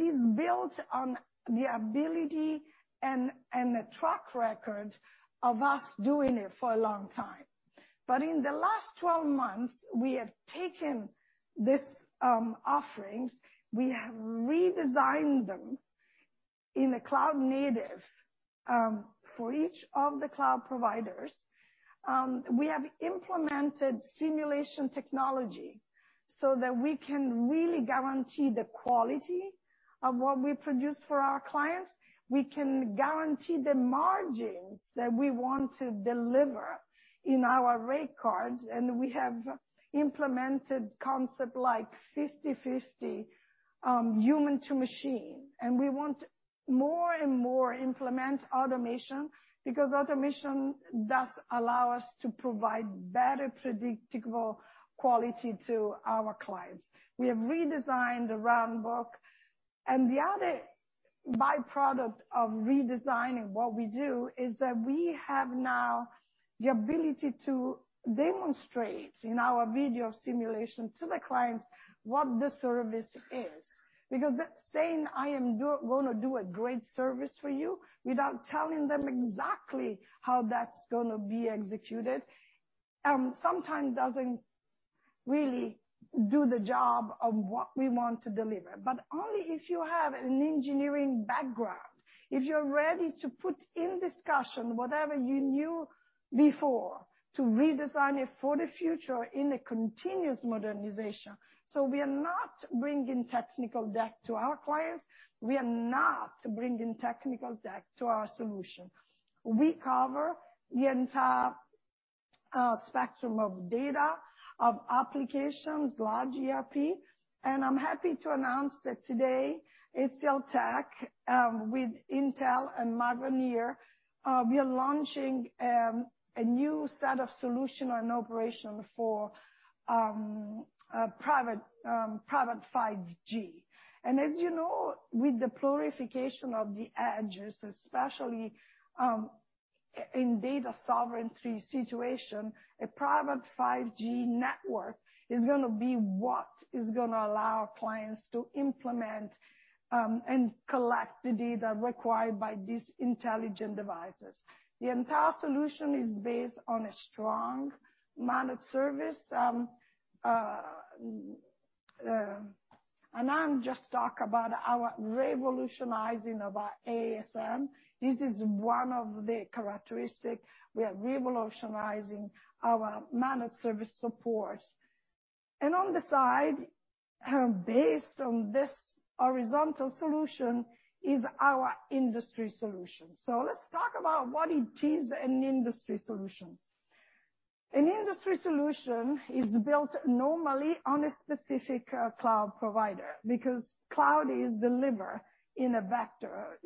is built on the ability and the track record of us doing it for a long time. In the last 12 months we have taken this offerings, we have redesigned them in a cloud native for each of the cloud providers. We have implemented simulation technology so that we can really guarantee the quality of what we produce for our clients. We can guarantee the margins that we want to deliver in our rate cards, and we have implemented concept like 50/50 human to machine. We want more and more implement automation because automation does allow us to provide better predictable quality to our clients. We have redesigned the round book. The other byproduct of redesigning what we do is that we have now the ability to demonstrate in our video simulation to the clients what the service is. Saying I am gonna do a great service for you without telling them exactly how that's gonna be executed, sometimes doesn't really do the job of what we want to deliver. Only if you have an engineering background, if you're ready to put in discussion whatever you knew before to redesign it for the future in a continuous modernization. We are not bringing technical debt to our clients. We are not bringing technical debt to our solution. We cover the entire spectrum of data, of applications, large ERP. I'm happy to announce that today, HCLTech, with Intel and Mavenir, we are launching a new set of solution and operation for a private 5G. As you know, with the proliferation of the edges, especially, in data sovereignty situation, a private 5G network is gonna be what is gonna allow our clients to implement and collect the data required by these intelligent devices. The entire solution is based on a strong managed service. I'll just talk about our revolutionizing of our ASM. This is one of the characteristics. We are revolutionizing our managed service support. On the side, based on this horizontal solution is our industry solution. Let's talk about what it is an industry solution. An industry solution is built normally on a specific cloud provider because cloud is the lever in a vector.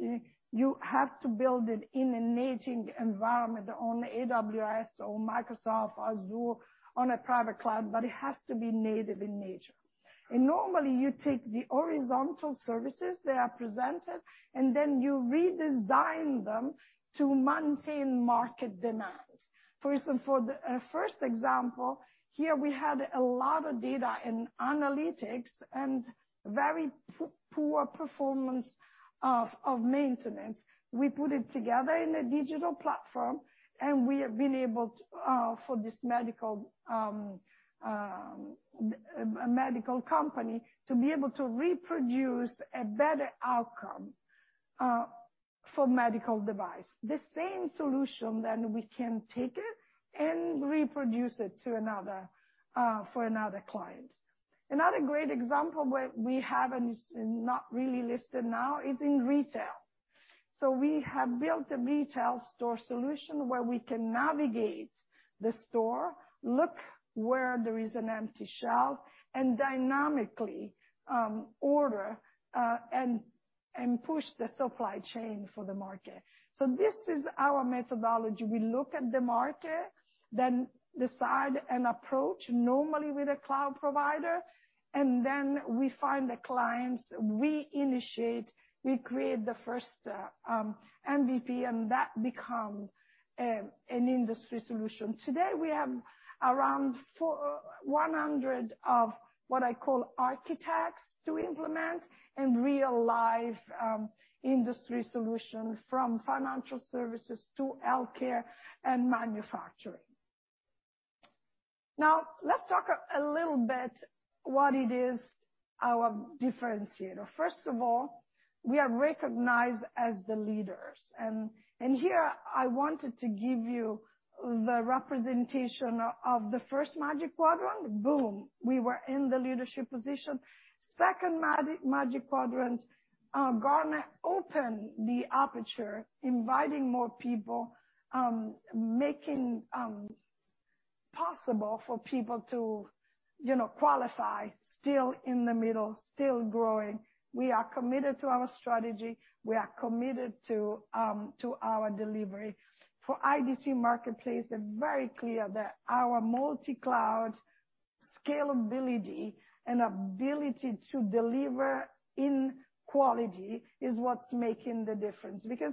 You have to build it in a native environment on AWS or Microsoft Azure on a private cloud, but it has to be native in nature. Normally you take the horizontal services that are presented and then you redesign them to maintain market demand. For the first example, here we had a lot of data in analytics and very poor performance of maintenance. We put it together in a digital platform and we have been able for this medical company to be able to reproduce a better outcome for medical device. The same solution then we can take it and reproduce it to another for another client. Another great example where we have and is not really listed now is in retail. We have built a retail store solution where we can navigate the store, look where there is an empty shelf and dynamically order and push the supply chain for the market. This is our methodology. We look at the market, then decide an approach normally with a cloud provider, and then we find the clients. We initiate, we create the first MVP and that become an industry solution. Today we have around 4,100 of what I call architects to implement and real life industry solution from financial services to healthcare and manufacturing. Let's talk a little bit what it is our differentiator. First of all, we are recognized as the leaders. Here I wanted to give you the representation of the first Magic Quadrant. Boom, we were in the leadership position. Second Magic Quadrant, Gartner opened the aperture inviting more people, making possible for people to, you know, qualify still in the middle, still growing. We are committed to our strategy. We are committed to our delivery. For IDC Marketplace, they're very clear that our multi-cloud scalability and ability to deliver in quality is what's making the difference because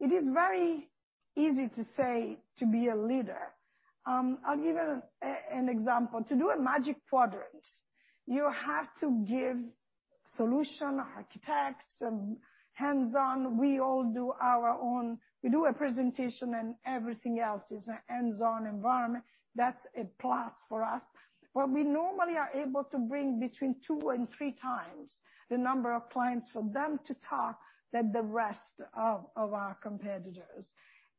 it is very easy to say to be a leader. I'll give an example. To do a Magic Quadrant, you have to give solution architects and hands-on. We do a presentation and everything else is a hands-on environment. That's a plus for us. We normally are able to bring between 2 and 3 times the number of clients for them to talk than the rest of our competitors.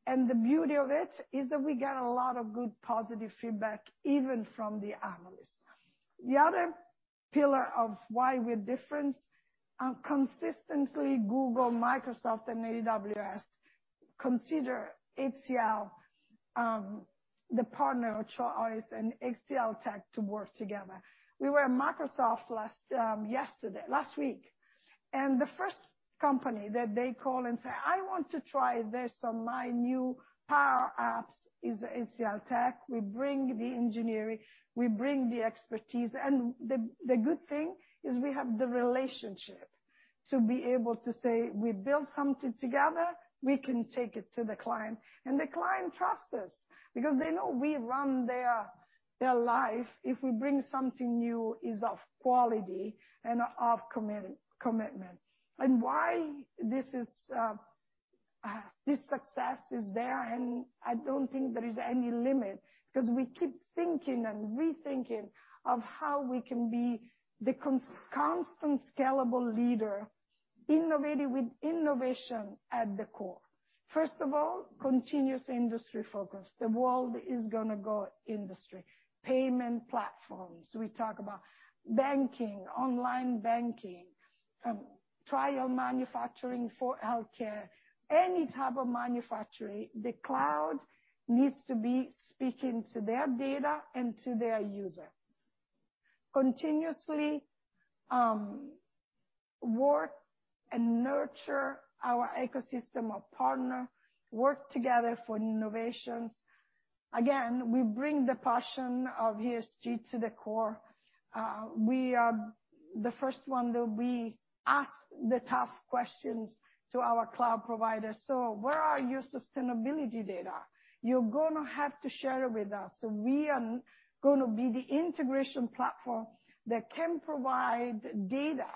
The beauty of it is that we get a lot of good positive feedback even from the analysts. The other pillar of why we're different, consistently Google, Microsoft and AWS consider HCL the partner of choice and HCLTech to work together. We were at Microsoft last week. The first company that they call and say, "I want to try this on my new Power Apps," is HCLTech. We bring the engineering, we bring the expertise. The good thing is we have the relationship to be able to say, "We build something together, we can take it to the client." The client trusts us because they know we run their life. If we bring something new is of quality and of commitment. Why this success is there and I don't think there is any limit because we keep thinking and rethinking of how we can be the constant scalable leader innovating with innovation at the core. First of all, continuous industry focus. The world is gonna go industry. Payment platforms. We talk about banking, online banking, trial manufacturing for healthcare, any type of manufacturing. The cloud needs to be speaking to their data and to their user. Continuously, work and nurture our ecosystem of partner, work together for innovations. We bring the passion of ESG to the core. We are the first one that we ask the tough questions to our cloud providers. "Where are your sustainability data? You're gonna have to share it with us." We are gonna be the integration platform that can provide data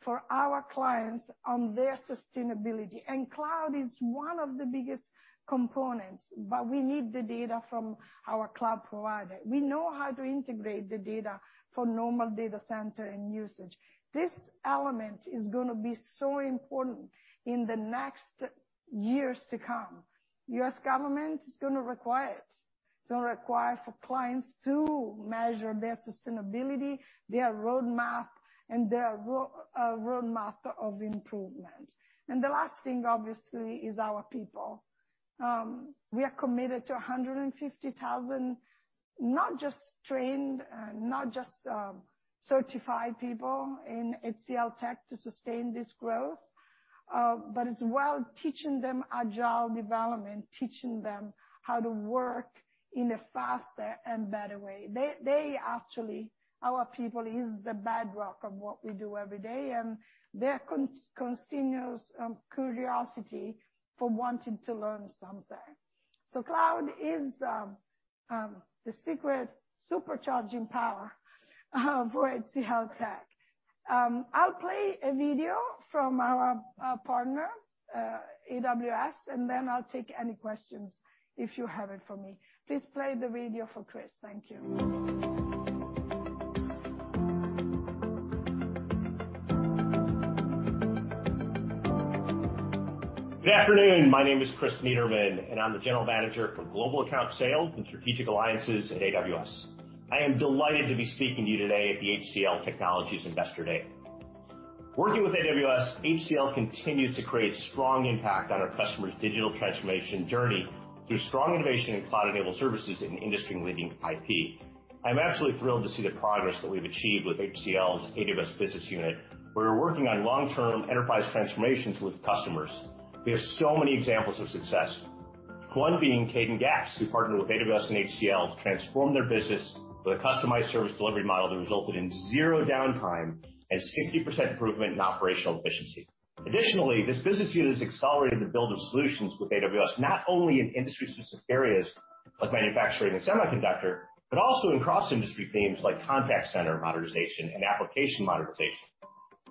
for our clients on their sustainability. Cloud is one of the biggest components, we need the data from our cloud provider. We know how to integrate the data for normal data center and usage. This element is gonna be so important in the next years to come. U.S. government is gonna require it. It's gonna require for clients to measure their sustainability, their roadmap, and their roadmap of improvement. The last thing, obviously, is our people. We are committed to 150,000, not just trained, not just certified people in HCLTech to sustain this growth, but as well teaching them agile development, teaching them how to work in a faster and better way. They actually, our people, is the bedrock of what we do every day, and their continuous curiosity for wanting to learn something. Cloud is the secret supercharging power for HCLTech. I'll play a video from our partner, AWS, and then I'll take any questions if you have it for me. Please play the video for Chris. Thank you. Good afternoon. My name is Chris Niederman, and I'm the general manager for Global Account Sales and Strategic Alliances at AWS. I am delighted to be speaking to you today at the HCL Technologies Investor Day. Working with AWS, HCL continues to create strong impact on our customers' digital transformation journey through strong innovation in cloud-enabled services and industry-leading IP. I'm absolutely thrilled to see the progress that we've achieved with HCL's AWS business unit, where we're working on long-term enterprise transformations with customers. We have so many examples of success, one being Kadant Gas, who partnered with AWS and HCL to transform their business with a customized service delivery model that resulted in 0 downtime and 60% improvement in operational efficiency. Additionally, this business unit has accelerated the build of solutions with AWS, not only in industry-specific areas, like manufacturing and semiconductor, but also in cross-industry themes like contact center modernization and application modernization.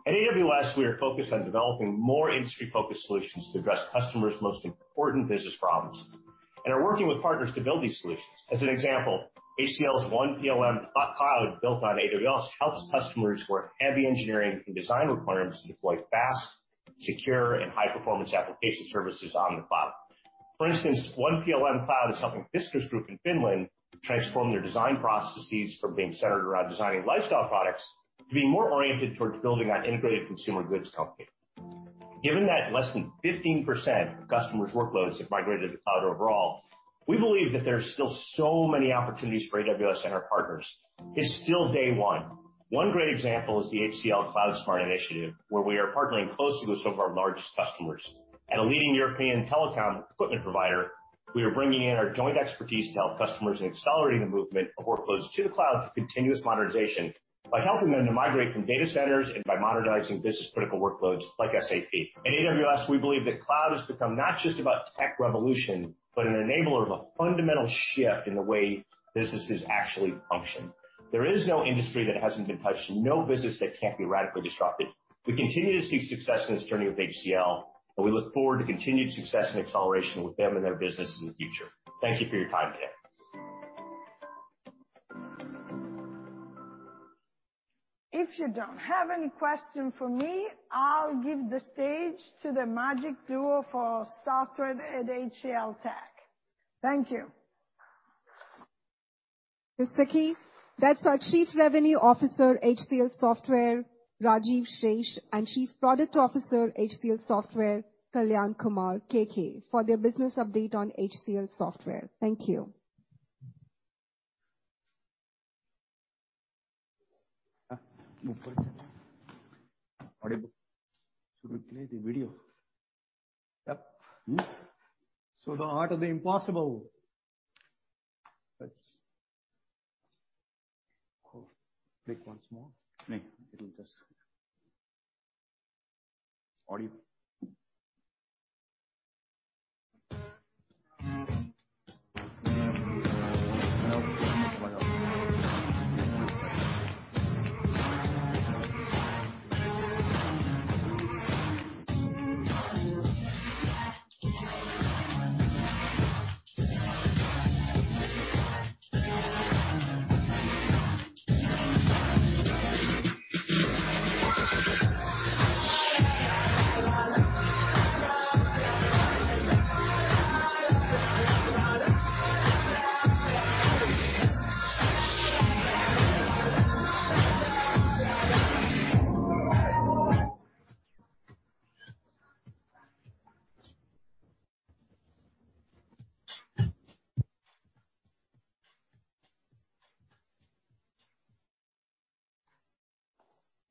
At AWS, we are focused on developing more industry-focused solutions to address customers' most important business problems and are working with partners to build these solutions. As an example, HCL's 1PLMCloud built on AWS helps customers who are heavy engineering and design requirements deploy fast, secure, and high-performance application services on the cloud. For instance, 1PLMCloud is helping Fiskars Group in Finland transform their design processes from being centered around designing lifestyle products to being more oriented towards building an integrated consumer goods company. Given that less than 15% of customers' workloads have migrated to cloud overall, we believe that there's still so many opportunities for AWS and our partners. It's still day 1. One great example is the HCL CloudSMART Initiative, where we are partnering closely with some of our largest customers. At a leading European telecom equipment provider, we are bringing in our joint expertise to help customers in accelerating the movement of workloads to the cloud for continuous modernization by helping them to migrate from data centers and by modernizing business-critical workloads like SAP. At AWS, we believe that cloud has become not just about tech revolution, but an enabler of a fundamental shift in the way businesses actually function. There is no industry that hasn't been touched, no business that can't be radically disrupted. We continue to see success in this journey with HCL, we look forward to continued success and acceleration with them and their business in the future. Thank you for your time today. If you don't have any question for me, I'll give the stage to the magic duo for software at HCLTech. Thank you. Mr. Key, that's our Chief Revenue Officer, HCL Software, Rajiv Sheth, and Chief Product Officer, HCL Software, Kalyan Kumar, KK, for their business update on HCL Software. Thank you. You go ahead. Audio. Should we play the video? Yep. The art of the impossible. Click once more. Click. It'll Audio.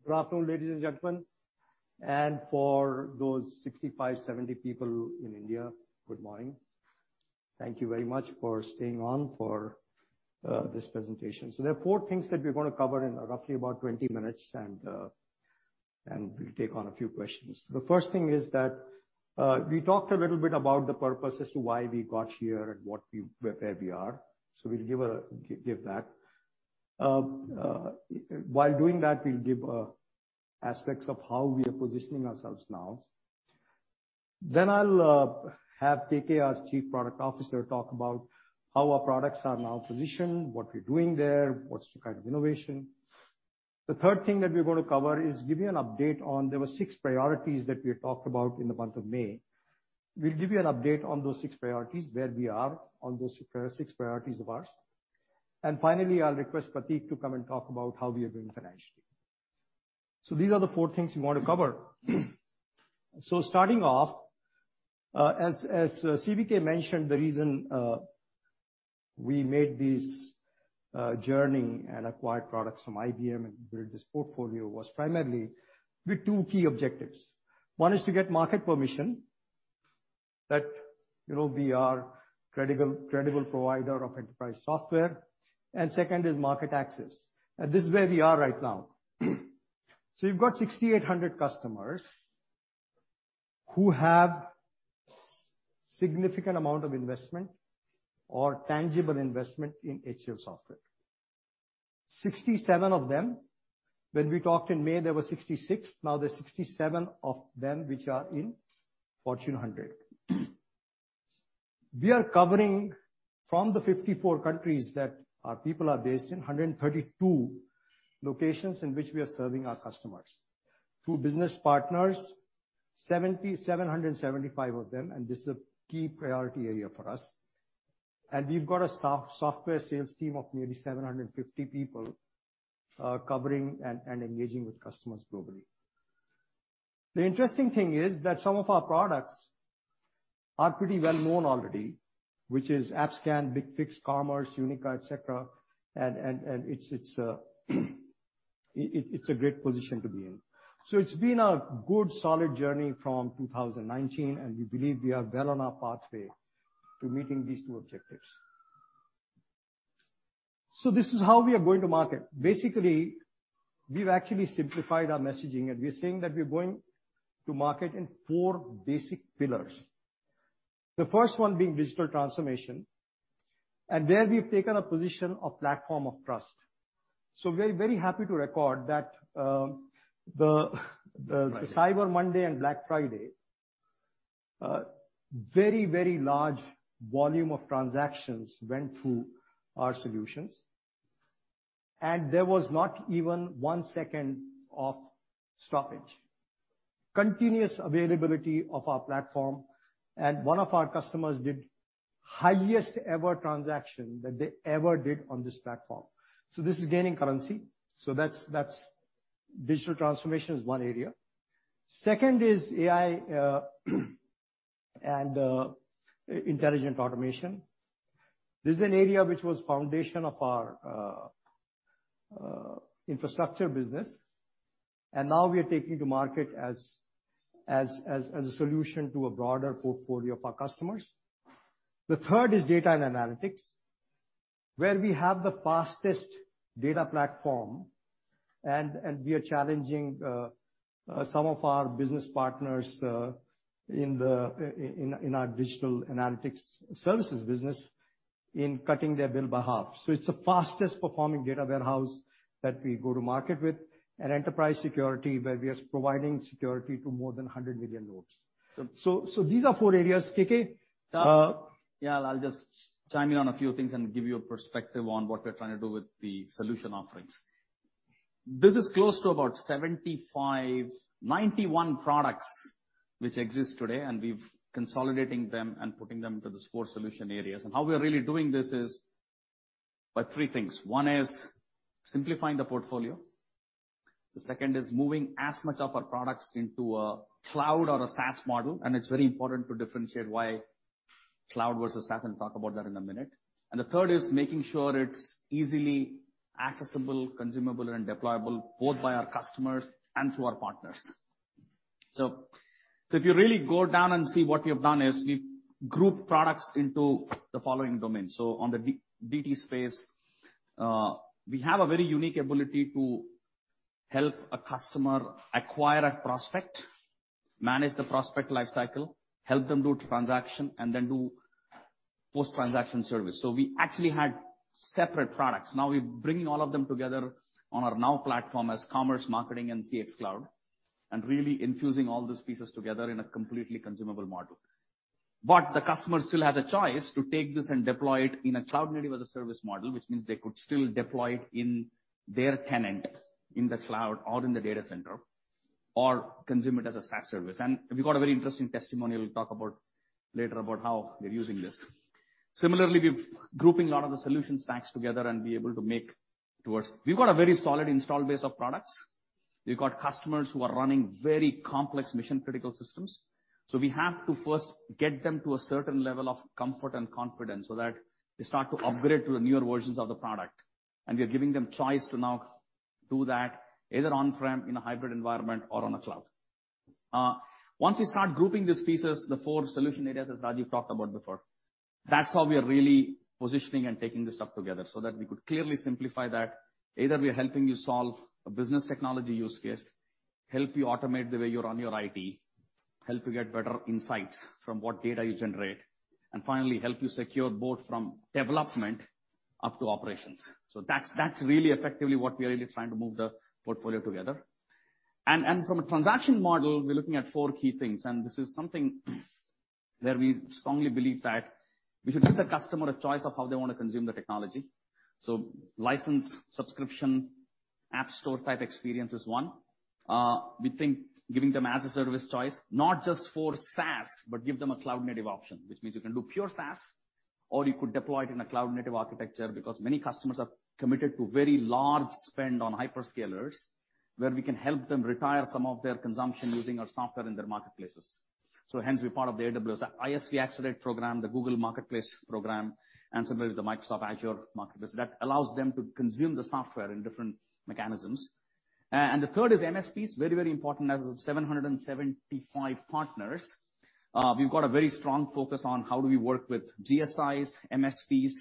Good afternoon, ladies and gentlemen. For those 65, 70 people in India, good morning. Thank you very much for staying on for this presentation. There are 4 things that we're gonna cover in roughly about 20 minutes and we'll take on a few questions. The first thing is that we talked a little bit about the purpose as to why we got here and where we are. We'll give that. While doing that, we'll give aspects of how we are positioning ourselves now. I'll have KK, our Chief Product Officer, talk about how our products are now positioned, what we're doing there, what's the kind of innovation. The 3rd thing that we're gonna cover is give you an update on there were 6 priorities that we had talked about in the month of May. We'll give you an update on those six priorities, where we are on those six priorities of ours. Finally, I'll request Prateek to come and talk about how we are doing financially. These are the four things we want to cover. Starting off, as CVK mentioned, the reason we made this journey and acquired products from IBM and built this portfolio was primarily with two key objectives. One is to get market permission that, you know, we are credible provider of enterprise software. Second is market access. This is where we are right now. You've got 6,800 customers who have significant amount of investment or tangible investment in HCLSoftware. 67 of them. When we talked in May, there were 66. Now there are 67 of them which are in Fortune 100. We are covering from the 54 countries that our people are based in, 132 locations in which we are serving our customers. Through business partners, 775 of them, this is a key priority area for us. We've got a software sales team of nearly 750 people, covering and engaging with customers globally. The interesting thing is that some of our products are pretty well-known already, which is AppScan, BigFix, Commerce, Unica, et cetera. It's a great position to be in. It's been a good, solid journey from 2019, and we believe we are well on our pathway to meeting these two objectives. This is how we are going to market. Basically, we've actually simplified our messaging, and we are saying that we're going to market in four basic pillars. The first one being digital transformation. There we've taken a position of platform of trust. We're very happy to record that. Right... Cyber Monday and Black Friday, very, very large volume of transactions went through our solutions, and there was not even one second of stoppage. Continuous availability of our platform, one of our customers did highest ever transaction that they ever did on this platform. This is gaining currency. That's Digital transformation is one area. Second is AI, and intelligent automation. This is an area which was foundation of our infrastructure business. Now we are taking to market as a solution to a broader portfolio of our customers. The third is data and analytics, where we have the fastest data platform and we are challenging some of our business partners in our digital analytics services business in cutting their bill by half. It's the fastest performing data warehouse that we go to market with. Enterprise security, where we are providing security to more than 100 million nodes. These are four areas. KK? Yeah, I'll just chime in on a few things and give you a perspective on what we're trying to do with the solution offerings. This is close to about 75-91 products which exist today, and we've consolidating them and putting them into these 4 solution areas. How we are really doing this is by 3 things. One is simplifying the portfolio. The second is moving as much of our products into a cloud or a SaaS model, and it's very important to differentiate why cloud versus SaaS, and talk about that in a minute. The third is making sure it's easily accessible, consumable, and deployable, both by our customers and through our partners. If you really go down and see what we have done is we've grouped products into the following domains. On the DX space, we have a very unique ability to help a customer acquire a prospect, manage the prospect life cycle, help them do transaction, and then do post-transaction service. We actually had separate products. We're bringing all of them together on our Now Platform as commerce, marketing, and CX Cloud, and really infusing all these pieces together in a completely consumable model. The customer still has a choice to take this and deploy it in a cloud-native as a service model, which means they could still deploy it in their tenant in the cloud or in the data center, or consume it as a SaaS service. We've got a very interesting testimonial we'll talk about later about how they're using this. Similarly, we're grouping a lot of the solution stacks together and be able to make towards... We've got a very solid install base of products. We've got customers who are running very complex mission-critical systems, so we have to first get them to a certain level of comfort and confidence so that they start to upgrade to the newer versions of the product. We are giving them choice to now do that either on-prem, in a hybrid environment or on a cloud. Once we start grouping these pieces, the four solution areas, as Rajiv talked about before, that's how we are really positioning and taking this stuff together, so that we could clearly simplify that either we are helping you solve a business technology use case, help you automate the way you run your IT, help you get better insights from what data you generate, and finally, help you secure both from development up to operations. That's really effectively what we are really trying to move the portfolio together. From a transaction model, we're looking at four key things, and this is something where we strongly believe that we should give the customer a choice of how they wanna consume the technology. License, subscription, app store type experience is one. We think giving them as-a-service choice, not just for SaaS, but give them a cloud-native option, which means you can do pure SaaS, or you could deploy it in a cloud-native architecture. Because many customers have committed to very large spend on hyperscalers, where we can help them retire some of their consumption using our software in their marketplaces. Hence we're part of the AWS ISV Accelerate program, the Google Cloud Marketplace program, and similarly, the Microsoft Azure Marketplace. That allows them to consume the software in different mechanisms. The third is MSPs. Very, very important. As of 775 partners, we've got a very strong focus on how do we work with GSIs, MSPs.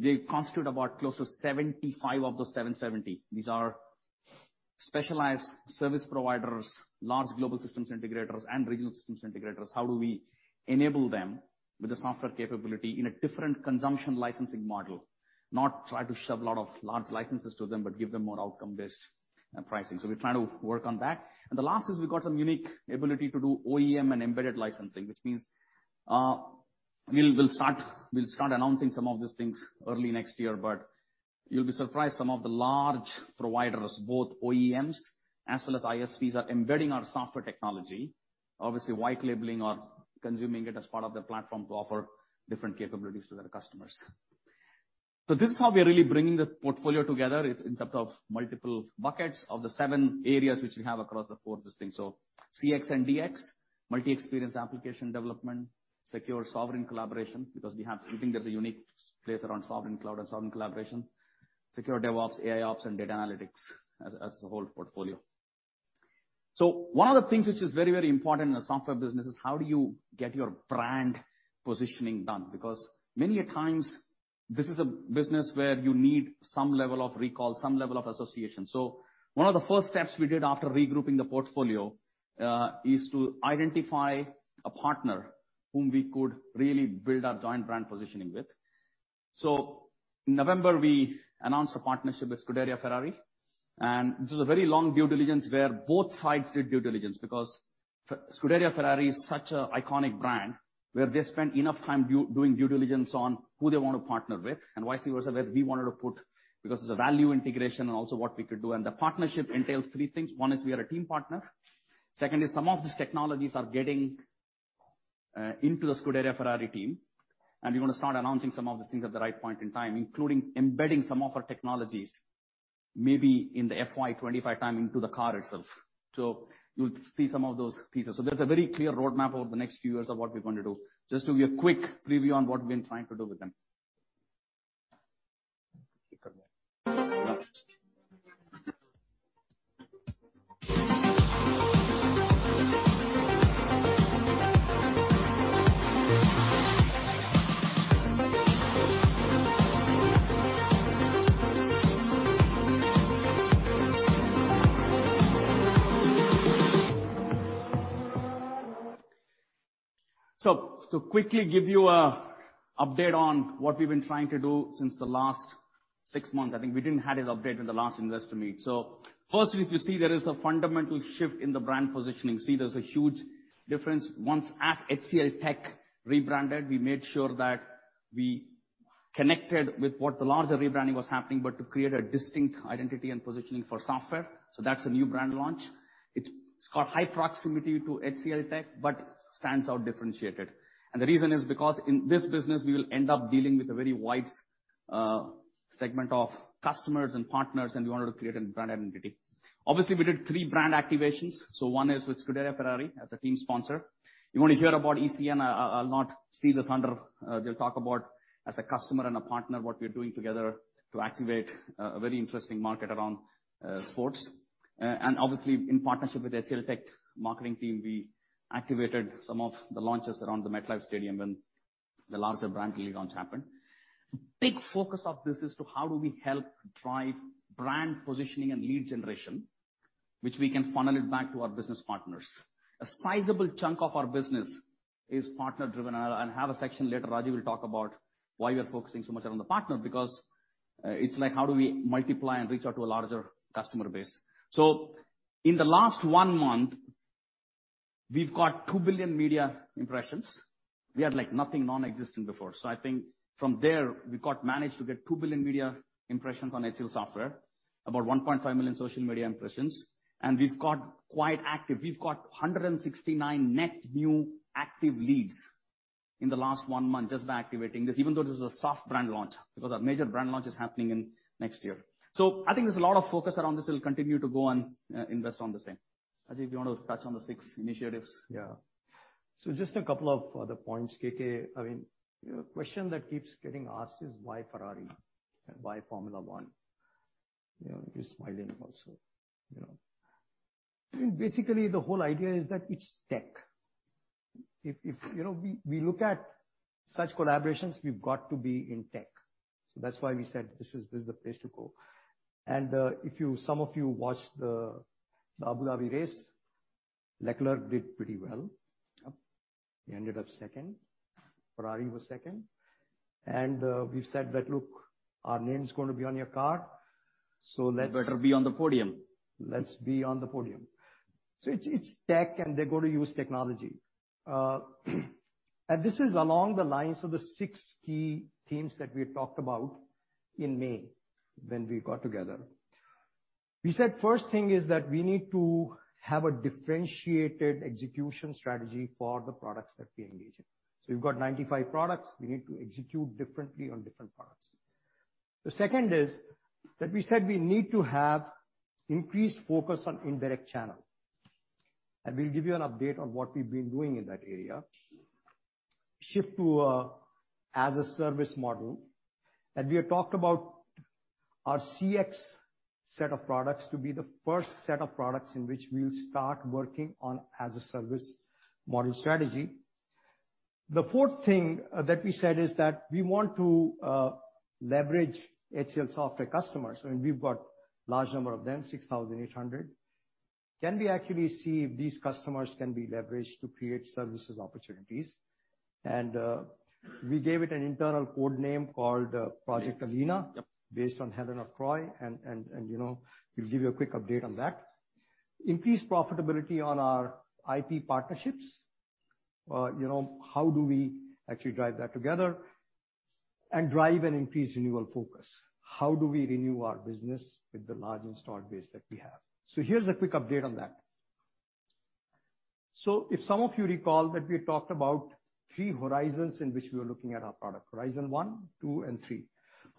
They constitute about close to 75 of those 770. These are specialized service providers, large global systems integrators and regional systems integrators. How do we enable them with the software capability in a different consumption licensing model? Not try to shove a lot of large licenses to them, but give them more outcome-based pricing. We're trying to work on that. The last is we've got some unique ability to do OEM and embedded licensing, which means we'll start announcing some of these things early next year. You'll be surprised, some of the large providers, both OEMs as well as ISVs, are embedding our software technology, obviously white-labeling or consuming it as part of their platform to offer different capabilities to their customers. This is how we are really bringing the portfolio together is in terms of multiple buckets. Of the 7 areas which we have across the 4 distinct. CX and DX, multi-experience application development, secure sovereign collaboration, because we think there's a unique place around sovereign cloud and sovereign collaboration. Secure DevOps, AIOps and data analytics as the whole portfolio. One of the things which is very, very important in a software business is how do you get your brand positioning done? Many a times this is a business where you need some level of recall, some level of association. One of the first steps we did after regrouping the portfolio, is to identify a partner whom we could really build our joint brand positioning with. In November, we announced a partnership with Scuderia Ferrari. This is a very long due diligence where both sides did due diligence because Scuderia Ferrari is such a iconic brand, where they spent enough time doing due diligence on who they want to partner with. YC was where we wanted to put, because of the value integration and also what we could do. The partnership entails three things. One is we are a team partner. Second is some of these technologies are getting into the Scuderia Ferrari team, and we wanna start announcing some of these things at the right point in time, including embedding some of our technologies maybe in the FY 2025 time into the car itself. You'll see some of those pieces. There's a very clear roadmap over the next few years of what we're going to do. Just to give you a quick preview on what we've been trying to do with them. To quickly give you a update on what we've been trying to do since the last six months. I think we didn't have an update in the last investor meet. Firstly, if you see there is a fundamental shift in the brand positioning. See, there's a huge difference. Once as HCLTech rebranded, we made sure that we connected with what the larger rebranding was happening to create a distinct identity and positioning for software. That's a new brand launch. It's got high proximity to HCLTech, stands out differentiated. The reason is because in this business we will end up dealing with a very wide segment of customers and partners, and we wanted to create a brand identity. Obviously, we did three brand activations. One is with Scuderia Ferrari as a team sponsor. You want to hear about ECN, I'll not steal the thunder. They'll talk about as a customer and a partner, what we're doing together to activate a very interesting market around sports. Obviously in partnership with HCLTech marketing team, we activated some of the launches around the MetLife Stadium when the larger brand deal launch happened. Big focus of this is to how do we help drive brand positioning and lead generation, which we can funnel it back to our business partners. A sizable chunk of our business is partner driven. I'll have a section later, Rajiv will talk about why we are focusing so much around the partner because it's like how do we multiply and reach out to a larger customer base. In the last 1 month, we've got 2 billion media impressions. We had, like, nothing non-existent before. I think from there, we got managed to get 2 billion media impressions on HCLSoftware, about 1.5 million social media impressions. We've got quite active. We've got 169 net new active leads. In the last one month just by activating this, even though this is a soft brand launch, because our major brand launch is happening in next year. I think there's a lot of focus around this. We'll continue to go and invest on the same. Rajiv, you wanna touch on the six initiatives? Just a couple of other points, KK. I mean, you know, a question that keeps getting asked is why Ferrari and why Formula One? You know, you're smiling also, you know. Basically, the whole idea is that it's tech. If, you know, we look at such collaborations, we've got to be in tech. That's why we said this is the place to go. If some of you watched the Abu Dhabi race, Charles Leclerc did pretty well. Yep. He ended up second. Ferrari was second. We've said that, "Look, our name's gonna be on your car. You better be on the podium. Let's be on the podium. It's tech, and they're gonna use technology. This is along the lines of the six key themes that we had talked about in May when we got together. We said first thing is that we need to have a differentiated execution strategy for the products that we engage in. We've got 95 products. We need to execute differently on different products. The second is that we said we need to have increased focus on indirect channel, we'll give you an update on what we've been doing in that area. Shift to a as a service model, we have talked about our CX set of products to be the first set of products in which we'll start working on as a service model strategy. The fourth thing that we said is that we want to leverage HCLSoftware customers, and we've got large number of them, 6,800. Can we actually see if these customers can be leveraged to create services opportunities? We gave it an internal code name called Project Helena based on Helen of Troy. You know, we'll give you a quick update on that. Increase profitability on our IP partnerships. You know, how do we actually drive that together? Drive an increased renewal focus. How do we renew our business with the large installed base that we have? Here's a quick update on that. If some of you recall that we talked about 3 horizons in which we were looking at our product, horizon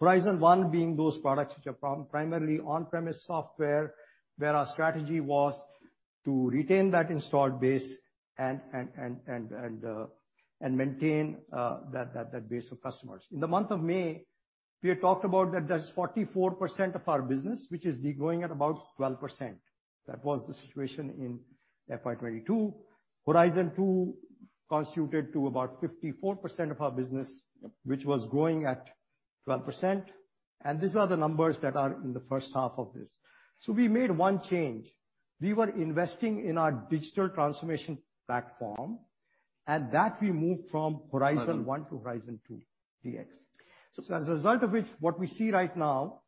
1, 2, and 3. Horizon one being those products which are primarily on-premise software, where our strategy was to retain that installed base and maintain that base of customers. In the month of May, we had talked about that's 44% of our business which is degrowing at about 12%. That was the situation in FY 2022. Horizon two constituted to about 54% of our business. Yep. -which was growing at 12%. These are the numbers that are in the first half of this. We made one change. We were investing in our digital transformation platform, that we moved from horizon one to horizon two, DX. As a result of which, what we see right now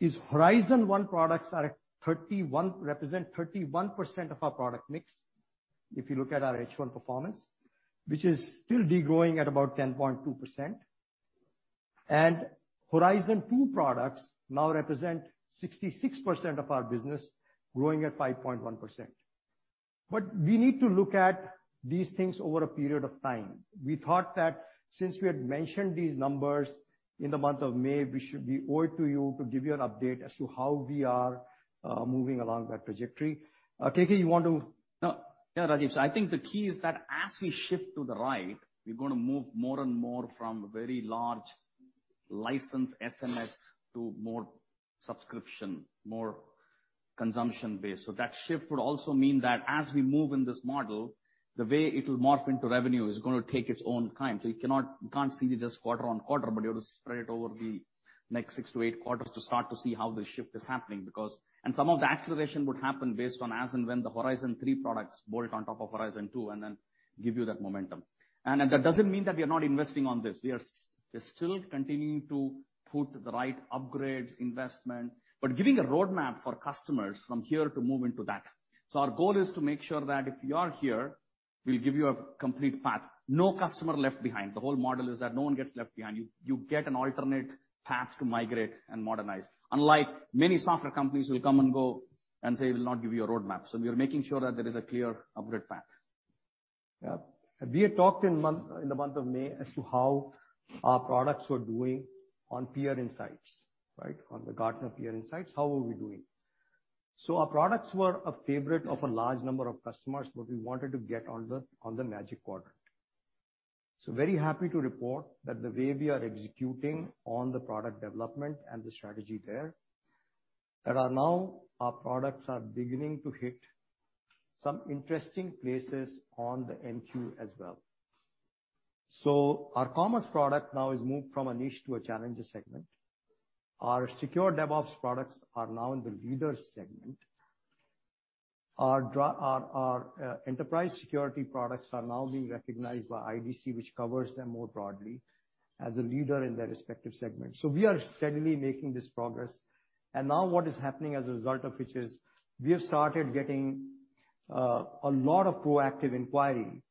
is horizon one products represent 31% of our product mix if you look at our H1 performance, which is still degrowing at about 10.2%. Horizon two products now represent 66% of our business growing at 5.1%. We need to look at these things over a period of time. We thought that since we had mentioned these numbers in the month of May, we should be owed to you to give you an update as to how we are moving along that trajectory. KK, you want to? No. Yeah, Rajiv. I think the key is that as we shift to the right, we're gonna move more and more from a very large licensed SMS to more subscription, more consumption-based. That shift would also mean that as we move in this model, the way it'll morph into revenue is gonna take its own time. You can't see this quarter on quarter, but you have to spread it over the next 6-8 quarters to start to see how the shift is happening, because... Some of the acceleration would happen based on as and when the horizon 3 products board on top of horizon 2 and then give you that momentum. That doesn't mean that we are not investing on this. We are still continuing to put the right upgrades, investment, but giving a roadmap for customers from here to move into that. Our goal is to make sure that if you are here, we'll give you a complete path. No customer left behind. The whole model is that no one gets left behind. You get an alternate path to migrate and modernize. Unlike many software companies who will come and go and say, "We'll not give you a roadmap." We are making sure that there is a clear upgrade path. Yep. We had talked in the month of May as to how our products were doing on Peer Insights, right? On the Gartner Peer Insights, how were we doing? Our products were a favorite of a large number of customers, but we wanted to get on the Magic Quadrant. Very happy to report that the way we are executing on the product development and the strategy there, that are now our products are beginning to hit some interesting places on the MQ as well. Our Commerce product now is moved from a niche to a challenger segment. Our Secure DevOps products are now in the leader segment. Our enterprise security products are now being recognized by IDC, which covers them more broadly as a leader in their respective segment. We are steadily making this progress. Now what is happening as a result of which is we have started getting a lot of proactive inquiry.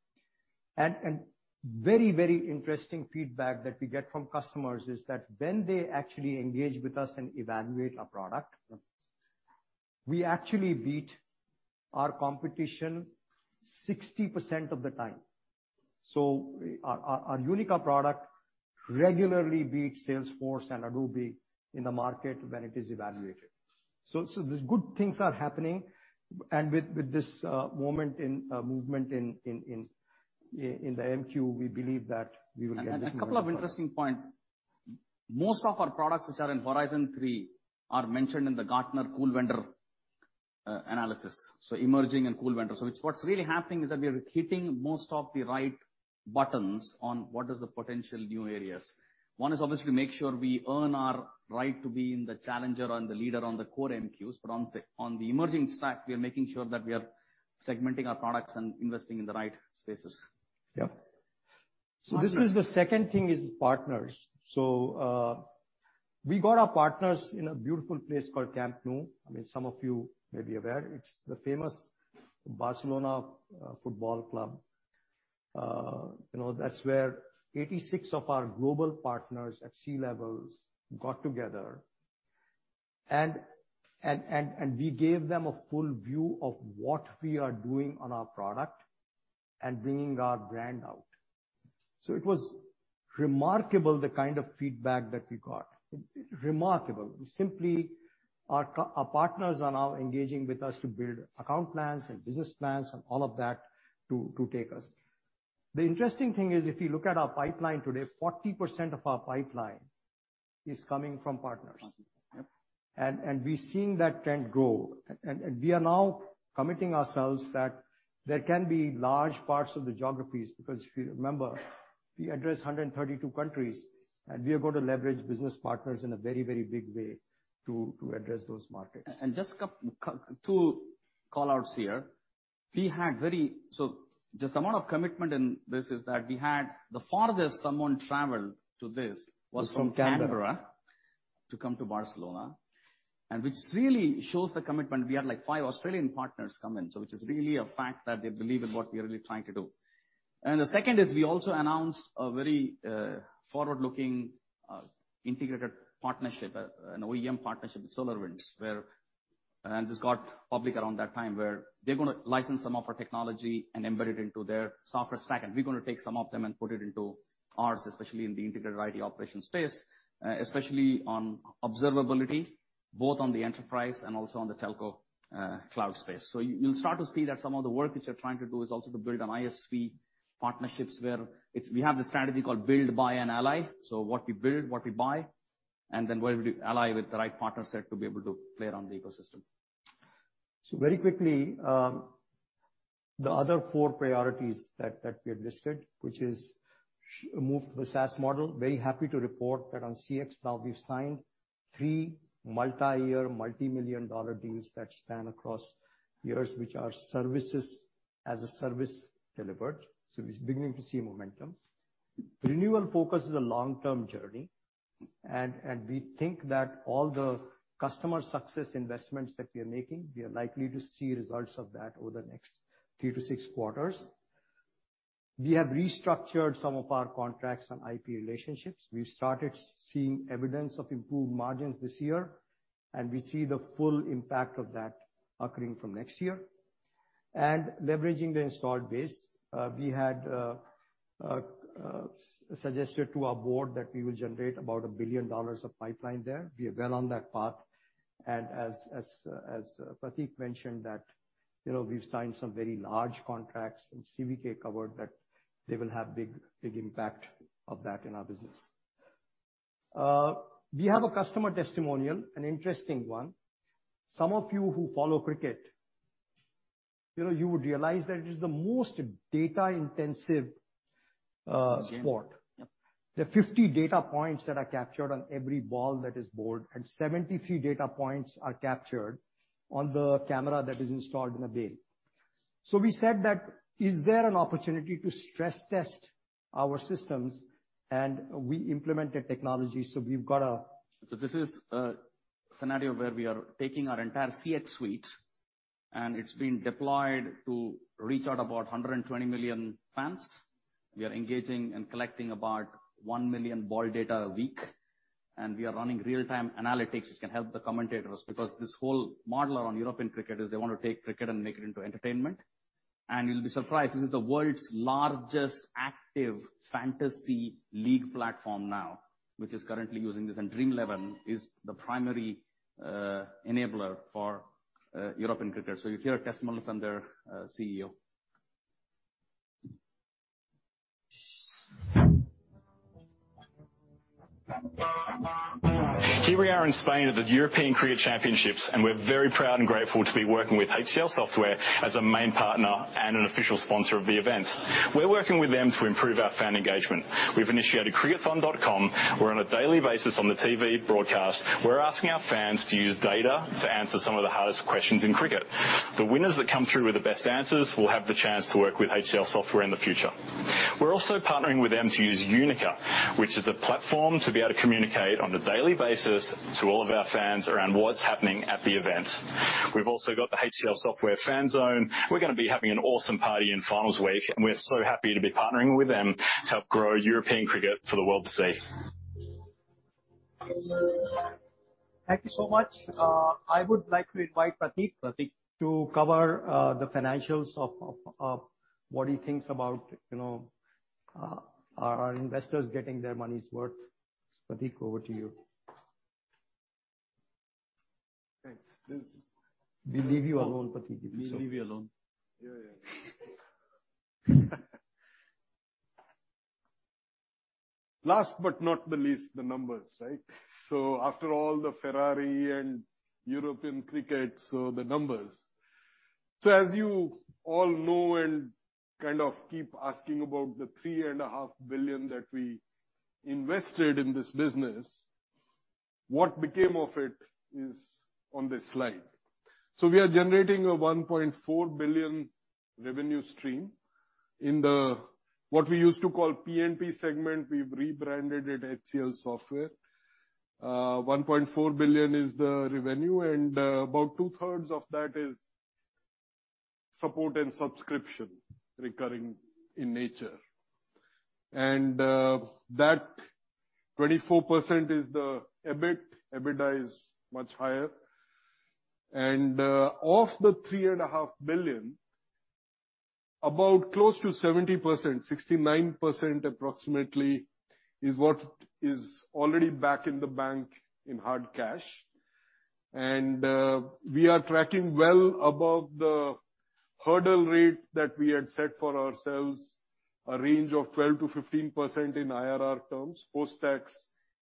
Very, very interesting feedback that we get from customers is that when they actually engage with us and evaluate our product. We actually beat our competition 60% of the time. Our Unica product regularly beats Salesforce and Adobe in the market when it is evaluated. There's good things are happening. With this movement in the MQ, we believe that we will get. A couple of interesting point. Most of our products which are in Horizon three are mentioned in the Gartner Cool Vendor analysis, so emerging in Cool Vendor. It's what's really happening is that we are hitting most of the right buttons on what is the potential new areas. One is obviously to make sure we earn our right to be in the challenger and the leader on the core MQs. On the, on the emerging stack, we are making sure that we are segmenting our products and investing in the right spaces. This was the second thing is partners. We got our partners in a beautiful place called Camp Nou. I mean, some of you may be aware. It's the famous Barcelona football club. You know, that's where 86 of our global partners at C-levels got together and we gave them a full view of what we are doing on our product and bringing our brand out. It was remarkable the kind of feedback that we got. Remarkable. Our partners are now engaging with us to build account plans and business plans and all of that to take us. The interesting thing is, if you look at our pipeline today, 40% of our pipeline is coming from partners. Partners, yep. We're seeing that trend grow. We are now committing ourselves that there can be large parts of the geographies, because if you remember, we address 132 countries, and we are going to leverage business partners in a very, very big way to address those markets. Just a 2 call-outs here. We had so just the amount of commitment in this is that we had the farthest someone traveled to this was from-. Was from Canberra. ...Canberra to come to Barcelona. Which really shows the commitment. We had, like, five Australian partners come in, so which is really a fact that they believe in what we are really trying to do. The second is we also announced a very forward-looking integrated partnership, an OEM partnership with SolarWinds, where, and this got public around that time, where they're gonna license some of our technology and embed it into their software stack. We're gonna take some of them and put it into ours, especially in the integrated IT operations space, especially on observability, both on the enterprise and also on the telco cloud space. You'll start to see that some of the work which we're trying to do is also to build on ISV partnerships where we have the strategy called build, buy, and ally. What we build, what we buy, and then where we ally with the right partner set to be able to play around the ecosystem. Very quickly, the other four priorities that we have listed, which is move to the SaaS model. Very happy to report that on CX now we've signed three multi-year, multi-million dollar deals that span across years, which are services as a service delivered. We're beginning to see momentum. Renewal focus is a long-term journey, and we think that all the customer success investments that we are making, we are likely to see results of that over the next three to six quarters. We have restructured some of our contracts and IP relationships. We started seeing evidence of improved margins this year, and we see the full impact of that occurring from next year. Leveraging the installed base, we had suggested to our board that we will generate about $1 billion of pipeline there. We are well on that path. As Prateek mentioned, that, you know, we've signed some very large contracts, and CVK covered that they will have big impact of that in our business. We have a customer testimonial, an interesting one. Some of you who follow cricket, you know, you would realize that it is the most data-intensive sport. Yep. There are 50 data points that are captured on every ball that is bowled, and 73 data points are captured on the camera that is installed in the bay. We said that, "Is there an opportunity to stress test our systems?" We implemented technology, we've got a. This is a scenario where we are taking our entire CX suite, and it's been deployed to reach out about 120 million fans. We are engaging and collecting about 1 million ball data a week, and we are running real-time analytics which can help the commentators. This whole model around European cricket is they wanna take cricket and make it into entertainment. You'll be surprised, this is the world's largest active fantasy league platform now, which is currently using this. Dream11 is the primary enabler for European cricket. You'll hear a testimonial from their CEO. We're in Spain at the European Cricket Championships, and we're very proud and grateful to be working with HCLSoftware as a main partner and an official sponsor of the event. We're working with them to improve our fan engagement. We've initiated cricketfun.com. We're on a daily basis on the TV broadcast. We're asking our fans to use data to answer some of the hardest questions in cricket. The winners that come through with the best answers will have the chance to work with HCLSoftware in the future. We're also partnering with them to use Unica, which is the platform to be able to communicate on a daily basis to all of our fans around what's happening at the event. We've also got the HCLSoftware fan zone. We're gonna be having an awesome party in finals week. We're so happy to be partnering with them to help grow European cricket for the world to see. Thank you so much. I would like to invite Prateek to cover the financials of what he thinks about, you know, are our investors getting their money's worth. Prateek, over to you. Thanks. We'll leave you alone, Prateek. We'll leave you alone. Last but not the least, the numbers, right? After all the Ferrari and European Cricket, the numbers. As you all know, and kind of keep asking about the three and a half billion that we invested in this business, what became of it is on this slide. We are generating a $1.4 billion revenue stream in the, what we used to call P&P segment. We've rebranded it HCLSoftware. $1.4 billion is the revenue, about two-thirds of that is support and subscription recurring in nature. That 24% is the EBIT. EBITDA is much higher. Of the three and a half billion, about close to 70%, 69% approximately, is what is already back in the bank in hard cash. We are tracking well above the hurdle rate that we had set for ourselves, a range of 12%-15% in IRR terms, post-tax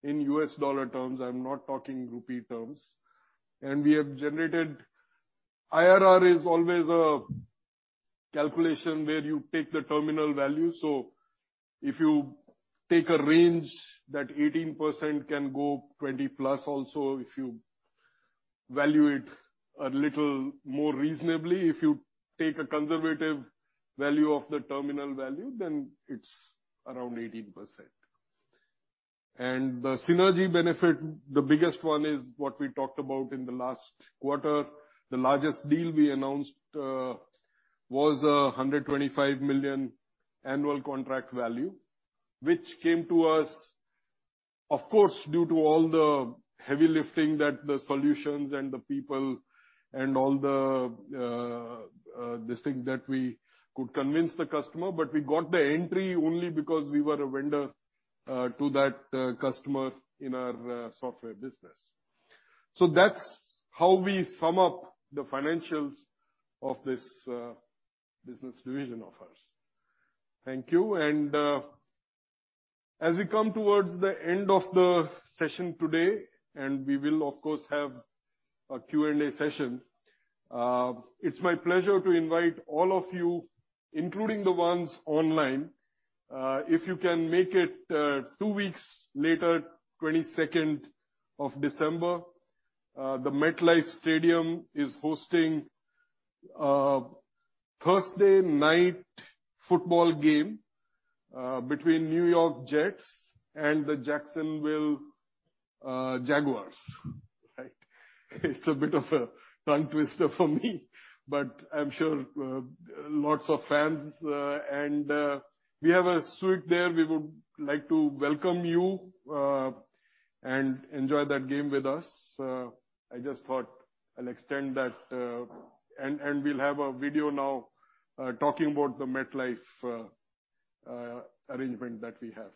in US dollar terms. I'm not talking rupee terms. We have generated... IRR is always a calculation where you take the terminal value. If you take a range that 18% can go 20+ also, if you value it a little more reasonably. If you take a conservative value of the terminal value, then it's around 18%. The synergy benefit, the biggest one is what we talked about in the last quarter. The largest deal we announced was a $125 million annual contract value, which came to us, of course, due to all the heavy lifting that the solutions and the people and all the this thing that we could convince the customer. We got the entry only because we were a vendor to that customer in our software business. That's how we sum up the financials of this business division of ours. Thank you. As we come towards the end of the session today, and we will of course have a Q&A session, it's my pleasure to invite all of you, including the ones online, if you can make it 2 weeks later, 22nd of December, the MetLife Stadium is hosting a Thursday night football game between New York Jets and the Jacksonville Jaguars, right? It's a bit of a tongue twister for me, but I'm sure lots of fans, and we have a suite there. We would like to welcome you and enjoy that game with us. I just thought I'll extend that. We'll have a video now talking about the MetLife arrangement that we have.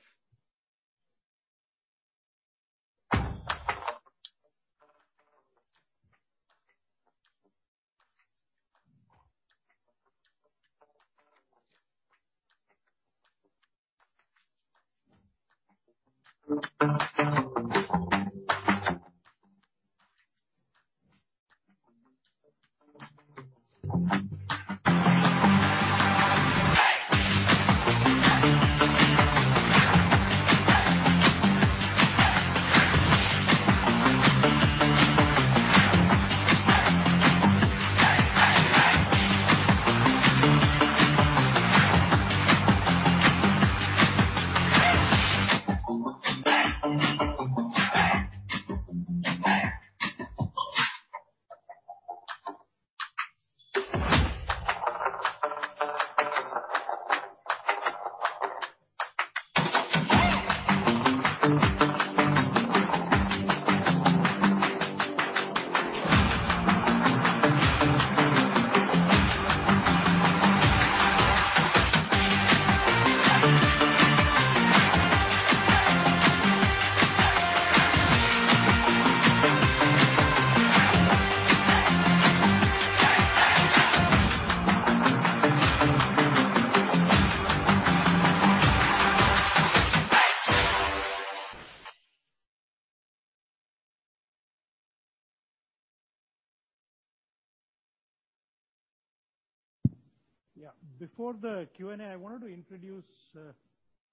Before the Q&A, I wanted to introduce,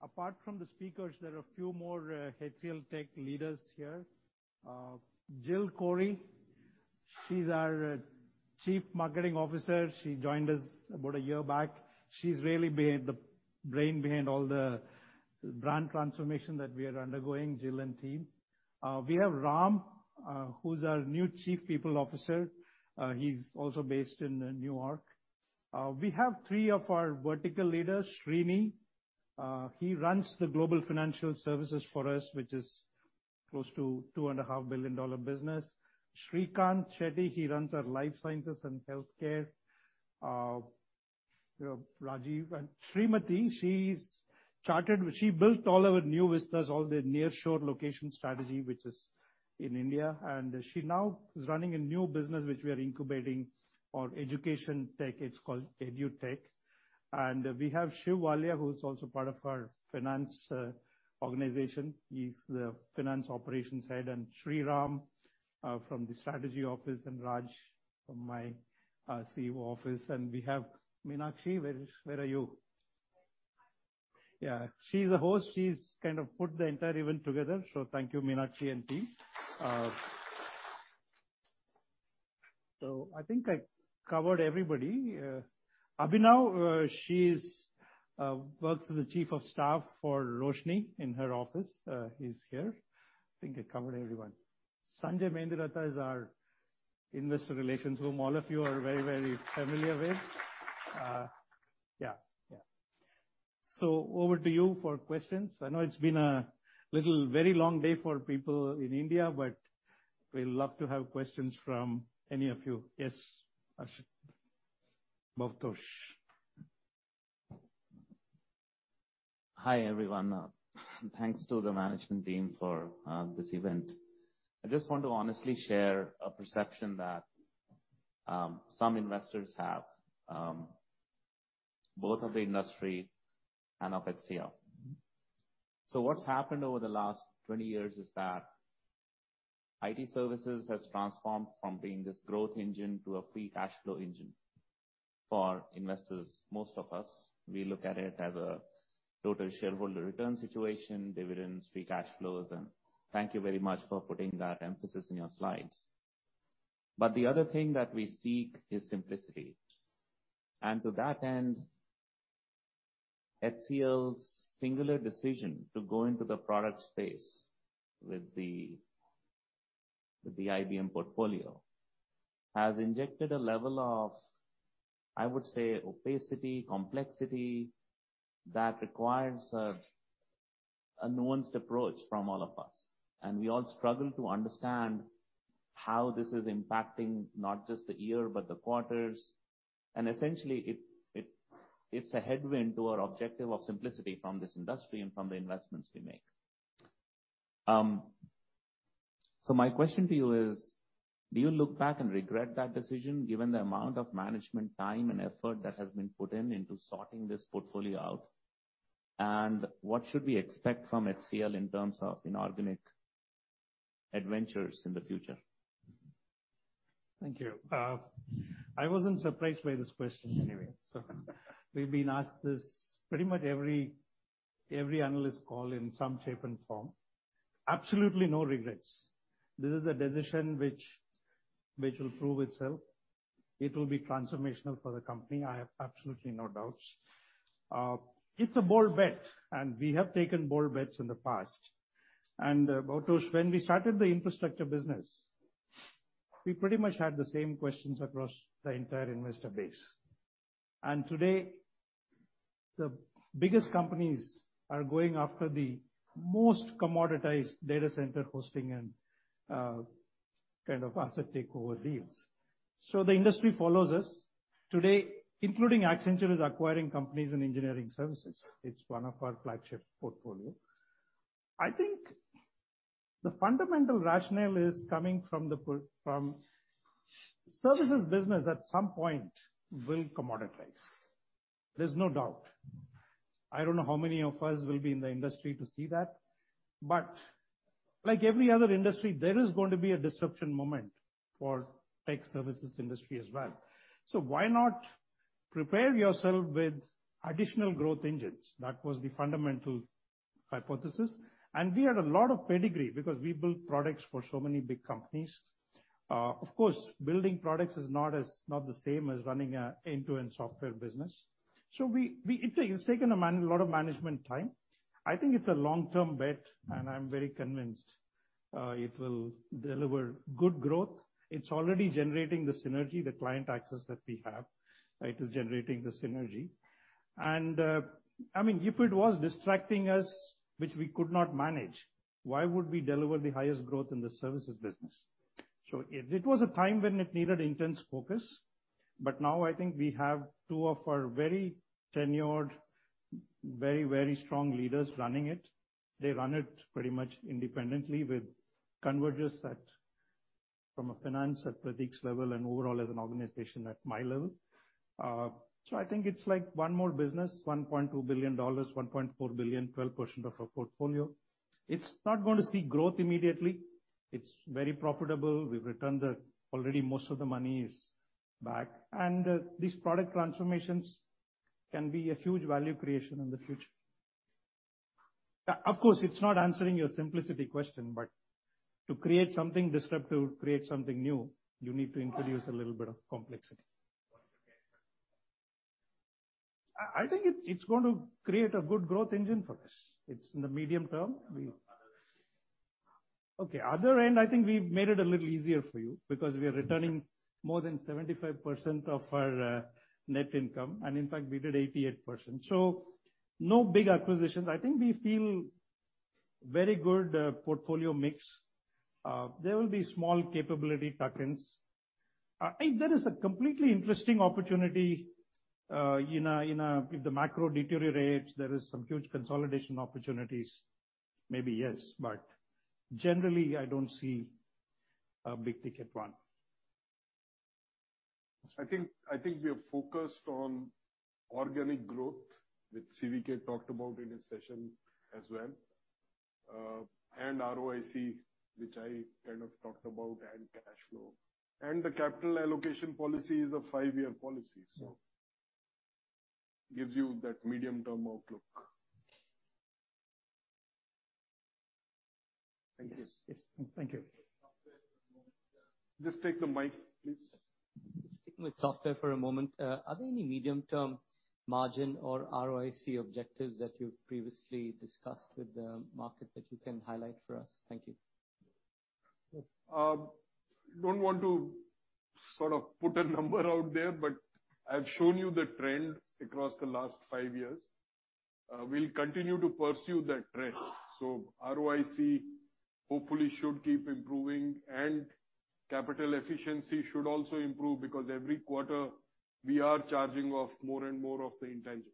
apart from the speakers, there are a few more HCLTech leaders here. Jill Kouri, she's our Chief Marketing Officer. She joined us about a year back. She's really the brain behind all the brand transformation that we are undergoing, Jill and team. We have Ram, who's our new Chief People Officer. He's also based in New York. We have three of our vertical leaders, Srini, he runs the global financial services for us, which is close to two and a half billion dollar business. Shrikant Shetty, he runs our life sciences and healthcare. You know, Rajiv and Srimathi, she built all our new Vistas, all the near shore location strategy, which is in India. She now is running a new business, which we are incubating on education tech. It's called EdTech. We have Sanjeev Walla, who's also part of our finance organization. He's the finance operations head. Shriram from the strategy office, and Raj from my CEO office. We have Meenakshi. Where are you? Yeah, she's the host. She's kind of put the entire event together. Thank you, Meenakshi and team. I think I covered everybody. Abhinav Kumar, she works as a chief of staff for Roshni in her office, is here. I think I covered everyone. Sanjay Mendiratta is our investor relations, whom all of you are very familiar with. Yeah. Yeah. Over to you for questions. I know it's been a little very long day for people in India, but we'd love to have questions from any of you. Yes, Bhupesh Bohra. Hi, everyone. Thanks to the management team for this event. I just want to honestly share a perception that some investors have both of the industry and of HCL. What's happened over the last 20 years is that IT services has transformed from being this growth engine to a free cash flow engine. For investors, most of us, we look at it as a total shareholder return situation, dividends, free cash flows, and thank you very much for putting that emphasis in your slides. The other thing that we seek is simplicity. To that end, HCL's singular decision to go into the product space with the IBM portfolio has injected a level of, I would say, opacity, complexity that requires a nuanced approach from all of us. We all struggle to understand how this is impacting not just the year, but the quarters. Essentially it's a headwind to our objective of simplicity from this industry and from the investments we make. My question to you is, do you look back and regret that decision, given the amount of management time and effort that has been put in into sorting this portfolio out? What should we expect from HCL in terms of inorganic adventures in the future? Thank you. I wasn't surprised by this question anyway, so we've been asked this pretty much every analyst call in some shape and form. Absolutely no regrets. This is a decision which will prove itself. It will be transformational for the company. I have absolutely no doubts. It's a bold bet, and we have taken bold bets in the past. Bhupesh Bohra, when we started the infrastructure business, we pretty much had the same questions across the entire investor base. Today, the biggest companies are going after the most commoditized data center hosting and kind of asset takeover deals. The industry follows us. Today, including Accenture is acquiring companies in engineering services. It's one of our flagship portfolio. I think the fundamental rationale is coming from services business at some point will commoditize. There's no doubt. I don't know how many of us will be in the industry to see that. Like every other industry, there is going to be a disruption moment for tech services industry as well. Why not prepare yourself with additional growth engines? That was the fundamental hypothesis. We had a lot of pedigree because we built products for so many big companies. Of course, building products is not the same as running a end-to-end software business. We, it's taken a lot of management time. I think it's a long-term bet, and I'm very convinced it will deliver good growth. It's already generating the synergy, the client access that we have, right? It is generating the synergy. I mean, if it was distracting us, which we could not manage, why would we deliver the highest growth in the services business? It was a time when it needed intense focus, but now I think we have two of our very tenured, very strong leaders running it. They run it pretty much independently with convergence at, from a finance at Prateek's level and overall as an organization at my level. I think it's like one more business, $1.2 billion, $1.4 billion, 12% of our portfolio. It's not going to see growth immediately. It's very profitable. We've returned already most of the money is back. These product transformations can be a huge value creation in the future. Of course, it's not answering your simplicity question, but to create something disruptive, create something new, you need to introduce a little bit of complexity. I think it's going to create a good growth engine for us. It's in the medium term. Okay. Other end, I think we've made it a little easier for you because we are returning more than 75% of our net income, and in fact, we did 88%. No big acquisitions. I think we feel very good, portfolio mix. There will be small capability tuck-ins. If there is a completely interesting opportunity, if the macro deteriorates, there is some huge consolidation opportunities, maybe yes, but generally, I don't see a big-ticket one. I think we are focused on organic growth, which CVK talked about in his session as well, and ROIC, which I kind of talked about, and cash flow. The capital allocation policy is a five-year policy, so gives you that medium-term outlook. Thank you. Yes. Yes. Thank you. Just take the mic, please. Sticking with software for a moment. Are there any medium-term margin or ROIC objectives that you've previously discussed with the market that you can highlight for us? Thank you. Don't want to sort of put a number out there, but I've shown you the trend across the last five years. We'll continue to pursue that trend. ROIC hopefully should keep improving, and capital efficiency should also improve because every quarter we are charging off more and more of the intangibles.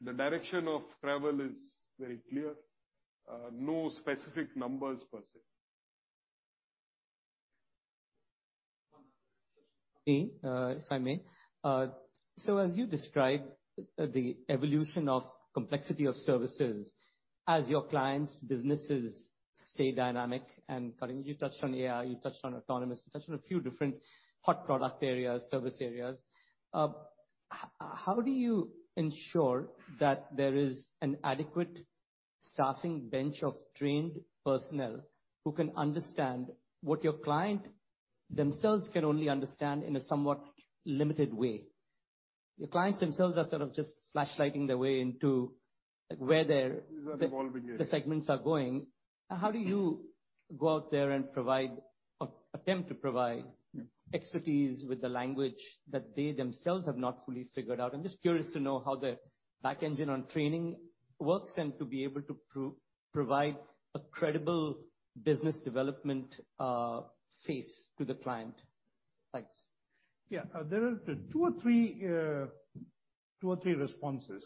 The direction of travel is very clear. No specific numbers per se. Me, if I may. As you described the evolution of complexity of services as your clients' businesses stay dynamic, and, Karim, you touched on AI, you touched on autonomous, you touched on a few different hot product areas, service areas. How do you ensure that there is an adequate staffing bench of trained personnel who can understand what your client themselves can only understand in a somewhat limited way? Your clients themselves are sort of just flashlighting their way into, like, where their. These are evolving areas. the segments are going. How do you go out there and provide or attempt to provide expertise with the language that they themselves have not fully figured out? I'm just curious to know how the back engine on training works and to be able to provide a credible business development face to the client. Thanks. Yeah. There are two or three responses.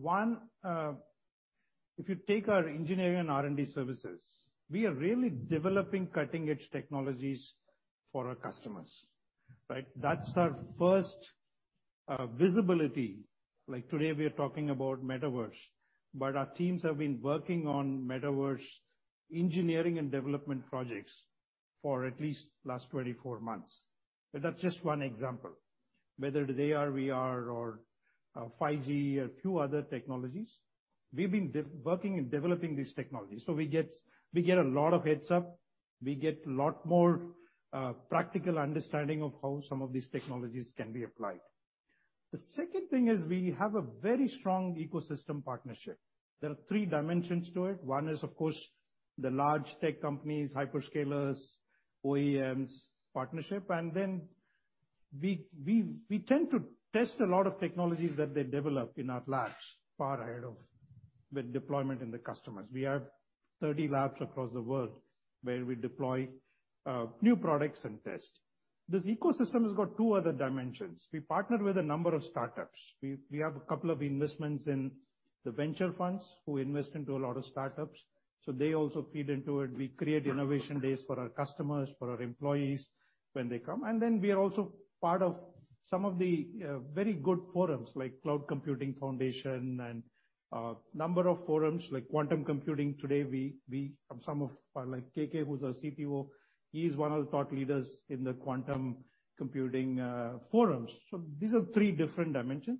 One, if you take our engineering R&D services, we are really developing cutting-edge technologies for our customers, right? That's our first visibility. Like today, we are talking about Metaverse, but our teams have been working on Metaverse engineering and development projects for at least last 24 months. That's just one example. Whether it is AR, VR or 5G or a few other technologies, we've been working in developing these technologies. We get a lot of heads-up, we get a lot more practical understanding of how some of these technologies can be applied. The second thing is we have a very strong ecosystem partnership. There are three dimensions to it. One is, of course, the large tech companies, hyperscalers, OEMs partnership, we tend to test a lot of technologies that they develop in our labs far ahead of the deployment in the customers. We have 30 labs across the world where we deploy new products and test. This ecosystem has got 2 other dimensions. We partner with a number of startups. We have a couple of investments in the venture funds who invest into a lot of startups, so they also feed into it. We create innovation days for our customers, for our employees when they come. We are also part of some of the very good forums like Cloud Native Computing Foundation and number of forums like Quantum Computing. Today, we. From some of like KK, who's our CPO, he's one of the thought leaders in the quantum computing forums. These are three different dimensions.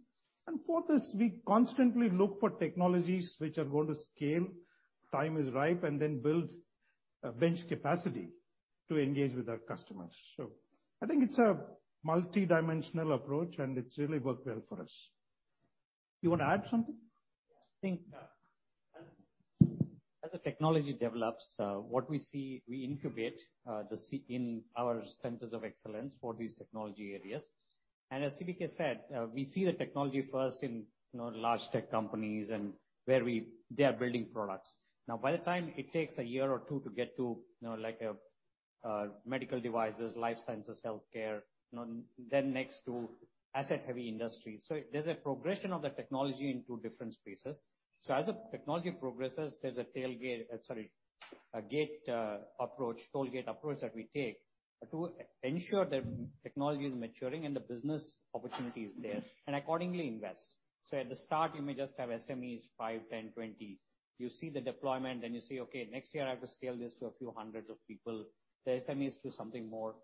Fourth is we constantly look for technologies which are going to scale, time is ripe, and then build a bench capacity to engage with our customers. I think it's a multidimensional approach and it's really worked well for us. You want to add something? I think as the technology develops, what we see, we incubate in our centers of excellence for these technology areas. As CVK said, we see the technology first in, you know, large tech companies and where they are building products. By the time it takes a year or two to get to, you know, like medical devices, life sensors, healthcare, you know, then next to asset-heavy industry. There's a progression of the technology into different spaces. As the technology progresses, there's a tailgate, sorry, a gate approach, tollgate approach that we take to ensure the technology is maturing and the business opportunity is there and accordingly invest. At the start, you may just have SMEs 5, 10, 20. You see the deployment, you say, "Okay, next year, I have to scale this to a few hundreds of people, the SMEs to something more."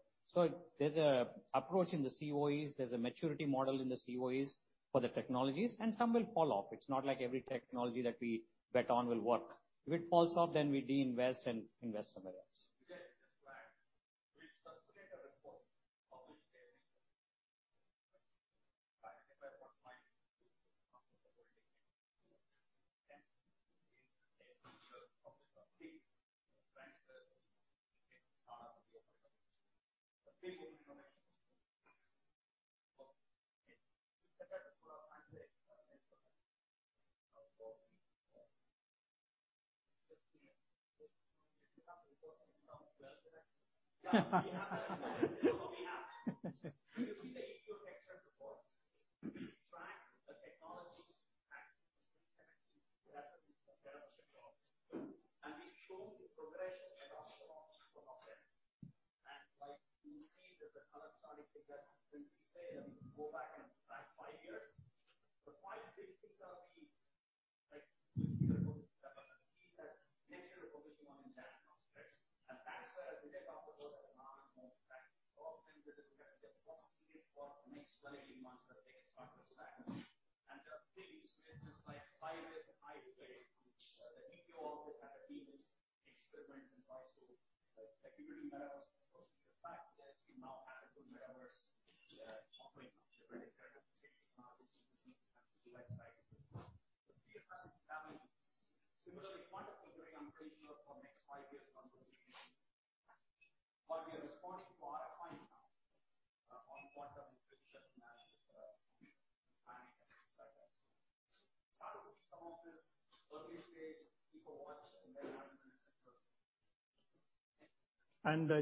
There's an approach in the COEs, there's a maturity model in the COEs for the technologies. Some will fall off. It's not like every technology that we bet on will work. If it falls off, we de-invest and invest somewhere else.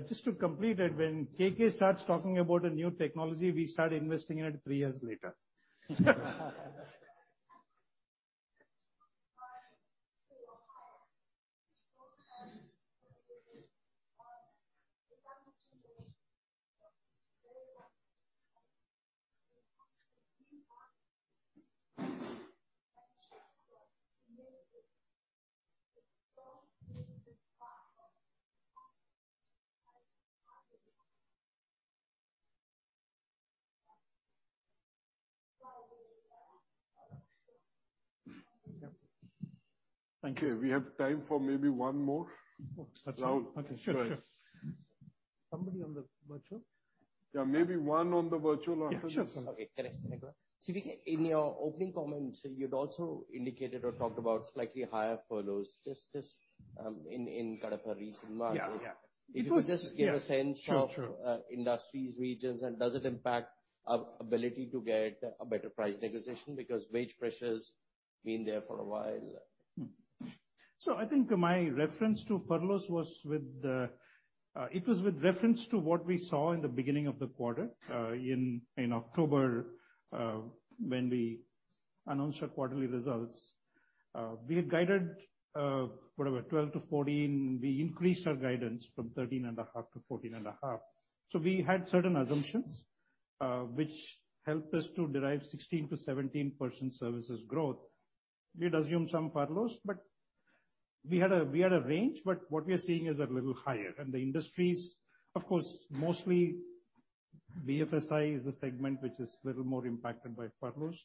Just to complete it, when KK starts talking about a new technology, we start investing in it three years later. Okay. We have time for maybe one more. Oh, that's it. Rahul. Go ahead. Somebody on the virtual? Yeah, maybe one on the virtual. Yeah, sure. Okay. Correct. Yeah. CV, in your opening comments, you'd also indicated or talked about slightly higher furloughs, just in kind of a recent months. Yeah. Yeah. If you could just give a sense of- Sure. Sure.... industries, regions, does it impact our ability to get a better price negotiation because wage pressures been there for a while. I think my reference to furloughs was with reference to what we saw in the beginning of the quarter. In October, when we announced our quarterly results, we had guided, whatever, 12-14. We increased our guidance from 13.5-14.5. We had certain assumptions, which helped us to derive 16%-17% services growth. We'd assume some furloughs, but we had a range, but what we are seeing is a little higher. The industries, of course, mostly BFSI is a segment which is a little more impacted by furloughs,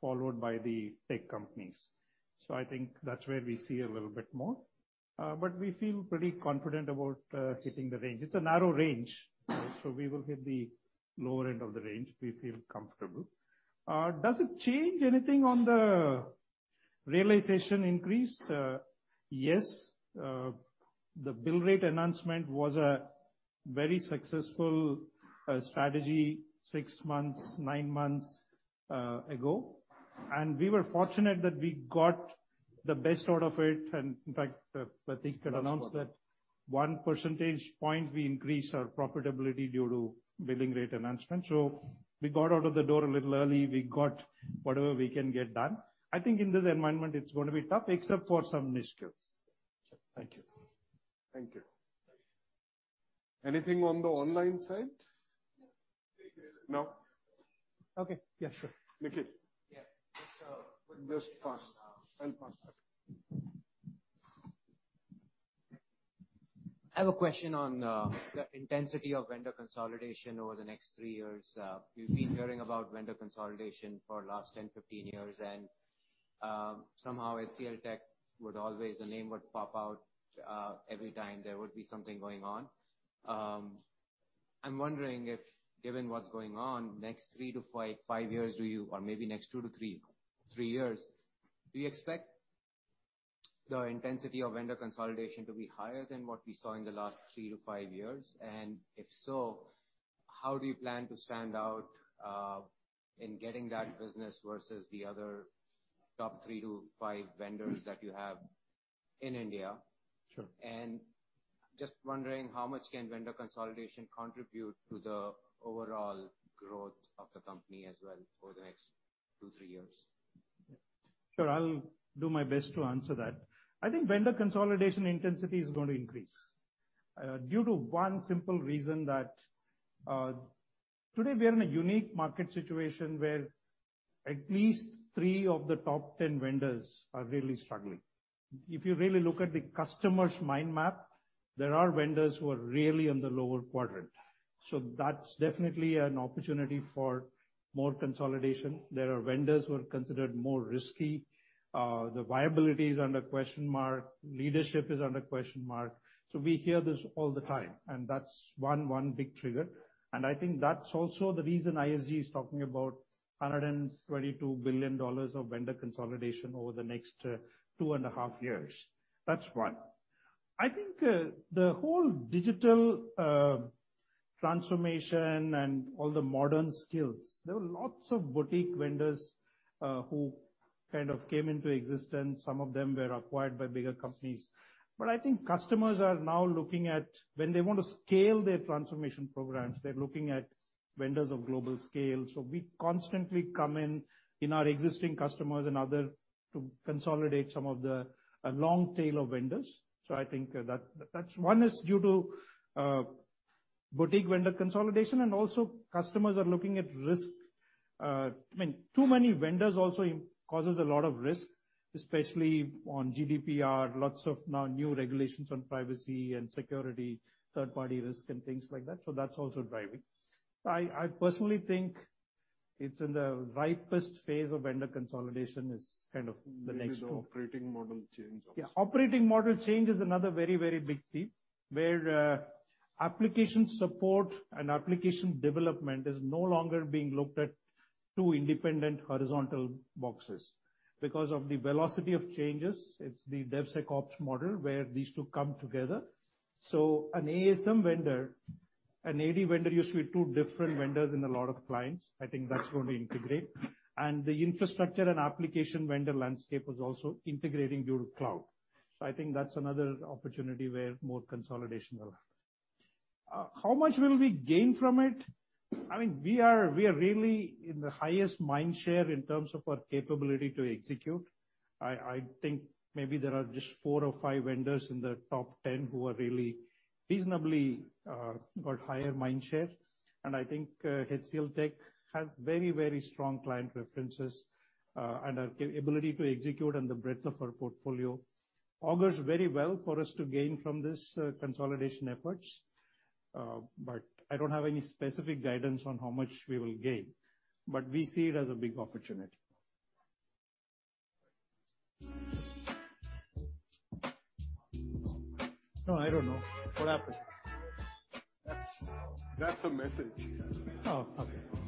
followed by the tech companies. I think that's where we see a little bit more. But we feel pretty confident about hitting the range. It's a narrow range, so we will hit the lower end of the range. We feel comfortable. Does it change anything on the realization increase? Yes. The bill rate enhancement was a very successful strategy six months, nine months ago. We were fortunate that we got the best out of it. In fact, Prateek can announce that one percentage point we increased our profitability due to billing rate enhancement. We got out of the door a little early. We got whatever we can get done. I think in this environment it's going to be tough, except for some niches. Thank you. Thank you. Anything on the online side? No. No. Okay. Yeah, sure. Nikhil. Yeah. Just fast. Faster. I have a question on the intensity of vendor consolidation over the next 3 years. We've been hearing about vendor consolidation for last 10-15 years, and somehow HCLTech would always, the name would pop out every time there would be something going on. I'm wondering if, given what's going on next 3-5 years, do you or maybe next 2-3 years, do you expect the intensity of vendor consolidation to be higher than what we saw in the last 3-5 years? If so, how do you plan to stand out in getting that business versus the other top 3-5 vendors that you have in India? Sure. Just wondering, how much can vendor consolidation contribute to the overall growth of the company as well for the next 2, 3 years? Sure. I'll do my best to answer that. I think vendor consolidation intensity is going to increase due to one simple reason that today we are in a unique market situation where at least three of the top 10 vendors are really struggling. If you really look at the customer's mind map, there are vendors who are really in the lower quadrant. That's definitely an opportunity for more consolidation. There are vendors who are considered more risky. The viability is under question mark. Leadership is under question mark. We hear this all the time, that's one big trigger. I think that's also the reason ISG is talking about $122 billion of vendor consolidation over the next two and a half years. That's one. I think, the whole digital transformation and all the modern skills, there were lots of boutique vendors who kind of came into existence. Some of them were acquired by bigger companies. I think customers are now looking at when they want to scale their transformation programs, they're looking at vendors of global scale. We constantly come in our existing customers and other to consolidate some of the long tail of vendors. I think that's one is due to boutique vendor consolidation and also customers are looking at risk. I mean, too many vendors also causes a lot of risk, especially on GDPR, lots of now new regulations on privacy and security, third party risk and things like that. That's also driving. I personally think it's in the ripest phase of vendor consolidation is kind of the next. Maybe the operating model change also. Yeah. Operating model change is another very, very big theme, where, application support and application development is no longer being looked at 2 independent horizontal boxes. Because of the velocity of changes, it's the DevSecOps model where these 2 come together. An ASM vendor, an AD vendor used to be 2 different vendors in a lot of clients. I think that's going to integrate. The infrastructure and application vendor landscape is also integrating due to cloud. I think that's another opportunity where more consolidation will happen. How much will we gain from it? I mean, we are, we are really in the highest mindshare in terms of our capability to execute. I think maybe there are just 4 or 5 vendors in the top 10 who are really reasonably, got higher mindshare. I think HCLTech has very, very strong client references, and our capability to execute and the breadth of our portfolio augurs very well for us to gain from this consolidation efforts. I don't have any specific guidance on how much we will gain. We see it as a big opportunity. No, I don't know what happened. That's a message. Oh, okay. To cut. They have another